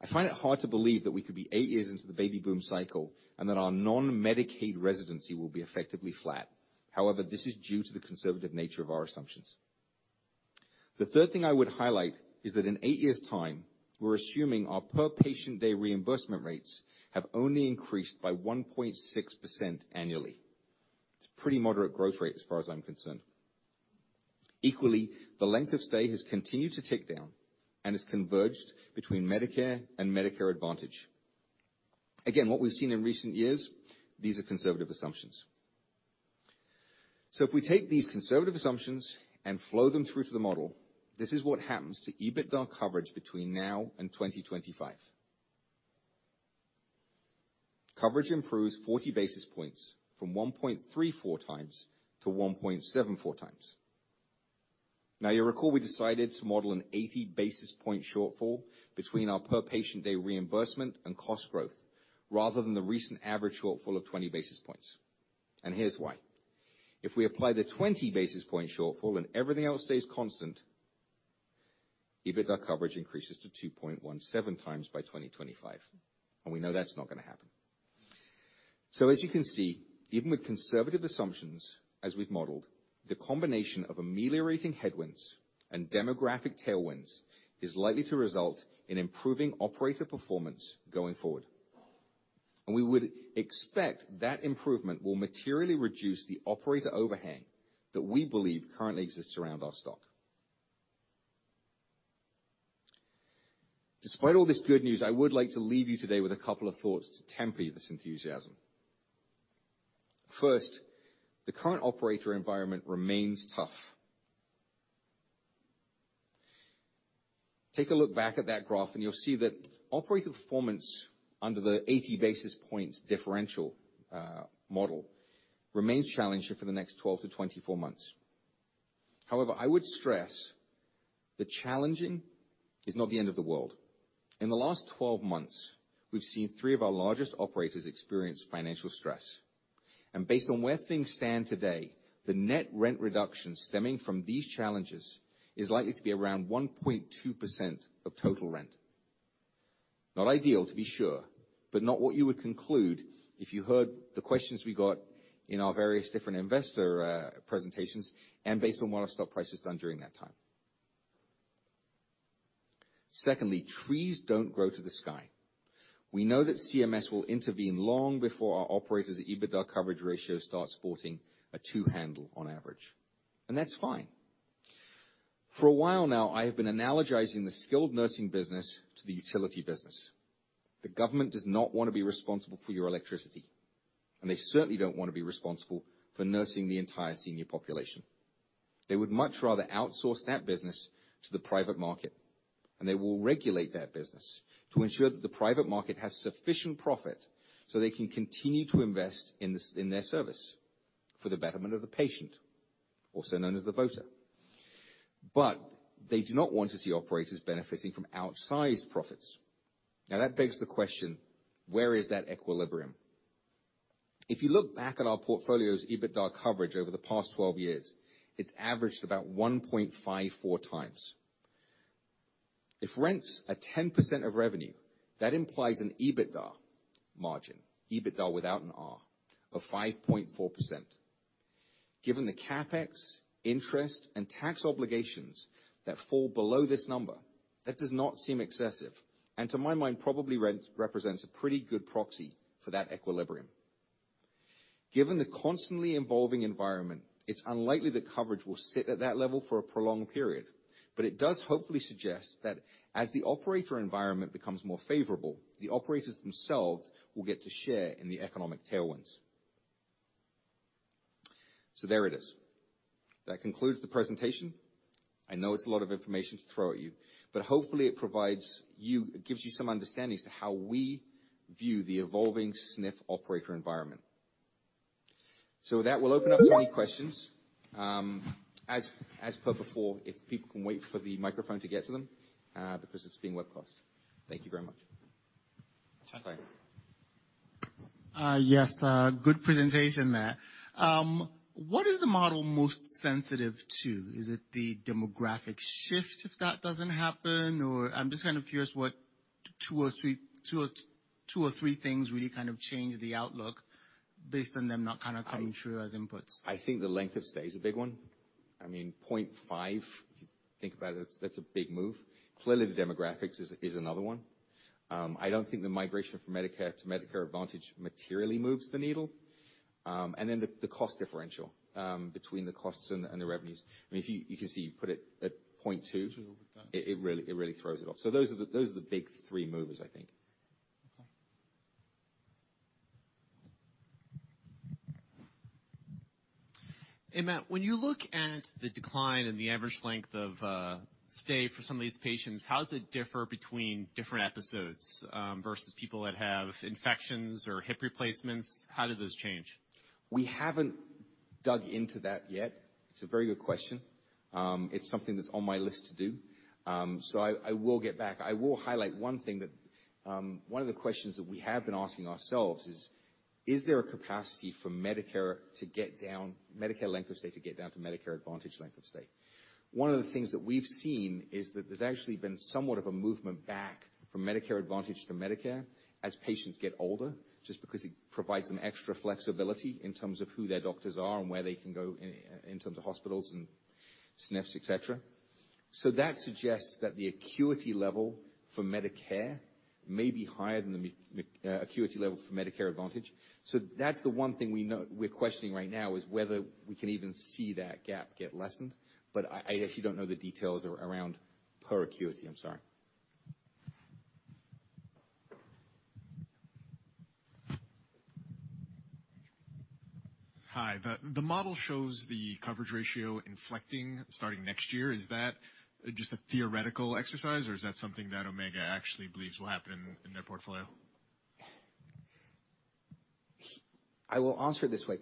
I find it hard to believe that we could be eight years into the baby boom cycle and that our non-Medicaid residency will be effectively flat. However, this is due to the conservative nature of our assumptions. The third thing I would highlight is that in eight years' time, we're assuming our per patient day reimbursement rates have only increased by 1.6% annually. It's a pretty moderate growth rate as far as I'm concerned. Equally, the length of stay has continued to tick down and has converged between Medicare and Medicare Advantage. What we've seen in recent years, these are conservative assumptions. If we take these conservative assumptions and flow them through to the model, this is what happens to EBITDA coverage between now and 2025. Coverage improves 40 basis points from 1.34 times to 1.74 times. You recall, we decided to model an 80 basis point shortfall between our per patient day reimbursement and cost growth, rather than the recent average shortfall of 20 basis points. Here's why. If we apply the 20 basis point shortfall and everything else stays constant, EBITDA coverage increases to 2.17 times by 2025. We know that's not going to happen. As you can see, even with conservative assumptions, as we've modeled, the combination of ameliorating headwinds and demographic tailwinds is likely to result in improving operator performance going forward. We would expect that improvement will materially reduce the operator overhang that we believe currently exists around our stock. Despite all this good news, I would like to leave you today with a couple of thoughts to temper this enthusiasm. First, the current operator environment remains tough. Take a look back at that graph and you'll see that operator performance under the 80 basis points differential model remains challenging for the next 12 to 24 months. However, I would stress that challenging is not the end of the world. In the last 12 months, we've seen three of our largest operators experience financial stress. Based on where things stand today, the net rent reduction stemming from these challenges is likely to be around 1.2% of total rent. Not ideal to be sure, but not what you would conclude if you heard the questions we got in our various different investor presentations, and based on what our stock price has done during that time. Secondly, trees don't grow to the sky. We know that CMS will intervene long before our operators' EBITDA coverage ratio starts sporting a two handle on average. That's fine. For a while now, I have been analogizing the skilled nursing business to the utility business. The government does not want to be responsible for your electricity, and they certainly don't want to be responsible for nursing the entire senior population. They would much rather outsource that business to the private market, and they will regulate that business to ensure that the private market has sufficient profit so they can continue to invest in their service for the betterment of the patient, also known as the voter. They do not want to see operators benefiting from outsized profits. That begs the question, where is that equilibrium? If you look back at our portfolio's EBITDA coverage over the past 12 years, it's averaged about 1.54 times. If rents are 10% of revenue, that implies an EBITDA margin, EBITDA without an R, of 5.4%. Given the CapEx, interest, and tax obligations that fall below this number, that does not seem excessive, and to my mind, probably represents a pretty good proxy for that equilibrium. Given the constantly evolving environment, it's unlikely that coverage will sit at that level for a prolonged period, but it does hopefully suggest that as the operator environment becomes more favorable, the operators themselves will get to share in the economic tailwinds. There it is. That concludes the presentation. I know it's a lot of information to throw at you, but hopefully it gives you some understanding as to how we view the evolving SNF operator environment. With that, we'll open up to any questions. As per before, if people can wait for the microphone to get to them, because it's being webcast. Thank you very much. Sorry. Yes. Good presentation, Matt. What is the model most sensitive to? Is it the demographic shift if that doesn't happen? I'm just kind of curious what two or three things really kind of change the outlook based on them not kind of coming through as inputs. I think the length of stay is a big one. I mean, 0.5, if you think about it, that's a big move. Clearly, the demographics is another one. I don't think the migration from Medicare to Medicare Advantage materially moves the needle. Then the cost differential between the costs and the revenues. You can see, you put it at 0.2. Zero with that. It really throws it off. Those are the big three movers, I think. Okay. Hey, Matt, when you look at the decline in the average length of stay for some of these patients, how does it differ between different episodes, versus people that have infections or hip replacements? How do those change? We haven't dug into that yet. It's a very good question. It's something that's on my list to do. I will get back. I will highlight one thing that one of the questions that we have been asking ourselves is there a capacity for Medicare length of stay to get down to Medicare Advantage length of stay? One of the things that we've seen is that there's actually been somewhat of a movement back from Medicare Advantage to Medicare as patients get older, just because it provides them extra flexibility in terms of who their doctors are and where they can go in terms of hospitals and SNFs, et cetera. That suggests that the acuity level for Medicare may be higher than the acuity level for Medicare Advantage. That's the one thing we're questioning right now is whether we can even see that gap get lessened. I actually don't know the details around per acuity. I'm sorry. Hi. The model shows the coverage ratio inflecting starting next year. Is that just a theoretical exercise, or is that something that Omega actually believes will happen in their portfolio? I will answer it this way.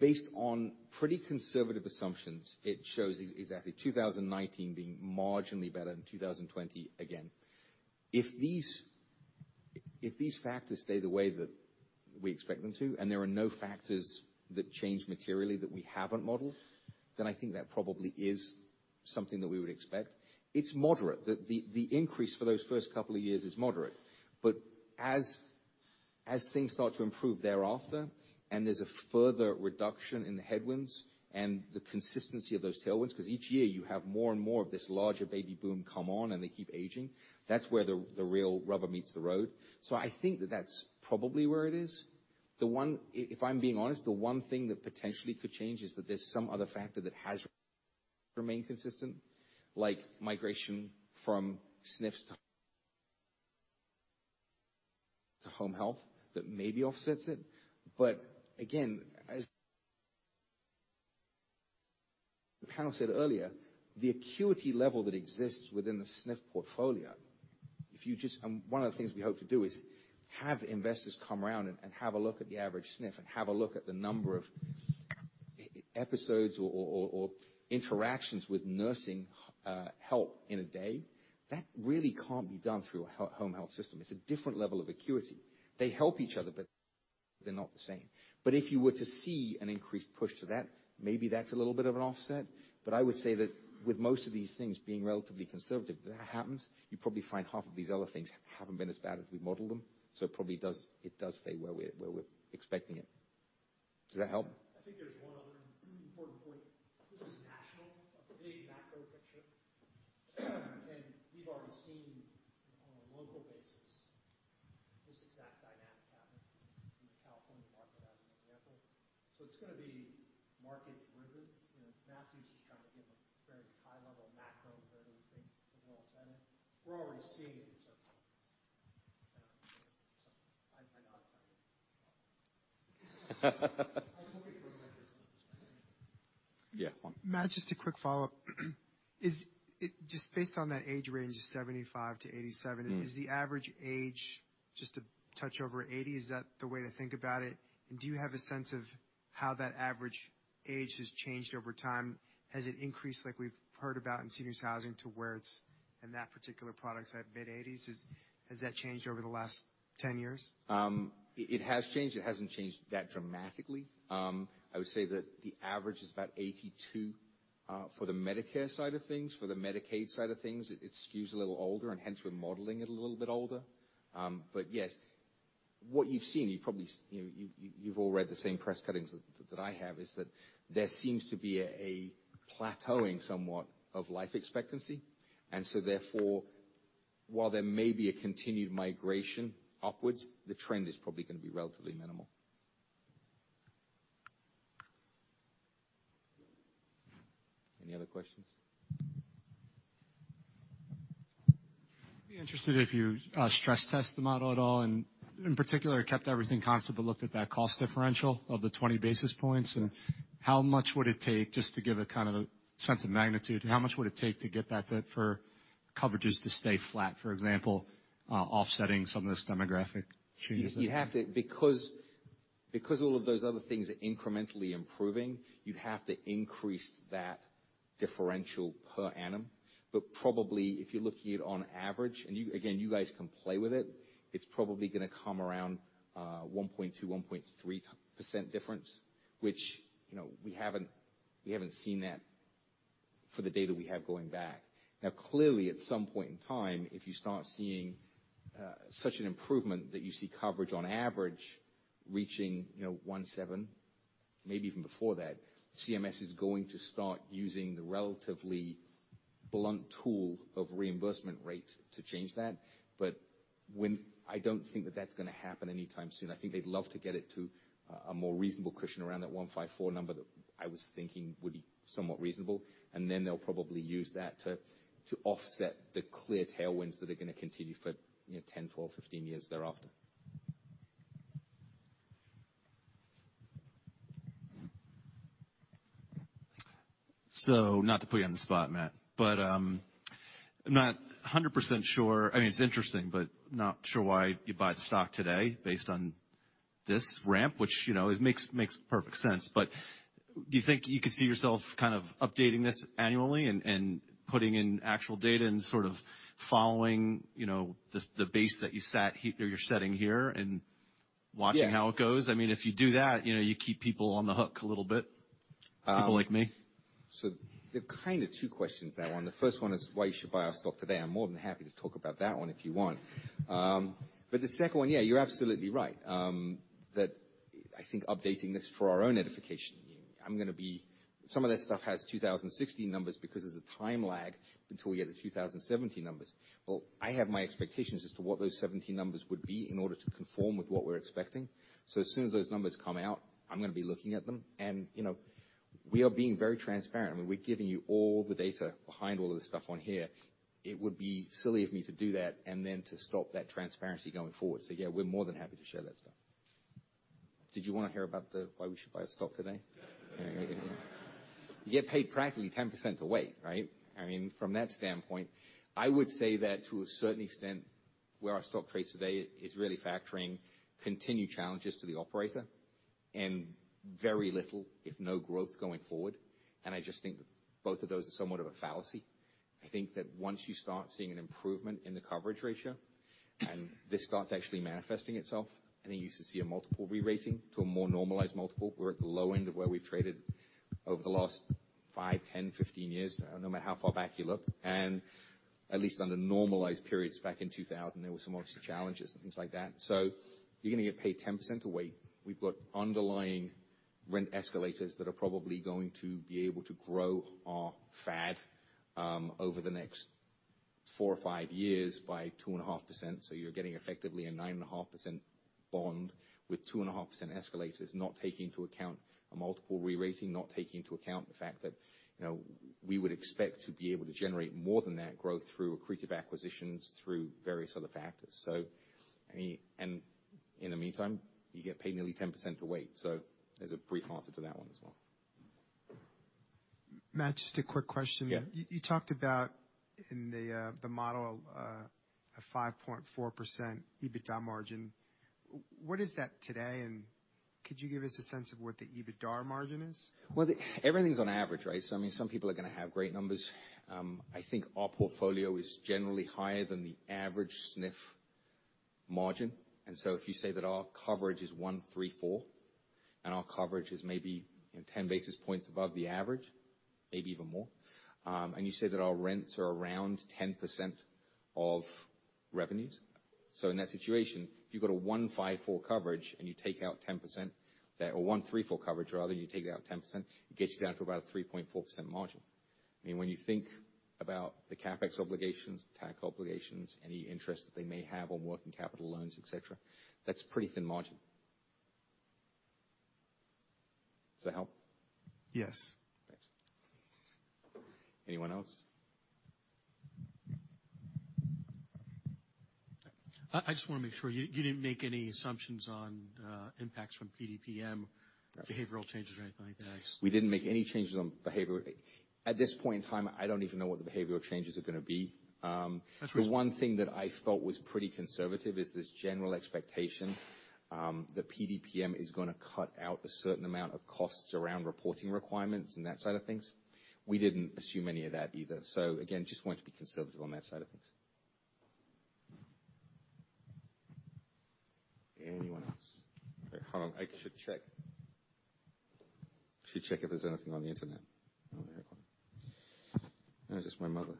Based on pretty conservative assumptions, it shows exactly 2019 being marginally better than 2020 again. If these factors stay the way that we expect them to, there are no factors that change materially that we haven't modeled, then I think that probably is something that we would expect. It's moderate. The increase for those first couple of years is moderate. As things start to improve thereafter, there's a further reduction in the headwinds and the consistency of those tailwinds, each year you have more and more of this larger baby boom come on, and they keep aging. That's where the real rubber meets the road. I think that that's probably where it is. If I'm being honest, the one thing that potentially could change is that there's some other factor that has remained consistent, like migration from SNFs to home health that maybe offsets it. Again, as the panel said earlier, the acuity level that exists within the SNF portfolio, one of the things we hope to do is have investors come around and have a look at the average SNF and have a look at the number of episodes or interactions with nursing help in a day. That really can't be done through a home health system. It's a different level of acuity. They help each other, they're not the same. If you were to see an increased push to that, maybe that's a little bit of an offset. I would say that with most of these things being relatively conservative, if that happens, you'd probably find half of these other things haven't been as bad as we modeled them. It probably does stay where we're expecting it. Does that help? I think there's one other important point. This is national, a big macro picture. We've already seen on a local basis this exact dynamic happen in the California market as an example. It's going to be market driven. Matthew's just trying to give a very high-level macro where we think it will all set in. We're already seeing it in certain markets. I nod to what you're saying. Yeah. Matt, just a quick follow-up. Just based on that age range of 75 to 87. Is the average age just a touch over 80? Is that the way to think about it? Do you have a sense of how that average age has changed over time? Has it increased like we've heard about in seniors housing to where it's, in that particular product, at mid-80s? Has that changed over the last 10 years? It has changed. It hasn't changed that dramatically. I would say that the average is about 82 for the Medicare side of things. For the Medicaid side of things, it skews a little older, hence we're modeling it a little bit older. Yes, what you've seen, you've all read the same press cuttings that I have, is that there seems to be a plateauing somewhat of life expectancy. Therefore, while there may be a continued migration upwards, the trend is probably going to be relatively minimal. Any other questions? I'd be interested if you stress-test the model at all, and in particular, kept everything constant but looked at that cost differential of the 20 basis points, and how much would it take, just to give a sense of magnitude, how much would it take to get that for coverages to stay flat, for example, offsetting some of this demographic changes? All of those other things are incrementally improving, you'd have to increase that differential per annum. Probably, if you're looking at on average, and again, you guys can play with it's probably going to come around 1.2, 1.3% difference, which we haven't seen that for the data we have going back. Clearly, at some point in time, if you start seeing such an improvement that you see coverage on average reaching 1.7, maybe even before that, CMS is going to start using the relatively blunt tool of reimbursement rate to change that. I don't think that that's going to happen anytime soon. I think they'd love to get it to a more reasonable cushion around that 1.54 number that I was thinking would be somewhat reasonable. Then they'll probably use that to offset the clear tailwinds that are going to continue for 10, 12, 15 years thereafter. Not to put you on the spot, Matt, I'm not 100% sure it's interesting, but not sure why you'd buy the stock today based on this ramp, which makes perfect sense. Do you think you could see yourself updating this annually and putting in actual data and following the base that you're setting here and watching how it goes? Yeah. If you do that, you keep people on the hook a little bit. People like me. There are two questions there. One, the first one is why you should buy our stock today. I'm more than happy to talk about that one if you want. The second one, yeah, you're absolutely right, that I think updating this for our own edification. Some of this stuff has 2016 numbers because there's a time lag until we get the 2017 numbers. I have my expectations as to what those 2017 numbers would be in order to conform with what we're expecting. As soon as those numbers come out, I'm going to be looking at them. We are being very transparent. We're giving you all the data behind all of the stuff on here. It would be silly of me to do that and then to stop that transparency going forward. Yeah, we're more than happy to share that stuff. Did you want to hear about why we should buy a stock today? You get paid practically 10% to wait, right? From that standpoint, I would say that to a certain extent, where our stock trades today is really factoring continued challenges to the operator and very little, if no growth going forward. I just think that both of those are somewhat of a fallacy. I think that once you start seeing an improvement in the coverage ratio and this starts actually manifesting itself, I think you should see a multiple re-rating to a more normalized multiple. We're at the low end of where we've traded over the last five, 10, 15 years, no matter how far back you look. At least under normalized periods back in 2000, there were some obviously challenges and things like that. You're going to get paid 10% to wait. We've got underlying rent escalators that are probably going to be able to grow our FAD over the next four or five years by 2.5%. You're getting effectively a 9.5% bond with 2.5% escalators, not taking into account a multiple re-rating, not taking into account the fact that we would expect to be able to generate more than that growth through accretive acquisitions, through various other factors. In the meantime, you get paid nearly 10% to wait. There's a brief answer to that one as well. Matt, just a quick question. Yeah. You talked about in the model, a 5.4% EBITDA margin. What is that today? Could you give us a sense of what the EBITDAR margin is? Well, everything's on average, right? Some people are going to have great numbers. I think our portfolio is generally higher than the average SNF margin. If you say that our coverage is 1.34, and our coverage is maybe 10 basis points above the average, maybe even more, and you say that our rents are around 10% of revenues. In that situation, if you've got a 1.54 coverage and you take out 10%, or 1.34 coverage rather, you take out 10%, it gets you down to about a 3.4% margin. When you think about the CapEx obligations, tax obligations, any interest that they may have on working capital loans, et cetera, that's pretty thin margin. Does that help? Yes. Thanks. Anyone else? I just want to make sure you didn't make any assumptions on impacts from PDPM. Right Behavioral changes or anything like that. We didn't make any changes on behavior. At this point in time, I don't even know what the behavioral changes are going to be. That's true. The one thing that I felt was pretty conservative is this general expectation. The PDPM is going to cut out a certain amount of costs around reporting requirements and that side of things. We didn't assume any of that either. Again, just wanted to be conservative on that side of things. Anyone else? Hold on. I should check if there's anything on the internet. No, just my mother.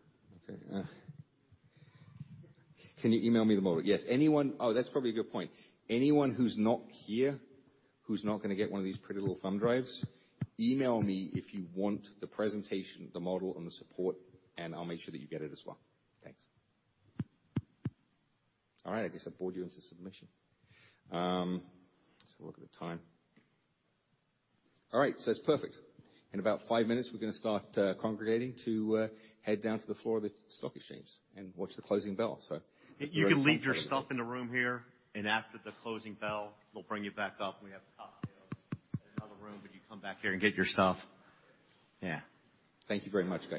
Can you email me the model? Yes, anyone. That's probably a good point. Anyone who's not here, who's not going to get one of these pretty little thumb drives, email me if you want the presentation, the model and the support, and I'll make sure that you get it as well. Thanks. I guess I bored you into submission. Let's have a look at the time. It's perfect. In about five minutes, we're going to start congregating to head down to the floor of the stock exchange and watch the closing bell. You can leave your stuff in the room here, and after the closing bell, we'll bring you back up, and we have cocktails in another room. You come back here and get your stuff. Thank you very much, guys.